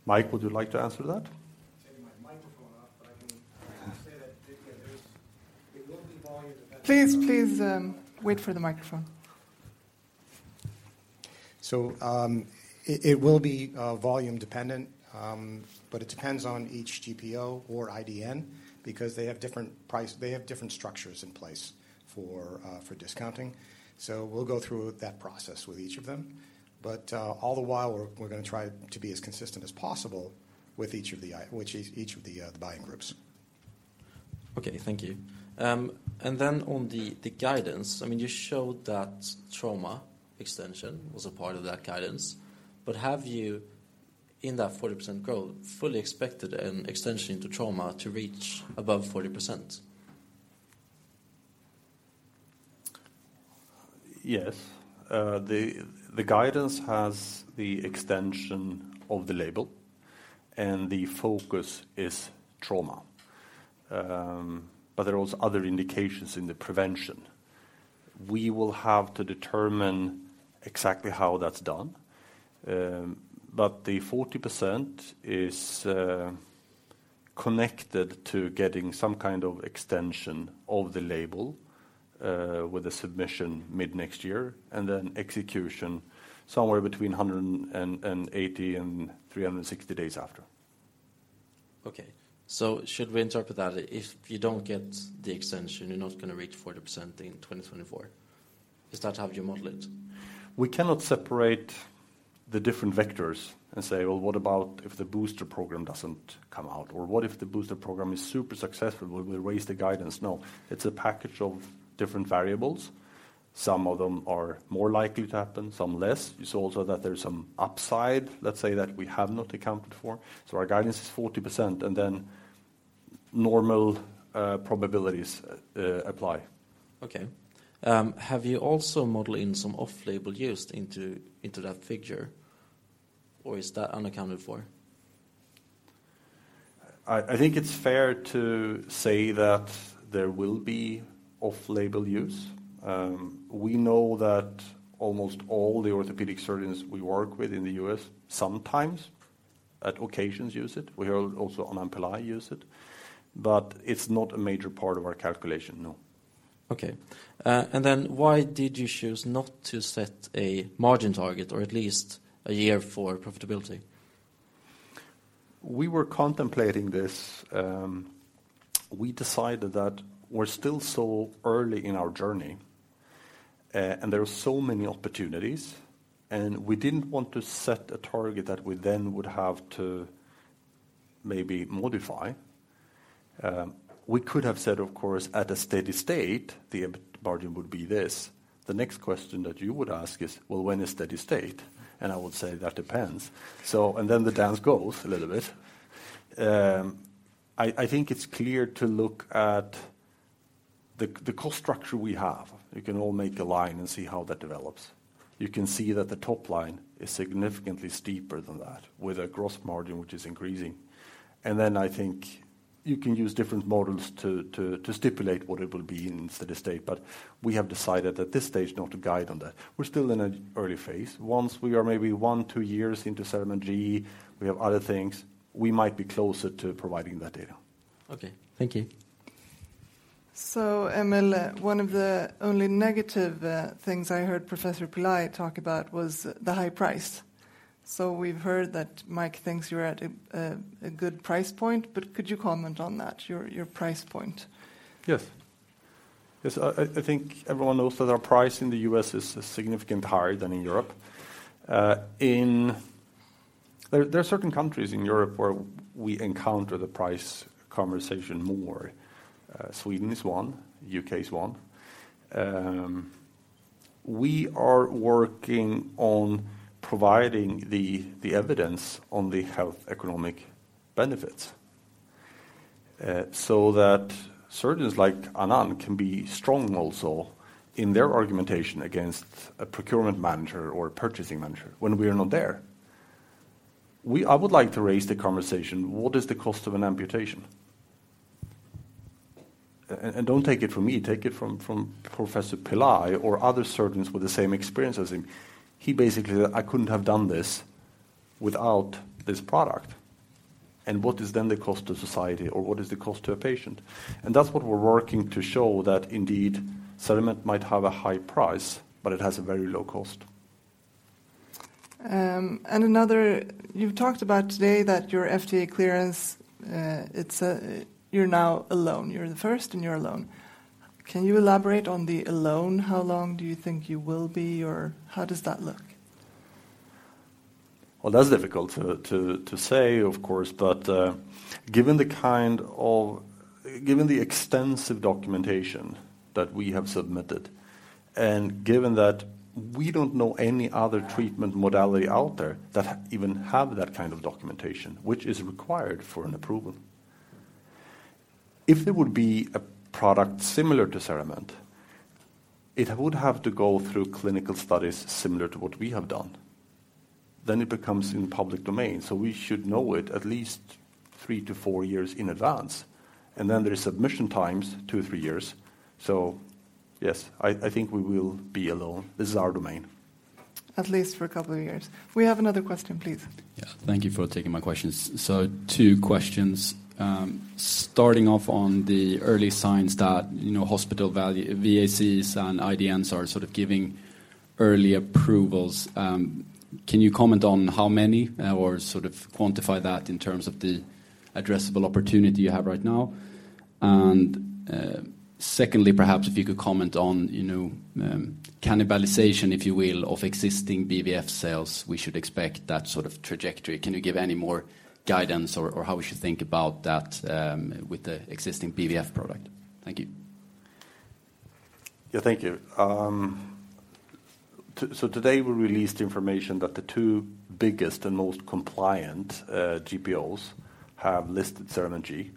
Mike, would you like to answer that? Turning my microphone off, but I can say that, yeah, there is. It will be volume dependent. Please, wait for the microphone. It will be volume dependent, but it depends on each GPO or IDN because they have different structures in place for discounting. We'll go through that process with each of them. All the while, we're gonna try to be as consistent as possible with each of the buying groups. Okay. Thank you. On the guidance, I mean, you showed that trauma extension was a part of that guidance. Have you, in that 40% goal, fully expected an extension to trauma to reach above 40%? Yes. The guidance has the extension of the label, and the focus is trauma. There are also other indications in the prevention. We will have to determine exactly how that's done. The 40% is connected to getting some kind of extension of the label, with a submission mid next year, and then execution somewhere between 180 and 360 days after. Okay. Should we interpret that if you don't get the extension, you're not gonna reach 40% in 2024? Is that how you model it? We cannot separate the different vectors and say, "Well, what about if the booster program doesn't come out?" Or, "What if the booster program is super successful? Will we raise the guidance?" No. It's a package of different variables. Some of them are more likely to happen, some less. You saw also that there's some upside, let's say, that we have not accounted for. Our guidance is 40%, and then normal probabilities apply. Okay, have you also modeled in some off-label use into that figure, or is that unaccounted for? I think it's fair to say that there will be off-label use. We know that almost all the orthopedic surgeons we work with in the U.S. sometimes on occasions use it. We also hear of off-label use of it, but it's not a major part of our calculation, no. Okay. Why did you choose not to set a margin target or at least a year for profitability? We were contemplating this. We decided that we're still so early in our journey, and there are so many opportunities, and we didn't want to set a target that we then would have to maybe modify. We could have said, of course, at a steady state, the e- margin would be this. The next question that you would ask is, "Well, when is steady state?" I would say, "That depends." Then the dance goes a little bit. I think it's clear to look at the cost structure we have. We can all make a line and see how that develops. You can see that the top line is significantly steeper than that with a gross margin which is increasing. I think you can use different models to stipulate what it will be in steady state. We have decided at this stage not to guide on that. We're still in an early phase. Once we are maybe one, two years into CERAMENT G, we have other things, we might be closer to providing that data. Okay. Thank you. Emil, one of the only negative things I heard Professor Pillai talk about was the high price. We've heard that Mike thinks you're at a good price point, but could you comment on that, your price point? Yes. Yes. I think everyone knows that our price in the U.S. is significantly higher than in Europe. There are certain countries in Europe where we encounter the price conversation more. Sweden is one, U.K. is one. We are working on providing the evidence on the health economic benefits, so that surgeons like Anand can be strong also in their argumentation against a procurement manager or a purchasing manager when we are not there. I would like to raise the conversation, what is the cost of an amputation? Don't take it from me, take it from Professor Pillai or other surgeons with the same experience as him. He basically said, "I couldn't have done this without this product." What is then the cost to society or what is the cost to a patient? That's what we're working to show that indeed CERAMENT might have a high price, but it has a very low cost. You've talked about today that your FDA clearance, you're now alone. You're the first and alone. Can you elaborate on the alone? How long do you think you will be or how does that look? Well, that's difficult to say, of course. Given the extensive documentation that we have submitted and given that we don't know any other treatment modality out there that even have that kind of documentation which is required for an approval. If there would be a product similar to CERAMENT, it would have to go through clinical studies similar to what we have done. Then it becomes in public domain, so we should know it at least three to four years in advance. Then there is submission times, two to three years. Yes, I think we will be alone. This is our domain. At least for a couple of years. We have another question, please. Yeah. Thank you for taking my questions. Two questions. Starting off on the early signs that, you know, hospital VACs and IDNs are sort of giving early approvals. Can you comment on how many or sort of quantify that in terms of the addressable opportunity you have right now? Secondly, perhaps if you could comment on, you know, cannibalization, if you will, of existing BVF sales we should expect that sort of trajectory. Can you give any more guidance or how we should think about that with the existing BVF product? Thank you. Yeah, thank you. Today we released information that the two biggest and most compliant GPOs have listed CERAMENT.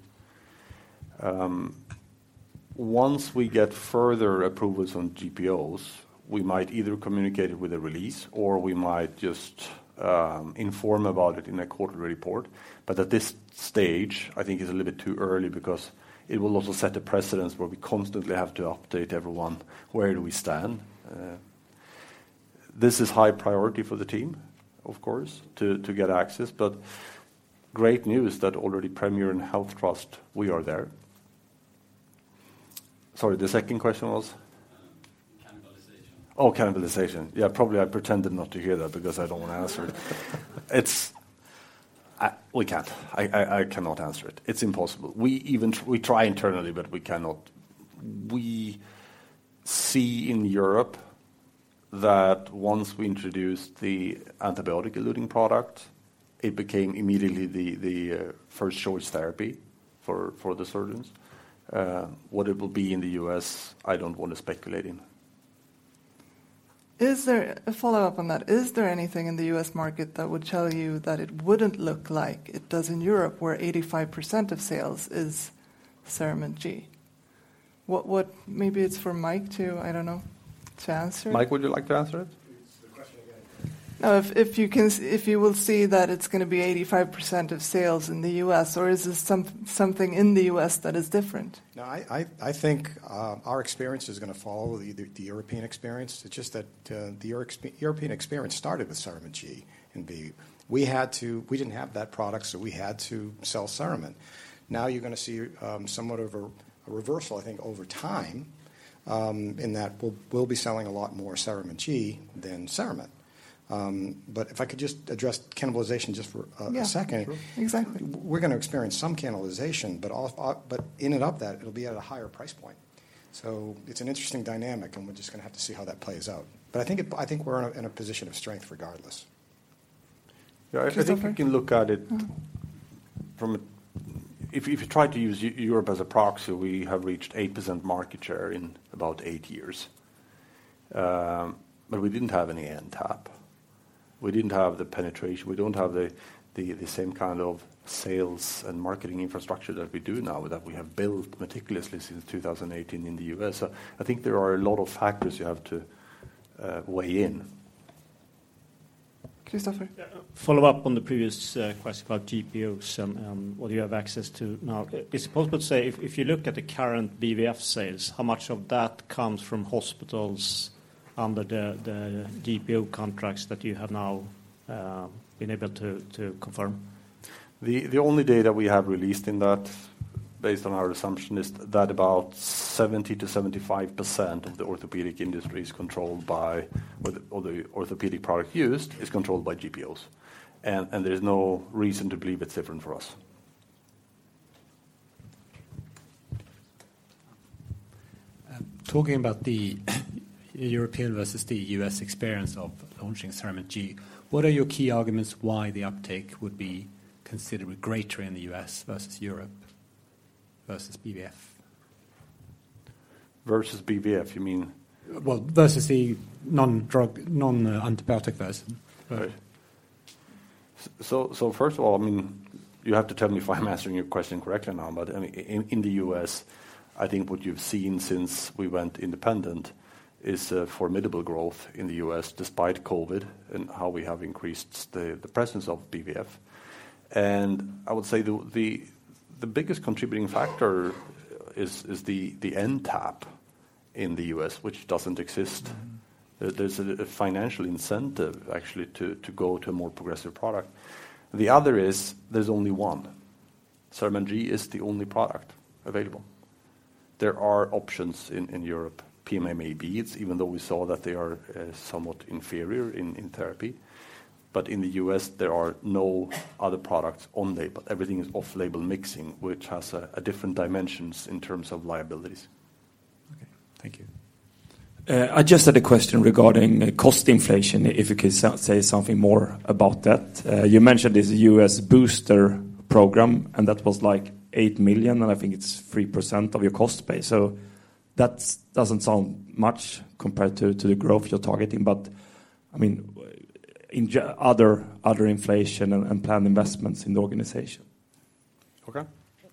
Once we get further approvals on GPOs, we might either communicate it with a release or we might just inform about it in a quarterly report. At this stage, I think it's a little bit too early because it will also set a precedent where we constantly have to update everyone where do we stand. This is high priority for the team, of course, to get access, but great news that already Premier and HealthTrust, we are there. Sorry, the second question was? Cannibalization. Oh, cannibalization. Yeah, probably I pretended not to hear that because I don't want to answer it. It's we can't. I cannot answer it. It's impossible. We even try internally, but we cannot. We see in Europe that once we introduce the antibiotic-eluting product, it became immediately the first choice therapy for the surgeons. What it will be in the U.S., I don't want to speculate in. Is there a follow-up on that? Is there anything in the US market that would tell you that it wouldn't look like it does in Europe, where 85% of sales is CERAMENT G? What. Maybe it's for Mike to, I don't know, to answer it. Mike, would you like to answer it? Please, the question again? If you will see that it's gonna be 85% of sales in the U.S., or is there something in the US that is different? No, I think our experience is gonna follow the European experience. It's just that the European experience started with CERAMENT G and V. We didn't have that product, so we had to sell CERAMENT. Now you're gonna see somewhat of a reversal, I think, over time, in that we'll be selling a lot more CERAMENT G than CERAMENT. If I could just address cannibalization just for a second. Yeah. Sure. Exactly. We're gonna experience some cannibalization, but in and of that, it'll be at a higher price point. It's an interesting dynamic, and we're just gonna have to see how that plays out. I think we're in a position of strength regardless. Yeah. I think we can look at it. Kristofer If you try to use Europe as a proxy, we have reached 8% market share in about eight years. We didn't have any NTAP. We didn't have the penetration. We don't have the same kind of sales and marketing infrastructure that we do now that we have built meticulously since 2018 in the U.S. I think there are a lot of factors you have to weigh in. Kristofer. Yeah. Follow up on the previous question about GPOs and what you have access to now. It's possible to say if you look at the current BVF sales, how much of that comes from hospitals under the GPO contracts that you have now been able to confirm? The only data we have released in that based on our assumption is that about 70%-75% of the orthopedic industry is controlled by, or the orthopedic product used is controlled by GPOs, and there's no reason to believe it's different for us. Talking about the European versus the U.S. experience of launching CERAMENT G, what are your key arguments why the uptake would be considered greater in the U.S. versus Europe versus BVF? Versus BVF, you mean? Well, versus the non-drug, non-antibiotic version. Right. First of all, I mean, you have to tell me if I'm answering your question correctly or not, but I mean, in the U.S., I think what you've seen since we went independent is formidable growth in the U.S. despite COVID and how we have increased the presence of BVF. I would say the biggest contributing factor is the NTAP in the U.S., which doesn't exist. There's a financial incentive actually to go to a more progressive product. The other is there's only one. CERAMENT G is the only product available. There are options in Europe, PMMA beads, even though we saw that they are somewhat inferior in therapy. In the U.S., there are no other products on label. Everything is off-label mixing, which has a different dimensions in terms of liabilities. Okay, thank you. I just had a question regarding cost inflation, if you could say something more about that. You mentioned this US booster program, and that was like 8 million, and I think it's 3% of your cost base. That doesn't sound much compared to the growth you're targeting. I mean, in other inflation and planned investments in the organization. Håkan?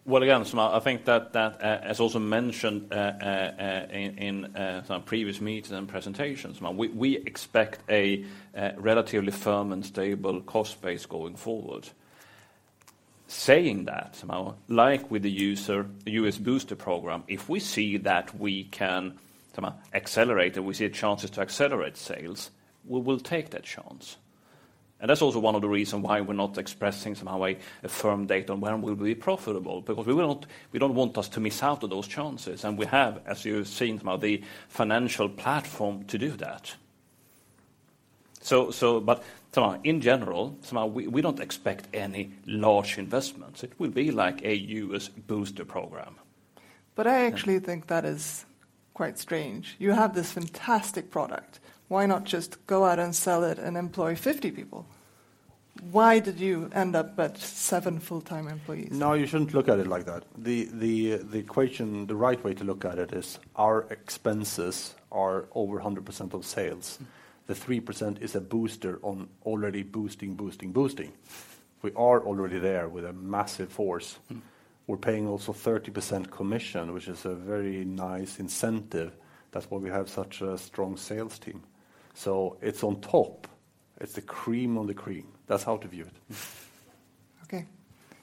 Well, again, Samar, I think that, as also mentioned, in some previous meetings and presentations, Samar, we expect a relatively firm and stable cost base going forward. Saying that, Samar, like with the U.S. booster program, if we see that we can, Samar, accelerate it, we see chances to accelerate sales, we will take that chance. That's also one of the reason why we're not expressing somehow a firm date on when we'll be profitable, because we don't want us to miss out on those chances. We have, as you've seen, Samar, the financial platform to do that. In general, Samar, we don't expect any large investments. It will be like a U.S. booster program. I actually think that is quite strange. You have this fantastic product. Why not just go out and sell it and employ 50 people? Why did you end up at seven full-time employees? No, you shouldn't look at it like that. The equation, the right way to look at it is our expenses are over 100% of sales. The 3% is a booster on already boosting. We are already there with a massive force. Mm-hmm. We're paying also 30% commission, which is a very nice incentive. That's why we have such a strong sales team. It's on top. It's the cream on the cream. That's how to view it. Okay.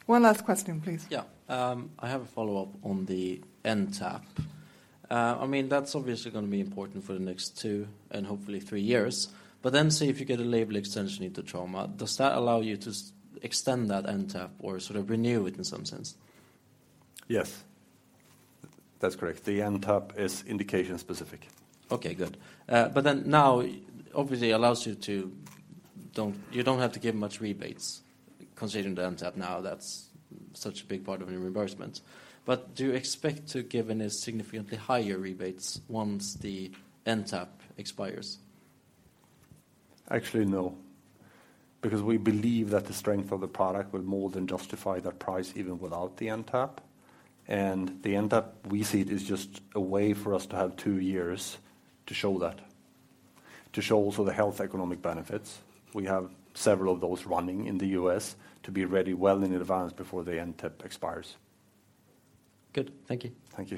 One last question, please. I have a follow-up on the NTAP. I mean, that's obviously gonna be important for the next two and hopefully three years. Say if you get a label extension into trauma, does that allow you to extend that NTAP or sort of renew it in some sense? Yes. That's correct. The NTAP is indication-specific. Okay, good. Now obviously allows you to you don't have to give much rebates considering the NTAP now that's such a big part of your reimbursement. Do you expect to give any significantly higher rebates once the NTAP expires? Actually, no. Because we believe that the strength of the product will more than justify that price even without the NTAP. The NTAP we see it is just a way for us to have two years to show that, to show also the health economic benefits. We have several of those running in the US to be ready well in advance before the NTAP expires. Good. Thank you. Thank you.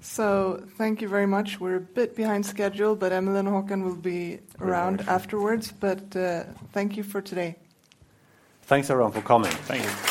Thank you very much. We're a bit behind schedule, but Emil and Håkan will be around afterwards. Thank you for today. Thanks everyone for coming. Thank you.